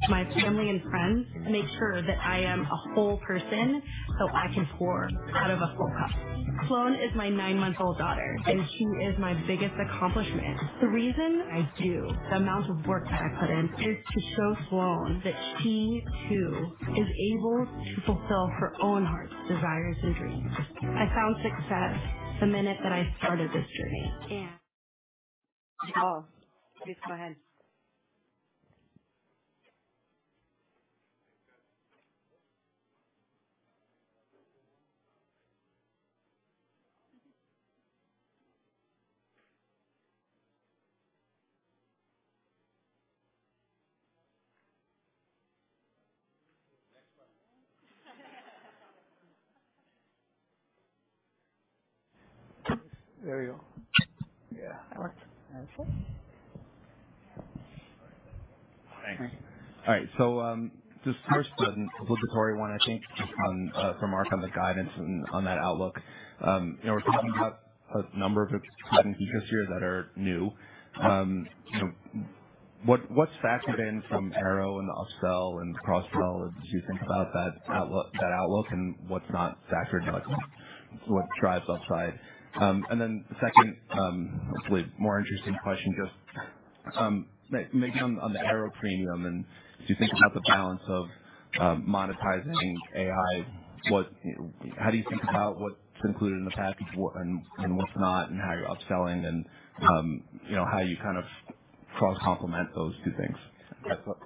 S1: Please go ahead.
S11: Thanks. All right. So just first, an obligatory one, I think, just from Mark on the guidance and on that outlook. We're talking about a number of student features here that are new. What's factored in from Airo and the upsell and the cross-sell as you think about that outlook and what's not factored in, what drives upside? And then the second, hopefully, more interesting question, just maybe on the Airo premium, and do you think about the balance of monetizing AI? How do you think about what's included in the package and what's not and how you're upselling and how you kind of cross-complement those two things?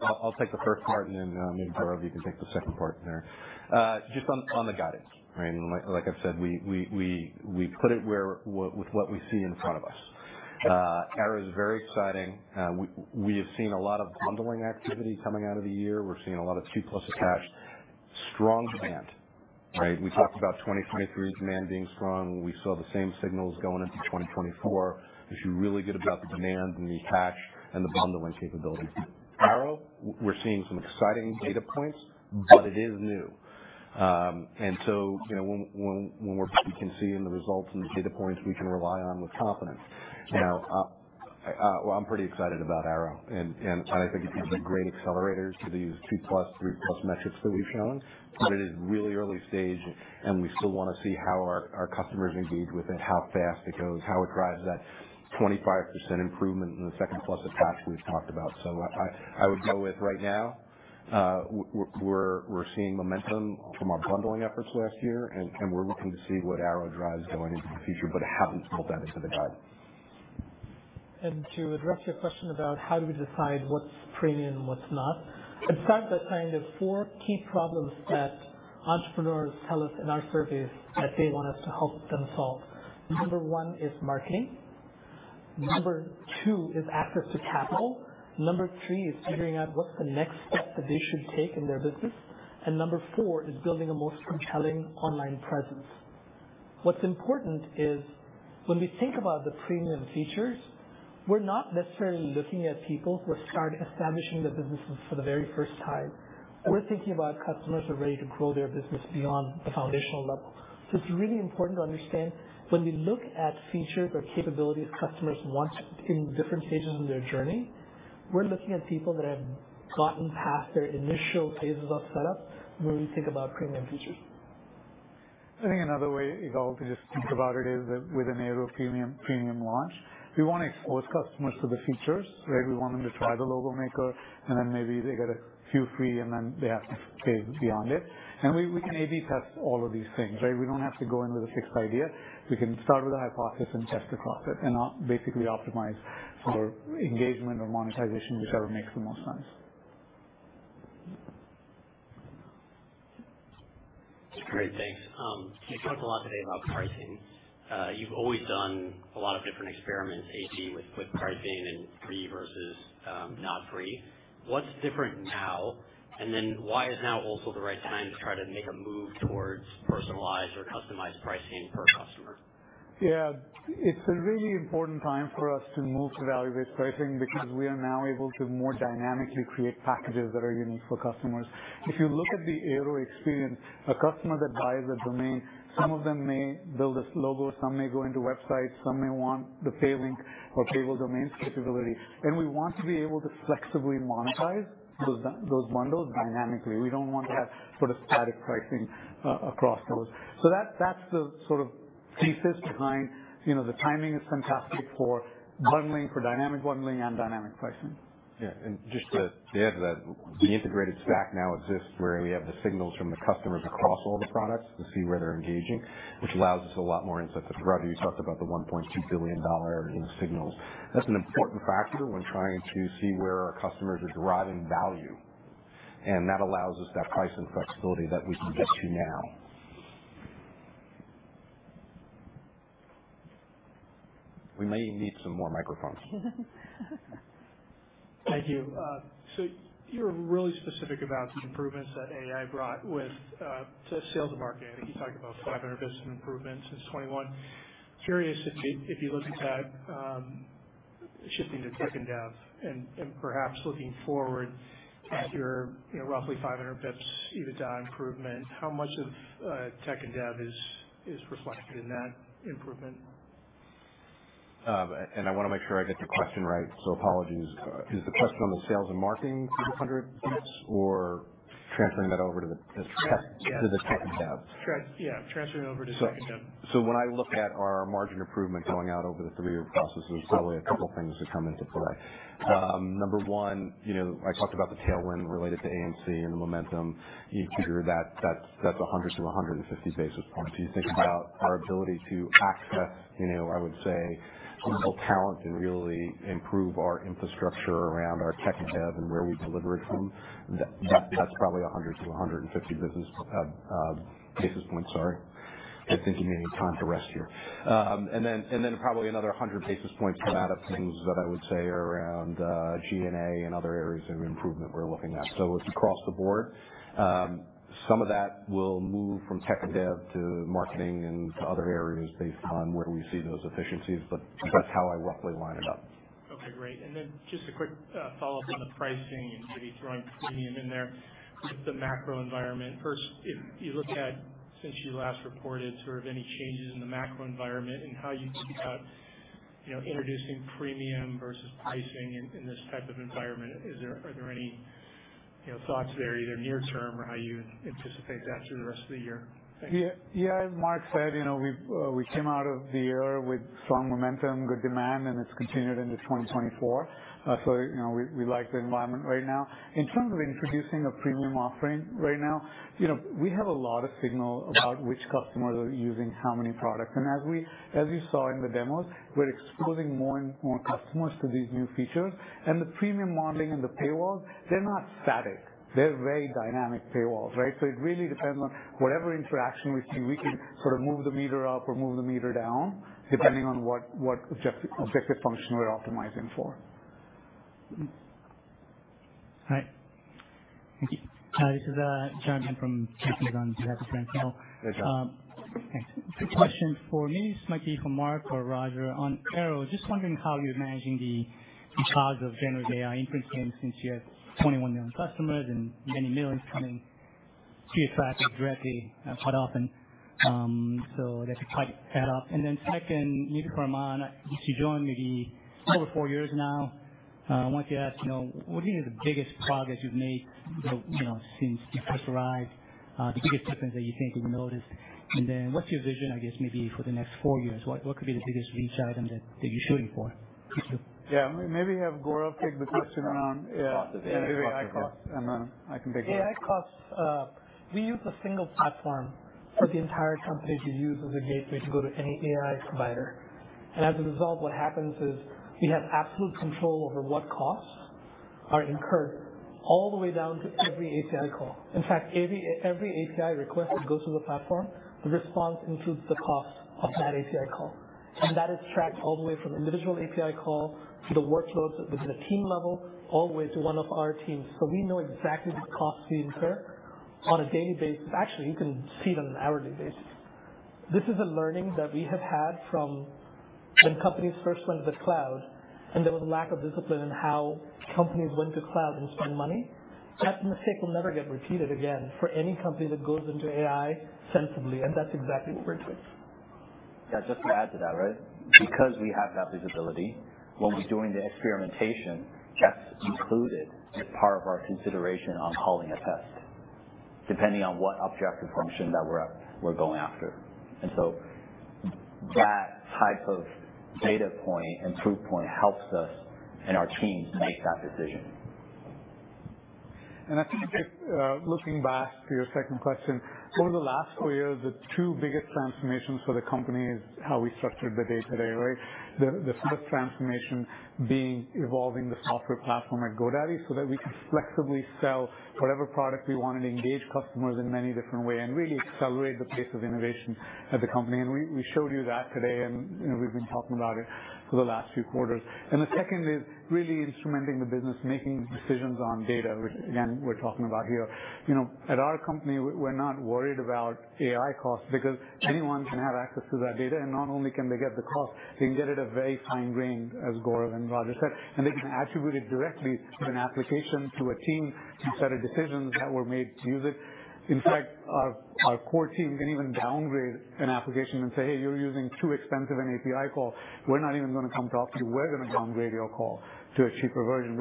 S10: I'll take the first part, and then maybe Roger, if you can take the second part there. Just on the guidance, right? Like I've said, we put it with what we see in front of us. Airo is very exciting. We have seen a lot of bundling activity coming out of the year. We're seeing a lot of 2+ attach, strong demand, right? We talked about 2023 demand being strong. We saw the same signals going into 2024. We're just really good about the demand and the attach and the bundling capabilities. Airo, we're seeing some exciting data points, but it is new. And so we can see in the results and the data points we can rely on with confidence. Now, I'm pretty excited about Airo, and I think it could be a great accelerator to these 2+, 3+ metrics that we've shown. But it is really early stage, and we still want to see how our customers engage with it, how fast it goes, how it drives that 25% improvement in the 2+ attach we've talked about. So I would go with right now. We're seeing momentum from our bundling efforts last year, and we're looking to see what Airo drives going into the future, but it hasn't built that into the guide.
S9: To address your question about how do we decide what's premium, what's not, I'd start by saying there are four key problems that entrepreneurs tell us in our surveys that they want us to help them solve. Number one is marketing. Number two is access to capital. Number three is figuring out what's the next step that they should take in their business. And number four is building a most compelling online presence. What's important is when we think about the premium features, we're not necessarily looking at people who are starting establishing their businesses for the very first time. We're thinking about customers who are ready to grow their business beyond the foundational level. It's really important to understand when we look at features or capabilities customers want in different stages in their journey. We're looking at people that have gotten past their initial phases of setup when we think about premium features.
S10: I think another way you can also just think about it is that with an Airo premium launch, we want to expose customers to the features, right? We want them to try the logo maker, and then maybe they get a few free, and then they have to pay beyond it. And we can A/B test all of these things, right? We don't have to go in with a fixed idea. We can start with a hypothesis and test across it and basically optimize for engagement or monetization, whichever makes the most sense.
S11: Great. Thanks. You talked a lot today about pricing. You've always done a lot of different experiments, A/B, with pricing and free versus not free. What's different now? And then why is now also the right time to try to make a move towards personalized or customized pricing per customer?
S9: Yeah. It's a really important time for us to move to value-based pricing because we are now able to more dynamically create packages that are unique for customers. If you look at the Airo experience, a customer that buys a domain, some of them may build a logo. Some may go into websites. Some may want the Pay Links or Payable Domains capability. And we want to be able to flexibly monetize those bundles dynamically. We don't want to have sort of static pricing across those. So that's the sort of thesis behind the timing is fantastic for dynamic bundling and dynamic pricing.
S10: Yeah. And just to add to that, the integrated stack now exists where we have the signals from the customers across all the products to see where they're engaging, which allows us a lot more insights. And Roger, you talked about the $1.2 billion signals. That's an important factor when trying to see where our customers are deriving value. And that allows us that pricing flexibility that we can get to now. We may need some more microphones.
S11: Thank you. So you're really specific about some improvements that AI Sales and Marketing. i think you talked about 500 basis points of improvement since 2021. Curious if you look at shifting to Tech and Dev and perhaps looking forward at your roughly 500 basis points EBITDA improvement, how much of Tech and Dev is reflected in that improvement?
S10: I want to make sure I get the question right. Apologies. Is the question Sales and Marketing 300 basis points or transferring that over to the Tech and Dev?
S9: Yeah. Transferring it over to Tech and Dev.
S10: So when I look at our margin improvement going out over the three-year process, there's probably a couple of things that come into play. Number one, I talked about the tailwind related to A&C and the momentum. You figure that's 100-150 basis points. If you think about our ability to access, I would say, some of the talent and really improve our infrastructure around our Tech and Dev and where we deliver it from, that's probably 100-150 basis points. Sorry. I'm thinking we need time to rest here. And then probably another 100 basis points to add up things that I would say are around G&A and other areas of improvement we're looking at. So it's across the board. Some of that will move from Tech and Dev to marketing and to other areas based on where we see those efficiencies. But that's how I roughly line it up.
S11: Okay. Great. And then just a quick follow-up on the pricing and maybe throwing premium in there with the macro environment. First, if you look at since you last reported, sort of any changes in the macro environment and how you think about introducing premium versus pricing in this type of environment, are there any thoughts there either near-term or how you anticipate that through the rest of the year?
S9: Yeah. As Mark said, we came out of the year with strong momentum, good demand, and it's continued into 2024. So we like the environment right now. In terms of introducing a premium offering right now, we have a lot of signal about which customers are using how many products. And as you saw in the demos, we're exposing more and more customers to these new features. And the premium modeling and the paywalls, they're not static. They're very dynamic paywalls, right? So it really depends on whatever interaction we see, we can sort of move the meter up or move the meter down depending on what objective function we're optimizing for.
S11: All right. Thank you.
S12: This is John Hecht from Jefferies on behalf of Canaccord.
S10: Hey, John.
S12: Thanks. Quick question for me. This might be for Mark or Roger on Airo. Just wondering how you're managing the cost of generative AI inference since you have 21 million customers and many millions coming to your traffic directly quite often. So that could quite add up. And then second, maybe for Aman, since you joined maybe over four years now, I wanted to ask, what do you think is the biggest progress you've made since you first arrived, the biggest difference that you think that you noticed? And then what's your vision, I guess, maybe for the next four years? What could be the biggest reach item that you're shooting for? Thank you.
S10: Yeah. Maybe have Gourav take the question around.
S9: The very AI cost. I can take that. AI costs, we use a single platform for the entire company to use as a gateway to go to any AI provider. As a result, what happens is we have absolute control over what costs are incurred all the way down to every API call. In fact, every API request that goes to the platform, the response includes the cost of that API call. That is tracked all the way from individual API call to the workloads at the team level all the way to one of our teams. We know exactly the costs we incur on a daily basis. Actually, you can see it on an hourly basis. This is a learning that we have had from when companies first went to the cloud and there was a lack of discipline in how companies went to cloud and spent money. That mistake will never get repeated again for any company that goes into AI sensibly. That's exactly what we're doing.
S3: Yeah. Just to add to that, right? Because we have that visibility, when we're doing the experimentation, that's included as part of our consideration on calling a test depending on what objective function that we're going after. And so that type of data point and proof point helps us and our teams make that decision. I think just looking back to your second question, over the last four years, the two biggest transformations for the company is how we structured the day-to-day, right? The first transformation being evolving the software platform at GoDaddy so that we can flexibly sell whatever product we want and engage customers in many different ways and really accelerate the pace of innovation at the company. And we showed you that today, and we've been talking about it for the last few quarters. And the second is really instrumenting the business, making decisions on data, which, again, we're talking about here. At our company, we're not worried about AI costs because anyone can have access to that data. And not only can they get the cost, they can get it at a very fine grain, as Gourav and Roger said.
S10: And they can attribute it directly to an application, to a team, and set of decisions that were made to use it. In fact, our core team can even downgrade an application and say, "Hey, you're using too expensive an API call. We're not even going to come talk to you. We're going to downgrade your call to a cheaper version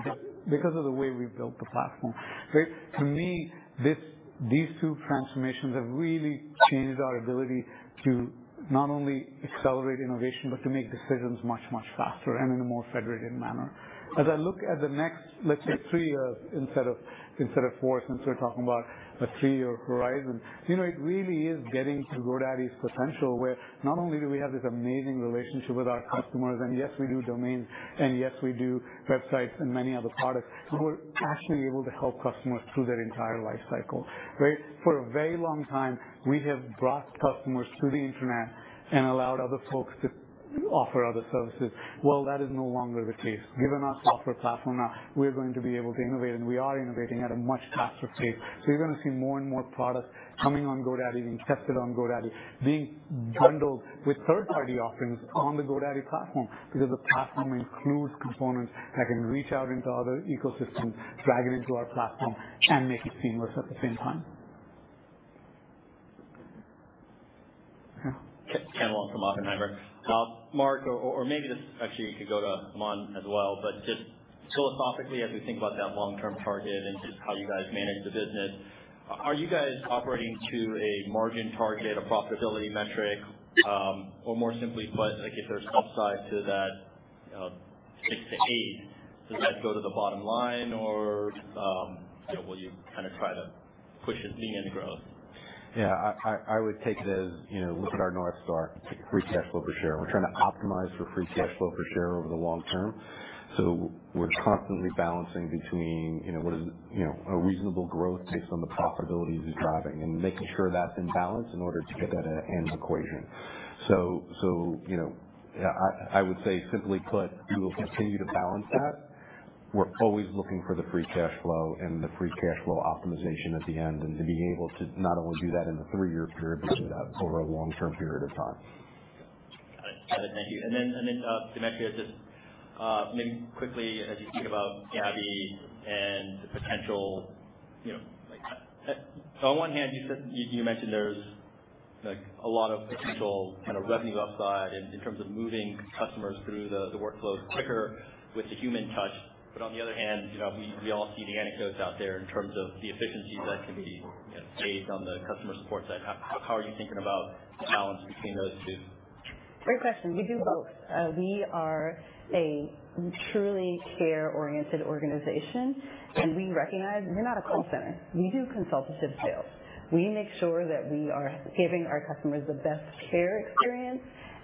S10: because of the way we've built the platform." To me, these two transformations have really changed our ability to not only accelerate innovation but to make decisions much, much faster and in a more federated manner. As I look at the next, let's say, three years instead of four since we're talking about a three-year horizon, it really is getting to GoDaddy's potential where not only do we have this amazing relationship with our customers, and yes, we do domains, and yes, we do websites and many other products, but we're actually able to help customers through their entire lifecycle, right? For a very long time, we have brought customers to the internet and allowed other folks to offer other services. Well, that is no longer the case. Given our software platform now, we're going to be able to innovate, and we are innovating at a much faster pace. So you're going to see more and more products coming on GoDaddy, being tested on GoDaddy, being bundled with third-party offerings on the GoDaddy platform because the platform includes components that can reach out into other ecosystems, drag it into our platform, and make it seamless at the same time.
S13: Ken Wong from Oppenheimer. Mark, or maybe actually, you could go to Aman as well. But just philosophically, as we think about that long-term target and just how you guys manage the business, are you guys operating to a margin target, a profitability metric? Or more simply put, if there's upside to that 6-8, does that go to the bottom line, or will you kind of try to push it, lean into growth?
S10: Yeah. I would take it as, look at our North Star, Free Cash Flow per share. We're trying to optimize for Free Cash Flow per share over the long term. So we're constantly balancing between what is a reasonable growth based on the profitability that's driving and making sure that's in balance in order to get that end equation. So I would say, simply put, we will continue to balance that. We're always looking for the Free Cash Flow and the Free Cash Flow optimization at the end and to be able to not only do that in the three-year period but do that over a long-term period of time.
S13: Got it. Got it. Thank you. And then, Demetria, just maybe quickly, as you think about Gabby and the potential on one hand, you mentioned there's a lot of potential kind of revenue upside in terms of moving customers through the workflows quicker with the human touch. But on the other hand, we all see the anecdotes out there in terms of the efficiencies that can be saved on the customer support side. How are you thinking about the balance between those two?
S5: Great question. We do both. We are a truly care-oriented organization, and we recognize we're not a call center. We do consultative sales. We make sure that we are giving our customers the best care experience,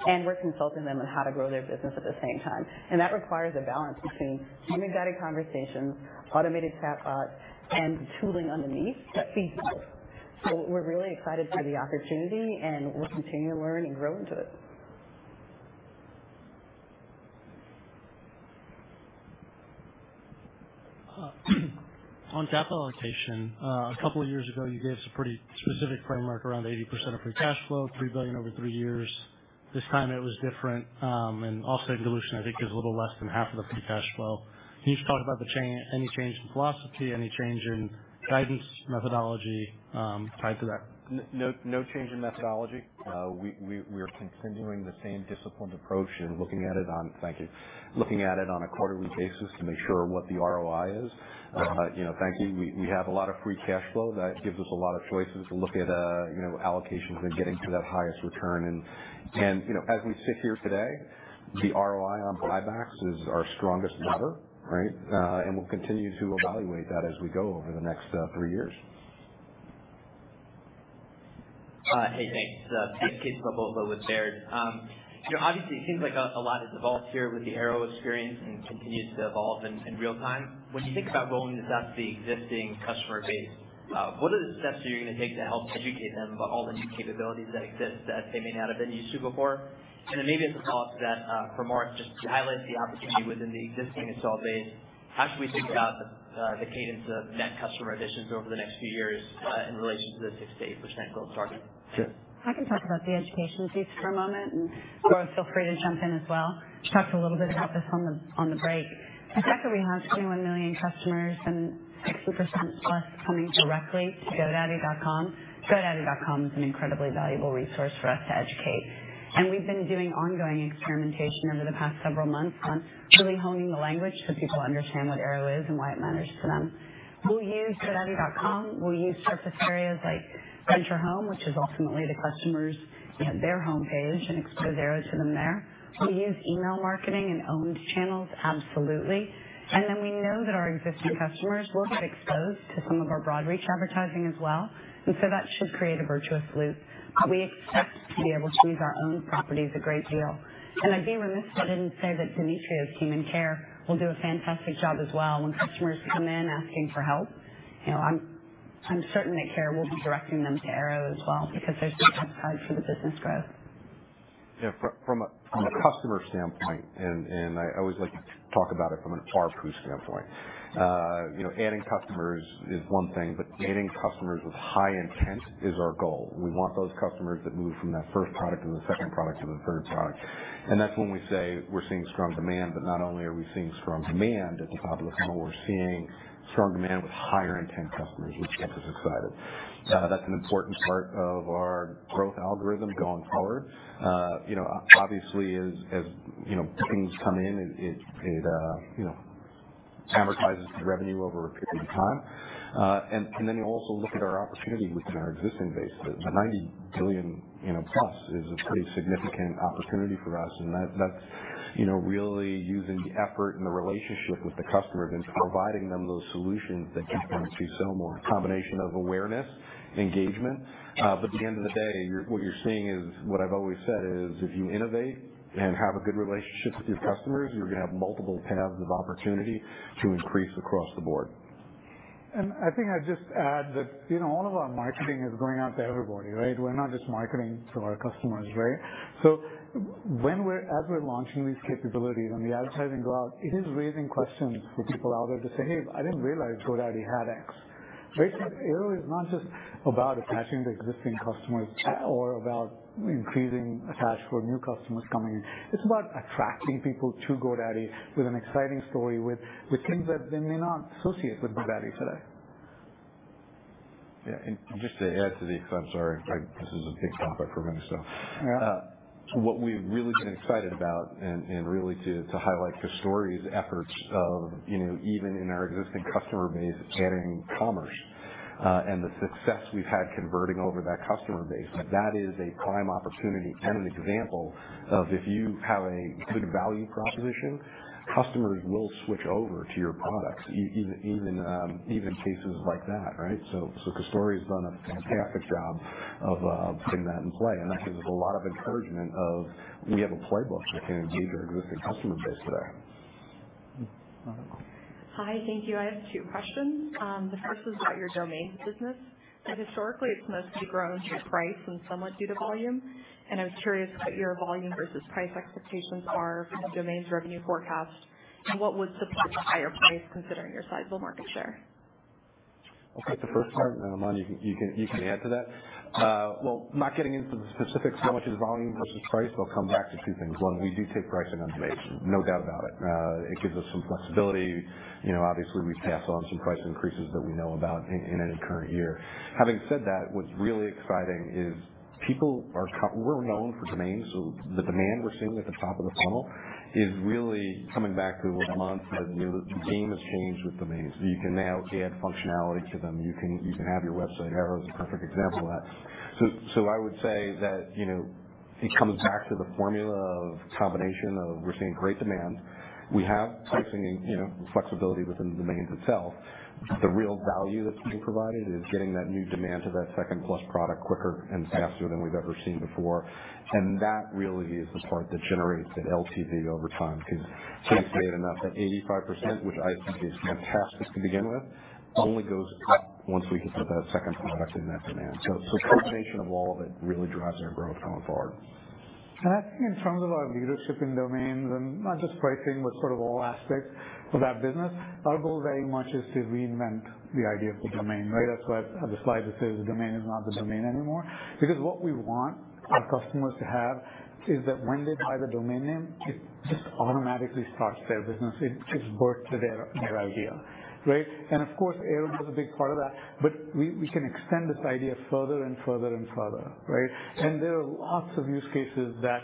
S5: and we're consulting them on how to grow their business at the same time. And that requires a balance between human-guided conversations, automated chatbots, and tooling underneath that feeds both. So we're really excited for the opportunity, and we'll continue to learn and grow into it.
S13: On capital allocation, a couple of years ago, you gave us a pretty specific framework around 80% of free cash flow, $3 billion over three years. This time, it was different. Also in dilution, I think there's a little less than half of the free cash flow. Can you just talk about any change in philosophy, any change in guidance methodology tied to that?
S3: No change in methodology. We are continuing the same disciplined approach. Thank you. Looking at it on a quarterly basis to make sure what the ROI is. Thank you. We have a lot of free cash flow. That gives us a lot of choices to look at allocations and getting to that highest return. As we sit here today, the ROI on buybacks is our strongest lever, right? We'll continue to evaluate that as we go over the next three years.
S14: Hey. Thanks. Keith Bachman with Baird. Obviously, it seems like a lot has evolved here with the Airo experience and continues to evolve in real time. When you think about rolling this out to the existing customer base, what are the steps that you're going to take to help educate them about all the new capabilities that exist that they may not have been used to before? And then maybe as a follow-up to that, for Mark, just to highlight the opportunity within the existing install base, how should we think about the cadence of net customer additions over the next few years in relation to the 6%-8% growth target?
S5: Sure. I can talk about the education piece for a moment, and Gourav, feel free to jump in as well. Talked a little bit about this on the break. The fact that we have 21 million customers and 60% plus coming directly to GoDaddy.com, GoDaddy.com is an incredibly valuable resource for us to educate. And we've been doing ongoing experimentation over the past several months on really honing the language so people understand what Airo is and why it matters to them. We'll use GoDaddy.com. We'll use surface areas like My Home, which is ultimately the customer's their homepage and exposes Airo to them there. We'll use email marketing and owned channels, absolutely. And then we know that our existing customers will get exposed to some of our broad reach advertising as well. And so that should create a virtuous loop. But we expect to be able to use our own properties a great deal. And I'd be remiss if I didn't say that Demetria's team in Care will do a fantastic job as well when customers come in asking for help. I'm certain that Care will be directing them to Airo as well because there's some upside for the business growth.
S10: Yeah. From a customer standpoint, and I always like to talk about it from an ARPU standpoint, adding customers is one thing, but getting customers with high intent is our goal. We want those customers that move from that first product to the second product to the third product. And that's when we say we're seeing strong demand. But not only are we seeing strong demand at the top of the funnel, we're seeing strong demand with higher intent customers, which gets us excited. That's an important part of our growth algorithm going forward. Obviously, as things come in, it amortizes the revenue over a period of time. And then you also look at our opportunity within our existing base. The $90 billion+ is a pretty significant opportunity for us. That's really using the effort and the relationship with the customer and providing them those solutions that keep them to sell more, a combination of awareness, engagement. At the end of the day, what you're seeing is what I've always said is if you innovate and have a good relationship with your customers, you're going to have multiple paths of opportunity to increase across the board.
S3: I think I'd just add that all of our marketing is going out to everybody, right? We're not just marketing to our customers, right? So as we're launching these capabilities and the advertising go out, it is raising questions for people out there to say, "Hey, I didn't realize GoDaddy had X," right? Airo is not just about attaching to existing customers or about increasing attachment for new customers coming in. It's about attracting people to GoDaddy with an exciting story, with things that they may not associate with GoDaddy today.
S10: Yeah. And just to add to the. I'm sorry. This is a big topic for me, so. What we've really been excited about and really to highlight Kasturi's efforts of even in our existing customer base, adding commerce and the success we've had converting over that customer base, that is a prime opportunity and an example of if you have a good value proposition, customers will switch over to your products, even in cases like that, right? So Kasturi has done a fantastic job of putting that in play. And that gives us a lot of encouragement of we have a playbook that can engage our existing customer base today.
S15: Hi. Thank you. I have two questions. The first is about your domain business. Historically, it's mostly grown through price and somewhat due to volume. I was curious what your volume versus price expectations are from the domain's revenue forecast and what would support the higher price considering your sizable market share.
S10: Okay. The first part, Aman, you can add to that. Well, not getting into the specifics so much as volume versus price, I'll come back to two things. One, we do take pricing on demand. No doubt about it. It gives us some flexibility. Obviously, we pass on some price increases that we know about in any current year. Having said that, what's really exciting is we're known for domains. So the demand we're seeing at the top of the funnel is really coming back to what Aman said. The game has changed with domains. You can now add functionality to them. You can have your website. Airo is a perfect example of that. So I would say that it comes back to the formula of combination of we're seeing great demand. We have pricing and flexibility within the domains itself. The real value that's being provided is getting that new demand to that second-plus product quicker and faster than we've ever seen before. And that really is the part that generates that LTV over time because to be fair enough, that 85%, which I think is fantastic to begin with, only goes up once we get to that second product in that demand. So combination of all of it really drives our growth going forward.
S2: And I think in terms of our leadership in domains and not just pricing but sort of all aspects of that business, our goal very much is to reinvent the idea of the domain, right? That's why at the slide, it says, "The domain is not the domain anymore." Because what we want our customers to have is that when they buy the domain name, it just automatically starts their business. It just births their idea, right? And of course, Airo is a big part of that. But we can extend this idea further and further and further, right? And there are lots of use cases that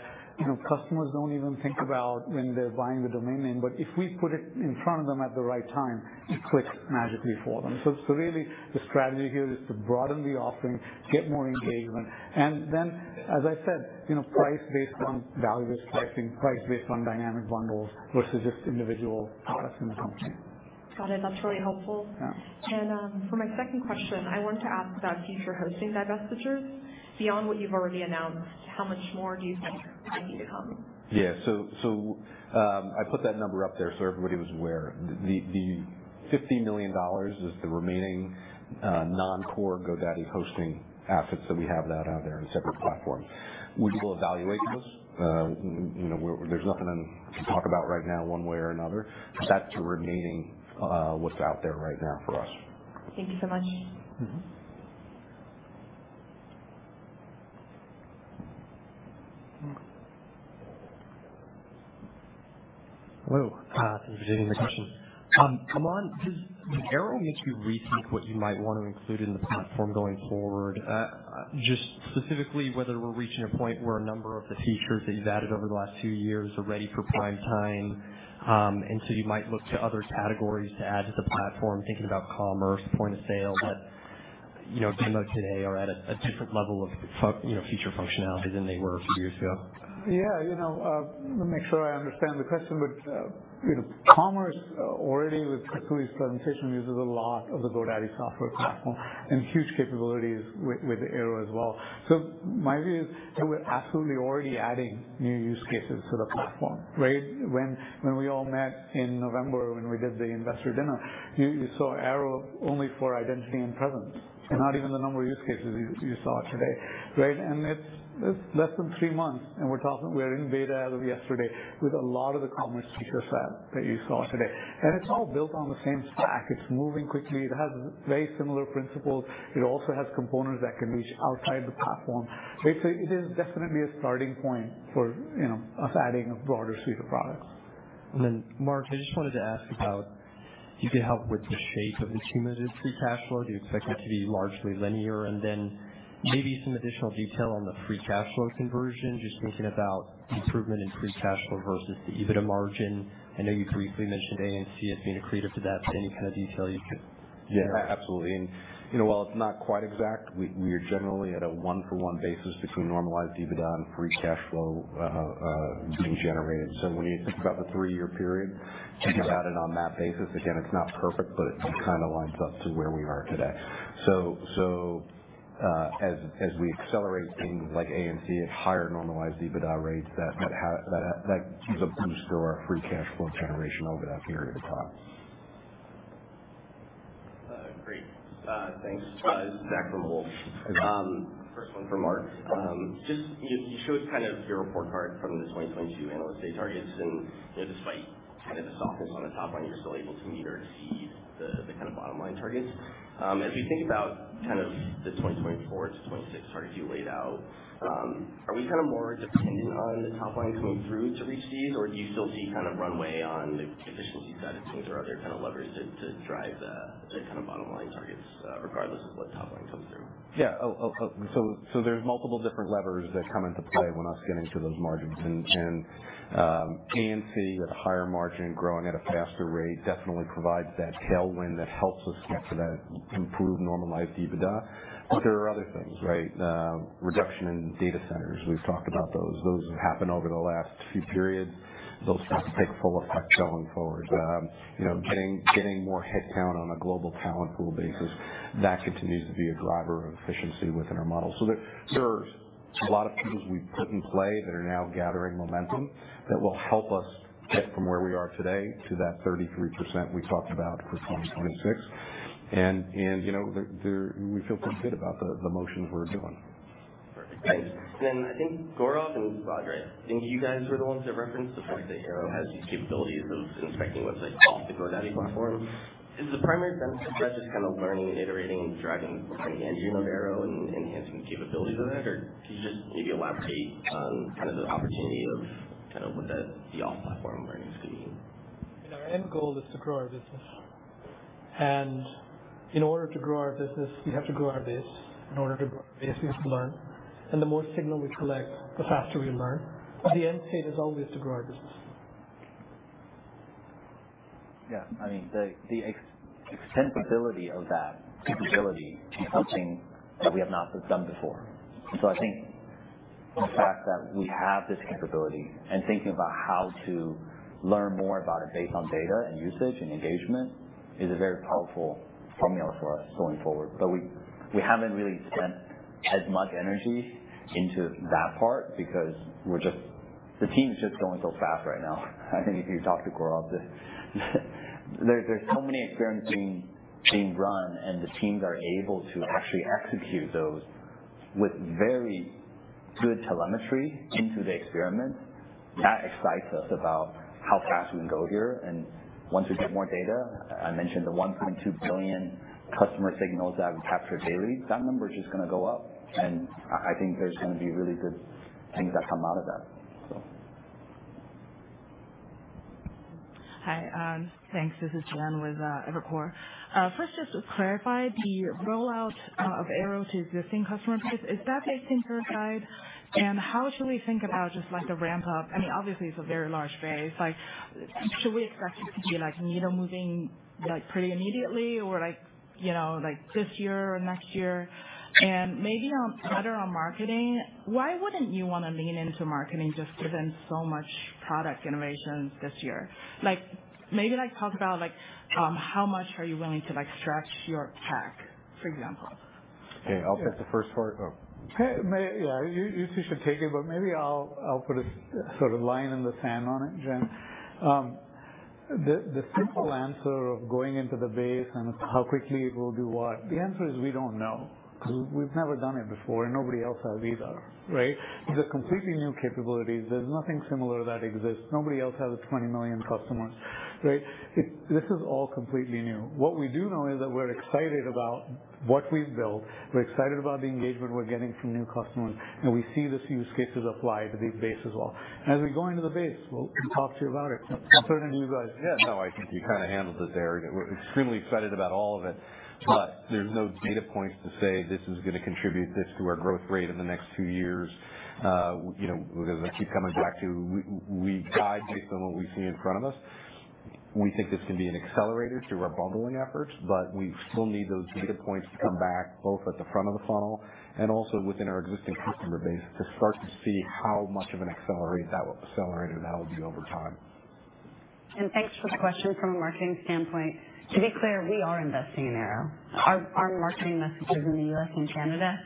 S2: customers don't even think about when they're buying the domain name. But if we put it in front of them at the right time, it clicks magically for them. So really, the strategy here is to broaden the offering, get more engagement. And then, as I said, price based on value-based pricing, price based on dynamic bundles versus just individual products in the company.
S15: Got it. That's really helpful. And for my second question, I wanted to ask about future hosting divestitures. Beyond what you've already announced, how much more do you think might be to come?
S10: Yeah. So I put that number up there so everybody was aware. The $50 million is the remaining non-core GoDaddy hosting assets that we have out there in separate platforms. We will evaluate those. There's nothing I can talk about right now one way or another. That's the remaining what's out there right now for us.
S15: Thank you so much.
S16: Hello. Thank you for taking the question. Aman, does Airo make you rethink what you might want to include in the platform going forward? Just specifically, whether we're reaching a point where a number of the features that you've added over the last two years are ready for prime time. And so you might look to other categories to add to the platform, thinking about commerce, point of sale that demoed today are at a different level of feature functionality than they were a few years ago.
S3: Yeah. Let me make sure I understand the question. But commerce already, with Kasturi's presentation, uses a lot of the GoDaddy software platform and huge capabilities with Airo as well. So my view is that we're absolutely already adding new use cases to the platform, right? When we all met in November when we did the investor dinner, you saw Airo only for identity and presence and not even the number of use cases you saw today, right? And it's less than three months, and we're in beta as of yesterday with a lot of the commerce feature set that you saw today. And it's all built on the same stack. It's moving quickly. It has very similar principles. It also has components that can reach outside the platform. It is definitely a starting point for us adding a broader suite of products.
S16: And then, Mark, I just wanted to ask about you could help with the shape of the cumulative free cash flow. Do you expect it to be largely linear and then maybe some additional detail on the free cash flow conversion, just thinking about improvement in free cash flow versus the EBITDA margin? I know you briefly mentioned A&C as being a creative to that, but any kind of detail you could?
S10: Yeah. Absolutely. While it's not quite exact, we are generally at a 1-for-1 basis between normalized EBITDA and Free Cash Flow being generated. When you think about the three-year period, you can add it on that basis. Again, it's not perfect, but it kind of lines up to where we are today. As we accelerate things like A&C at higher normalized EBITDA rates, that gives a boost to our Free Cash Flow generation over that period of time.
S17: Great. Thanks. This is Zach from Wolfe. First one from Mark. You showed kind of your report card from the 2022 analyst day targets. Despite kind of the softness on the top line, you're still able to meet or exceed the kind of bottom line targets. As we think about kind of the 2024 to 2026 targets you laid out, are we kind of more dependent on the top line coming through to reach these, or do you still see kind of runway on the efficiency side of things or other kind of levers to drive the kind of bottom line targets regardless of what top line comes through?
S10: Yeah. So there's multiple different levers that come into play when us getting to those margins. And A&C at a higher margin, growing at a faster rate, definitely provides that tailwind that helps us get to that improved normalized EBITDA. But there are other things, right? Reduction in data centers. We've talked about those. Those have happened over the last few periods. Those start to take full effect going forward. Getting more headcount on a global talent pool basis, that continues to be a driver of efficiency within our model. So there's a lot of tools we've put in play that are now gathering momentum that will help us get from where we are today to that 33% we talked about for 2026. And we feel pretty good about the motions we're doing.
S17: Perfect. Thanks. And then I think Gourav and Roger, I think you guys were the ones that referenced the fact that Airo has these capabilities of inspecting websites off the GoDaddy platform. Is the primary benefit of that just kind of learning and iterating and driving the engine of Airo and enhancing the capabilities of that, or can you just maybe elaborate on kind of the opportunity of kind of what the off-platform learnings could mean?
S3: Our end goal is to grow our business. In order to grow our business, we have to grow our base. In order to grow our base, we have to learn. The more signal we collect, the faster we learn. The end state is always to grow our business.
S9: Yeah. I mean, the extensibility of that capability is something that we have not done before. And so I think the fact that we have this capability and thinking about how to learn more about it based on data and usage and engagement is a very powerful formula for us going forward. But we haven't really spent as much energy into that part because the team is just going so fast right now. I think if you talk to Gourav, there's so many experiments being run, and the teams are able to actually execute those with very good telemetry into the experiments. That excites us about how fast we can go here. And once we get more data, I mentioned the 1.2 billion customer signals that we capture daily, that number is just going to go up. I think there's going to be really good things that come out of that, so.
S18: Hi. Thanks. This is Jen with Evercore. First, just to clarify, the rollout of Airo to existing customer base, is that cohort-based? And how should we think about just the ramp-up? I mean, obviously, it's a very large base. Should we expect it to be needle-moving pretty immediately or this year or next year? And maybe better on marketing, why wouldn't you want to lean into marketing just given so much product innovation this year? Maybe talk about how much are you willing to stretch your capex, for example?
S2: Okay. I'll take the first part.
S3: Yeah. You two should take it, but maybe I'll put a sort of line in the sand on it, Jen. The simple answer of going into the base and how quickly it will do what, the answer is we don't know because we've never done it before, and nobody else has either, right? These are completely new capabilities. There's nothing similar that exists. Nobody else has the 20 million customers, right? This is all completely new. What we do know is that we're excited about what we've built. We're excited about the engagement we're getting from new customers. And we see these use cases apply to the base as well. As we go into the base, we'll talk to you about it. I'm turning to you guys.
S10: Yeah. No, I think you kind of handled it there. We're extremely excited about all of it. But there's no data points to say this is going to contribute this to our growth rate in the next two years because I keep coming back to we guide based on what we see in front of us. We think this can be an accelerator to our bundling efforts, but we still need those data points to come back both at the front of the funnel and also within our existing customer base to start to see how much of an accelerator that will be over time.
S5: Thanks for the question from a marketing standpoint. To be clear, we are investing in Airo. Our marketing messages in the U.S. and Canada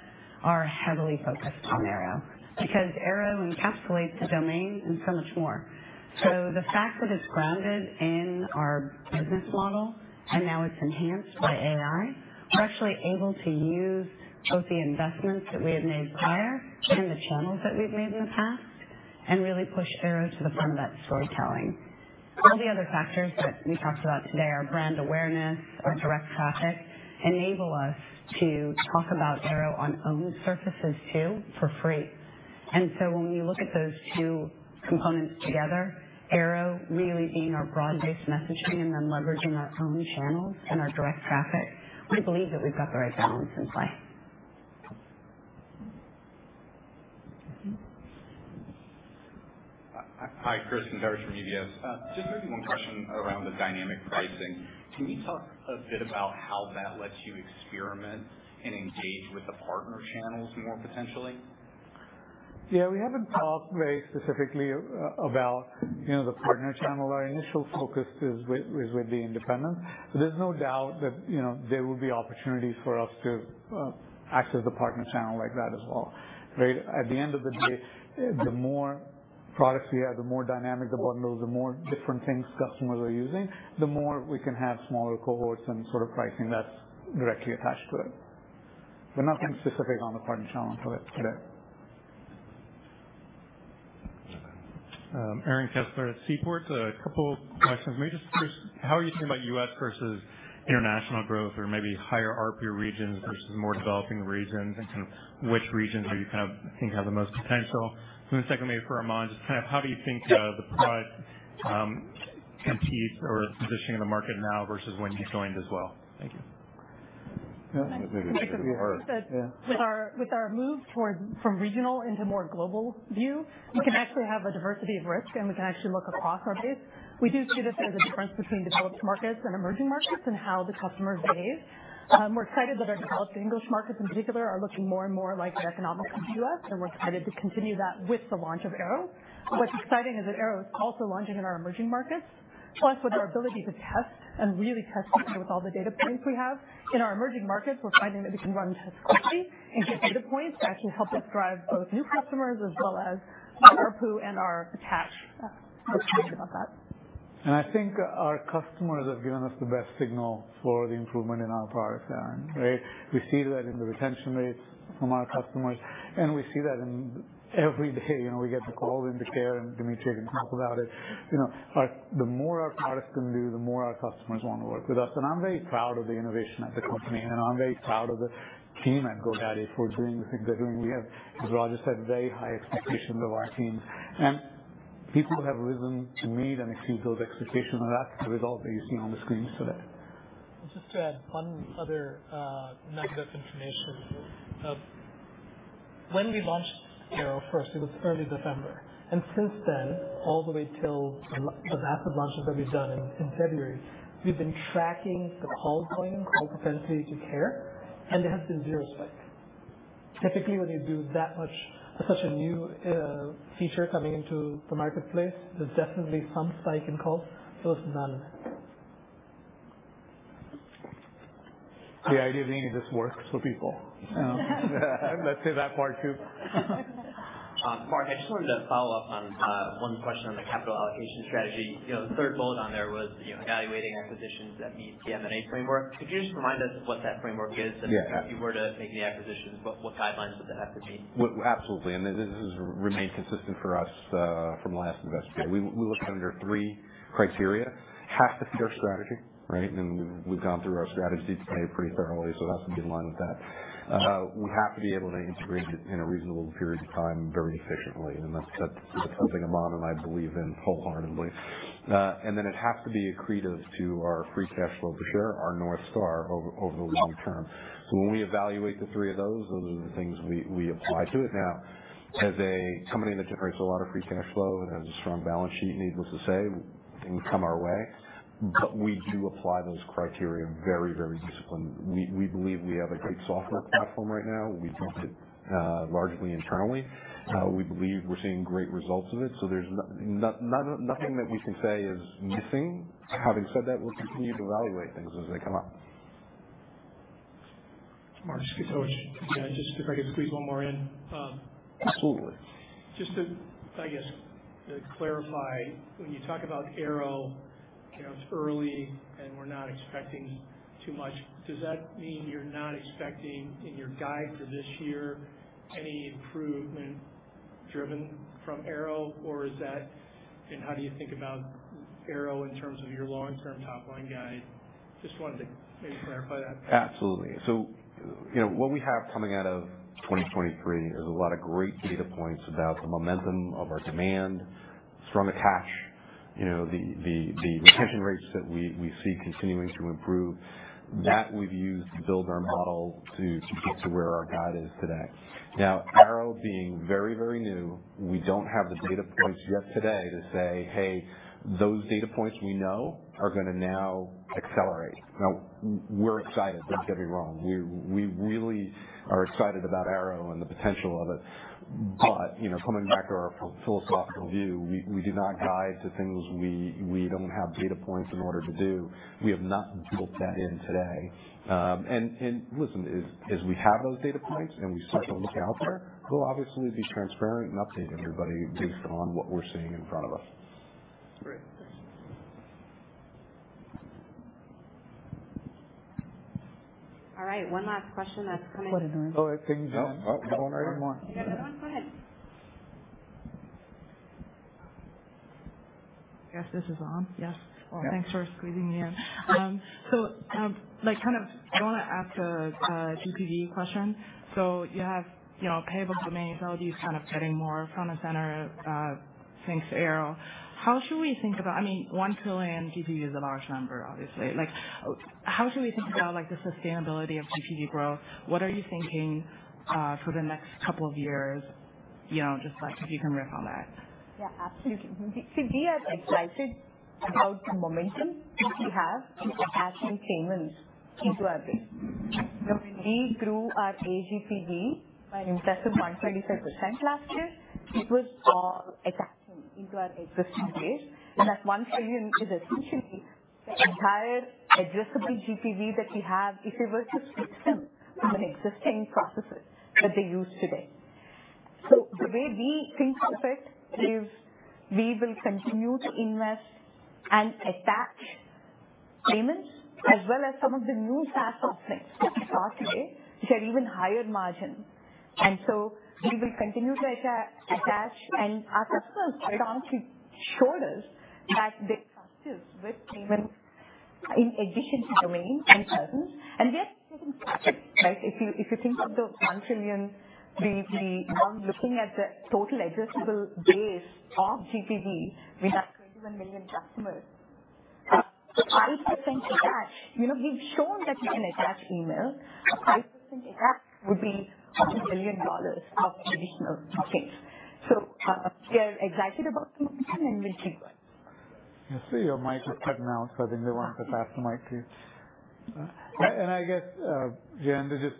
S5: are heavily focused on Airo because Airo encapsulates the domain and so much more. So the fact that it's grounded in our business model and now it's enhanced by AI, we're actually able to use both the investments that we had made prior and the channels that we've made in the past and really push Airo to the front of that storytelling. All the other factors that we talked about today, our brand awareness, our direct traffic, enable us to talk about Airo on owned surfaces too for free. And so when you look at those two components together, Airo really being our broad-based messaging and then leveraging our own channels and our direct traffic, we believe that we've got the right balance in play.
S19: Hi. Chris and Derek from UBS. Just maybe one question around the dynamic pricing. Can you talk a bit about how that lets you experiment and engage with the partner channels more, potentially?
S3: Yeah. We haven't talked very specifically about the partner channel. Our initial focus is with the independents. But there's no doubt that there will be opportunities for us to access the partner channel like that as well, right? At the end of the day, the more products we have, the more dynamic the bundles, the more different things customers are using, the more we can have smaller cohorts and sort of pricing that's directly attached to it. But nothing specific on the partner channel today.
S19: Aaron Kessler at Seaport. A couple of questions. Maybe just, Chris, how are you thinking about U.S. versus international growth or maybe higher ARPA regions versus more developing regions and kind of which regions do you kind of think have the most potential? And then secondly for Aman, just kind of how do you think the product competes or positioning in the market now versus when you joined as well? Thank you.
S1: Yeah. I think it's interesting that with our move from regional into more global view, we can actually have a diversity of risk, and we can actually look across our base. We do see that there's a difference between developed markets and emerging markets in how the customers behave. We're excited that our developed English markets, in particular, are looking more and more like the economics of the U.S., and we're excited to continue that with the launch of Airo. What's exciting is that Airo is also launching in our emerging markets. Plus, with our ability to test and really test together with all the data points we have in our emerging markets, we're finding that we can run tests quickly and get data points to actually help us drive both new customers as well as our ARPU and our attach. I'm excited about that.
S3: I think our customers have given us the best signal for the improvement in our products, Aaron, right? We see that in the retention rates from our customers, and we see that every day. We get the calls into Care, and Demetria can talk about it. The more our products can do, the more our customers want to work with us. I'm very proud of the innovation at the company. I'm very proud of the team at GoDaddy for doing the things they're doing. As Roger said, very high expectations of our teams. People have risen to meet and exceed those expectations, and that's the result that you see on the screens today.
S9: Just to add one other nugget of information. When we launched Airo first, it was early December. And since then, all the way till the massive launches that we've done in February, we've been tracking the calls going in, call propensity to Care, and there has been zero spike. Typically, when you do such a new feature coming into the marketplace, there's definitely some spike in calls. There was none of it.
S3: The idea being that this works for people. Let's say that part too.
S19: Mark, I just wanted to follow up on one question on the capital allocation strategy. The third bullet on there was evaluating acquisitions that meet the M&A framework. Could you just remind us what that framework is? And if you were to make any acquisitions, what guidelines would that have to meet?
S10: Absolutely. This has remained consistent for us from the last investigation. We look at it under three criteria. It has to fit our strategy, right? We've gone through our strategy today pretty thoroughly, so that has to be in line with that. We have to be able to integrate it in a reasonable period of time very efficiently. That's something Roger and I believe in wholeheartedly. Then it has to be accretive to our free cash flow per share, our North Star over the long term. So when we evaluate the three of those, those are the things we apply to it. Now, as a company that generates a lot of free cash flow and has a strong balance sheet, needless to say, things come our way. But we do apply those criteria very, very disciplined. We believe we have a great software platform right now. We built it largely internally. We believe we're seeing great results of it. There's nothing that we can say is missing. Having said that, we'll continue to evaluate things as they come up.
S19: Mark, could I just squeeze one more in? Just to, I guess, clarify, when you talk about Airo, it's early, and we're not expecting too much. Does that mean you're not expecting in your guide for this year any improvement driven from Airo, or is that? And how do you think about Airo in terms of your long-term top line guide? Just wanted to maybe clarify that.
S10: Absolutely. So what we have coming out of 2023 is a lot of great data points about the momentum of our demand, strong attach, the retention rates that we see continuing to improve. That we've used to build our model to get to where our guide is today. Now, Airo being very, very new, we don't have the data points yet today to say, "Hey, those data points we know are going to now accelerate." Now, we're excited. Don't get me wrong. We really are excited about Airo and the potential of it. But coming back to our philosophical view, we do not guide to things we don't have data points in order to do. We have not built that in today. Listen, as we have those data points and we start to look out there, we'll obviously be transparent and update everybody based on what we're seeing in front of us.
S19: Great. Thanks.
S1: All right. One last question that's coming.
S2: What an early.
S3: Oh, thank you, Jen.
S2: Oh, go on right away.
S1: You got another one? Go ahead.
S20: Yes. This is on. Yes. Well, thanks for squeezing me in. So kind of I want to ask a GPV question. So you have Payments, Domains, Utilities kind of getting more front and center, thanks to Airo. How should we think about I mean, 1 trillion GPV is a large number, obviously. How should we think about the sustainability of GPV growth? What are you thinking for the next couple of years? Just if you can riff on that.
S7: Yeah. Absolutely. See, we are excited about the momentum that we have in attaching payments into our base. We grew our AGPV by an impressive 125% last year. It was all attaching into our existing base. And that $1 trillion is essentially the entire addressable GPV that we have if it were to switch them from an existing processor that they use today. So the way we think of it is we will continue to invest and attach payments as well as some of the new SaaS offerings that we saw today, which had even higher margins. And so we will continue to attach. And our customers predominantly showed us that they trust us with payments in addition to domain and presence. And we are taking cash, right? If you think of the $1 trillion, we are looking at the total addressable base of GPV. We have 21 million customers. A 5% attach, we've shown that you can attach email. A 5% attach would be $1 billion of additional things. So we are excited about the momentum, and we'll keep going.
S3: I see your mic is cutting out, so I think they wanted to pass the mic to you. I guess, Jen, to just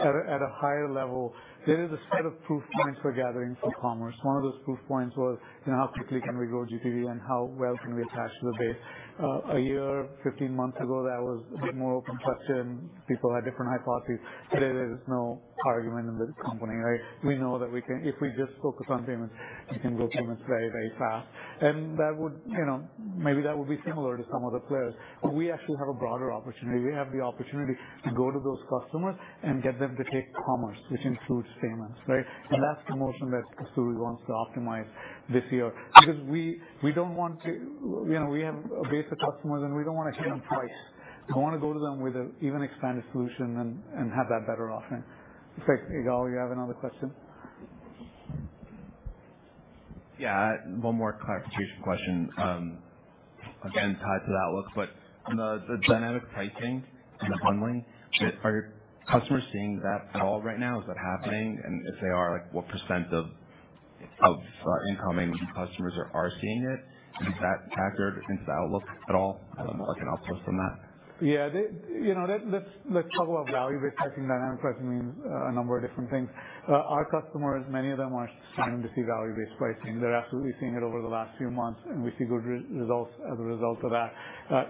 S3: at a higher level, there is a set of proof points we're gathering for commerce. One of those proof points was how quickly can we grow GPV and how well can we attach to the base. A year, 15 months ago, that was a bit more open question, and people had different hypotheses. Today, there is no argument in the company, right? We know that if we just focus on payments, we can grow payments very, very fast. And maybe that would be similar to some other players. But we actually have a broader opportunity. We have the opportunity to go to those customers and get them to take commerce, which includes payments, right? That's the motion that Kasturi wants to optimize this year because we don't want to we have a base of customers, and we don't want to hit them twice. We want to go to them with an even expanded solution and have that better offering. If I can take it, you have another question?
S20: Yeah. One more clarification question, again tied to that look. But the dynamic pricing and the bundling, are customers seeing that at all right now? Is that happening? And if they are, what % of incoming customers are seeing it? Is that factored into the outlook at all? I don't know if I can outsource on that.
S3: Yeah. Let's talk about value-based pricing. Dynamic pricing means a number of different things. Our customers, many of them are starting to see value-based pricing. They're absolutely seeing it over the last few months, and we see good results as a result of that.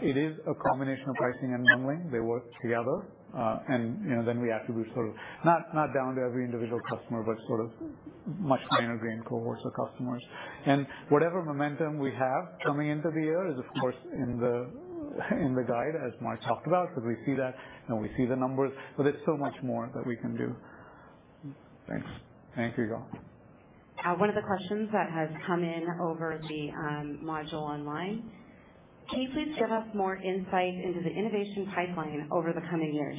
S3: It is a combination of pricing and bundling. They work together. And then we attribute sort of not down to every individual customer, but sort of much finer grain cohorts of customers. And whatever momentum we have coming into the year is, of course, in the guide, as Mark talked about, because we see that, and we see the numbers. But there's so much more that we can do.
S20: Thanks. Thank you, Gourav.
S1: One of the questions that has come in over the module online, "Can you please give us more insight into the innovation pipeline over the coming years?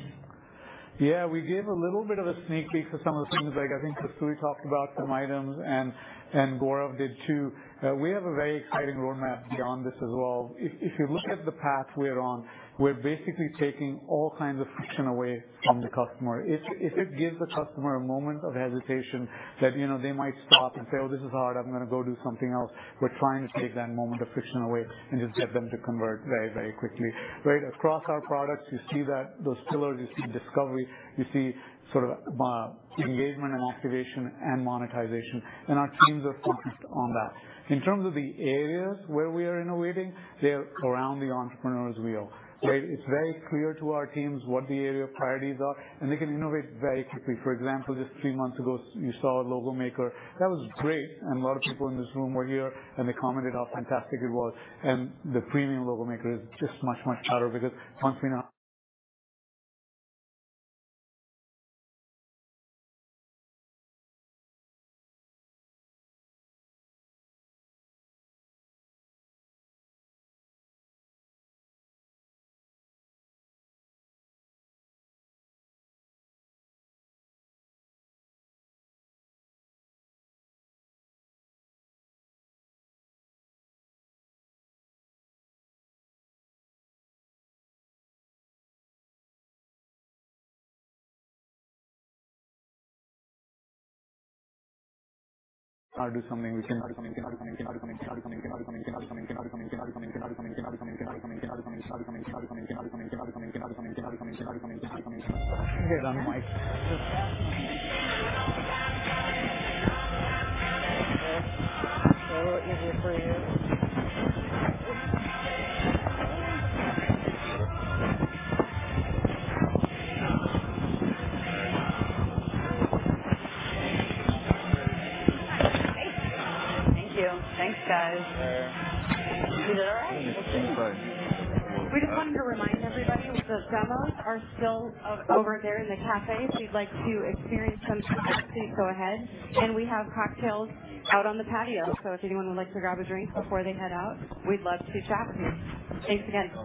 S2: Yeah. We gave a little bit of a sneak peek to some of the things that I think Kasturi talked about, some items, and Gourav did too. We have a very exciting roadmap beyond this as well. If you look at the path we're on, we're basically taking all kinds of friction away from the customer. If it gives the customer a moment of hesitation that they might stop and say, "Oh, this is hard. I'm going to go do something else," we're trying to take that moment of friction away and just get them to convert very, very quickly, right? Across our products, you see those pillars. You see discovery. You see sort of engagement and activation and monetization. And our teams are focused on that. In terms of the areas where we are innovating, they're around the entrepreneur's wheel, right? It's very clear to our teams what the area of priorities are, and they can innovate very quickly. For example, just three months ago, you saw a Logo Maker. That was great. A lot of people in this room were here, and they commented how fantastic it was. The premium Logo Maker is just much, much better because once we know how.
S1: Thank you. Thanks, guys.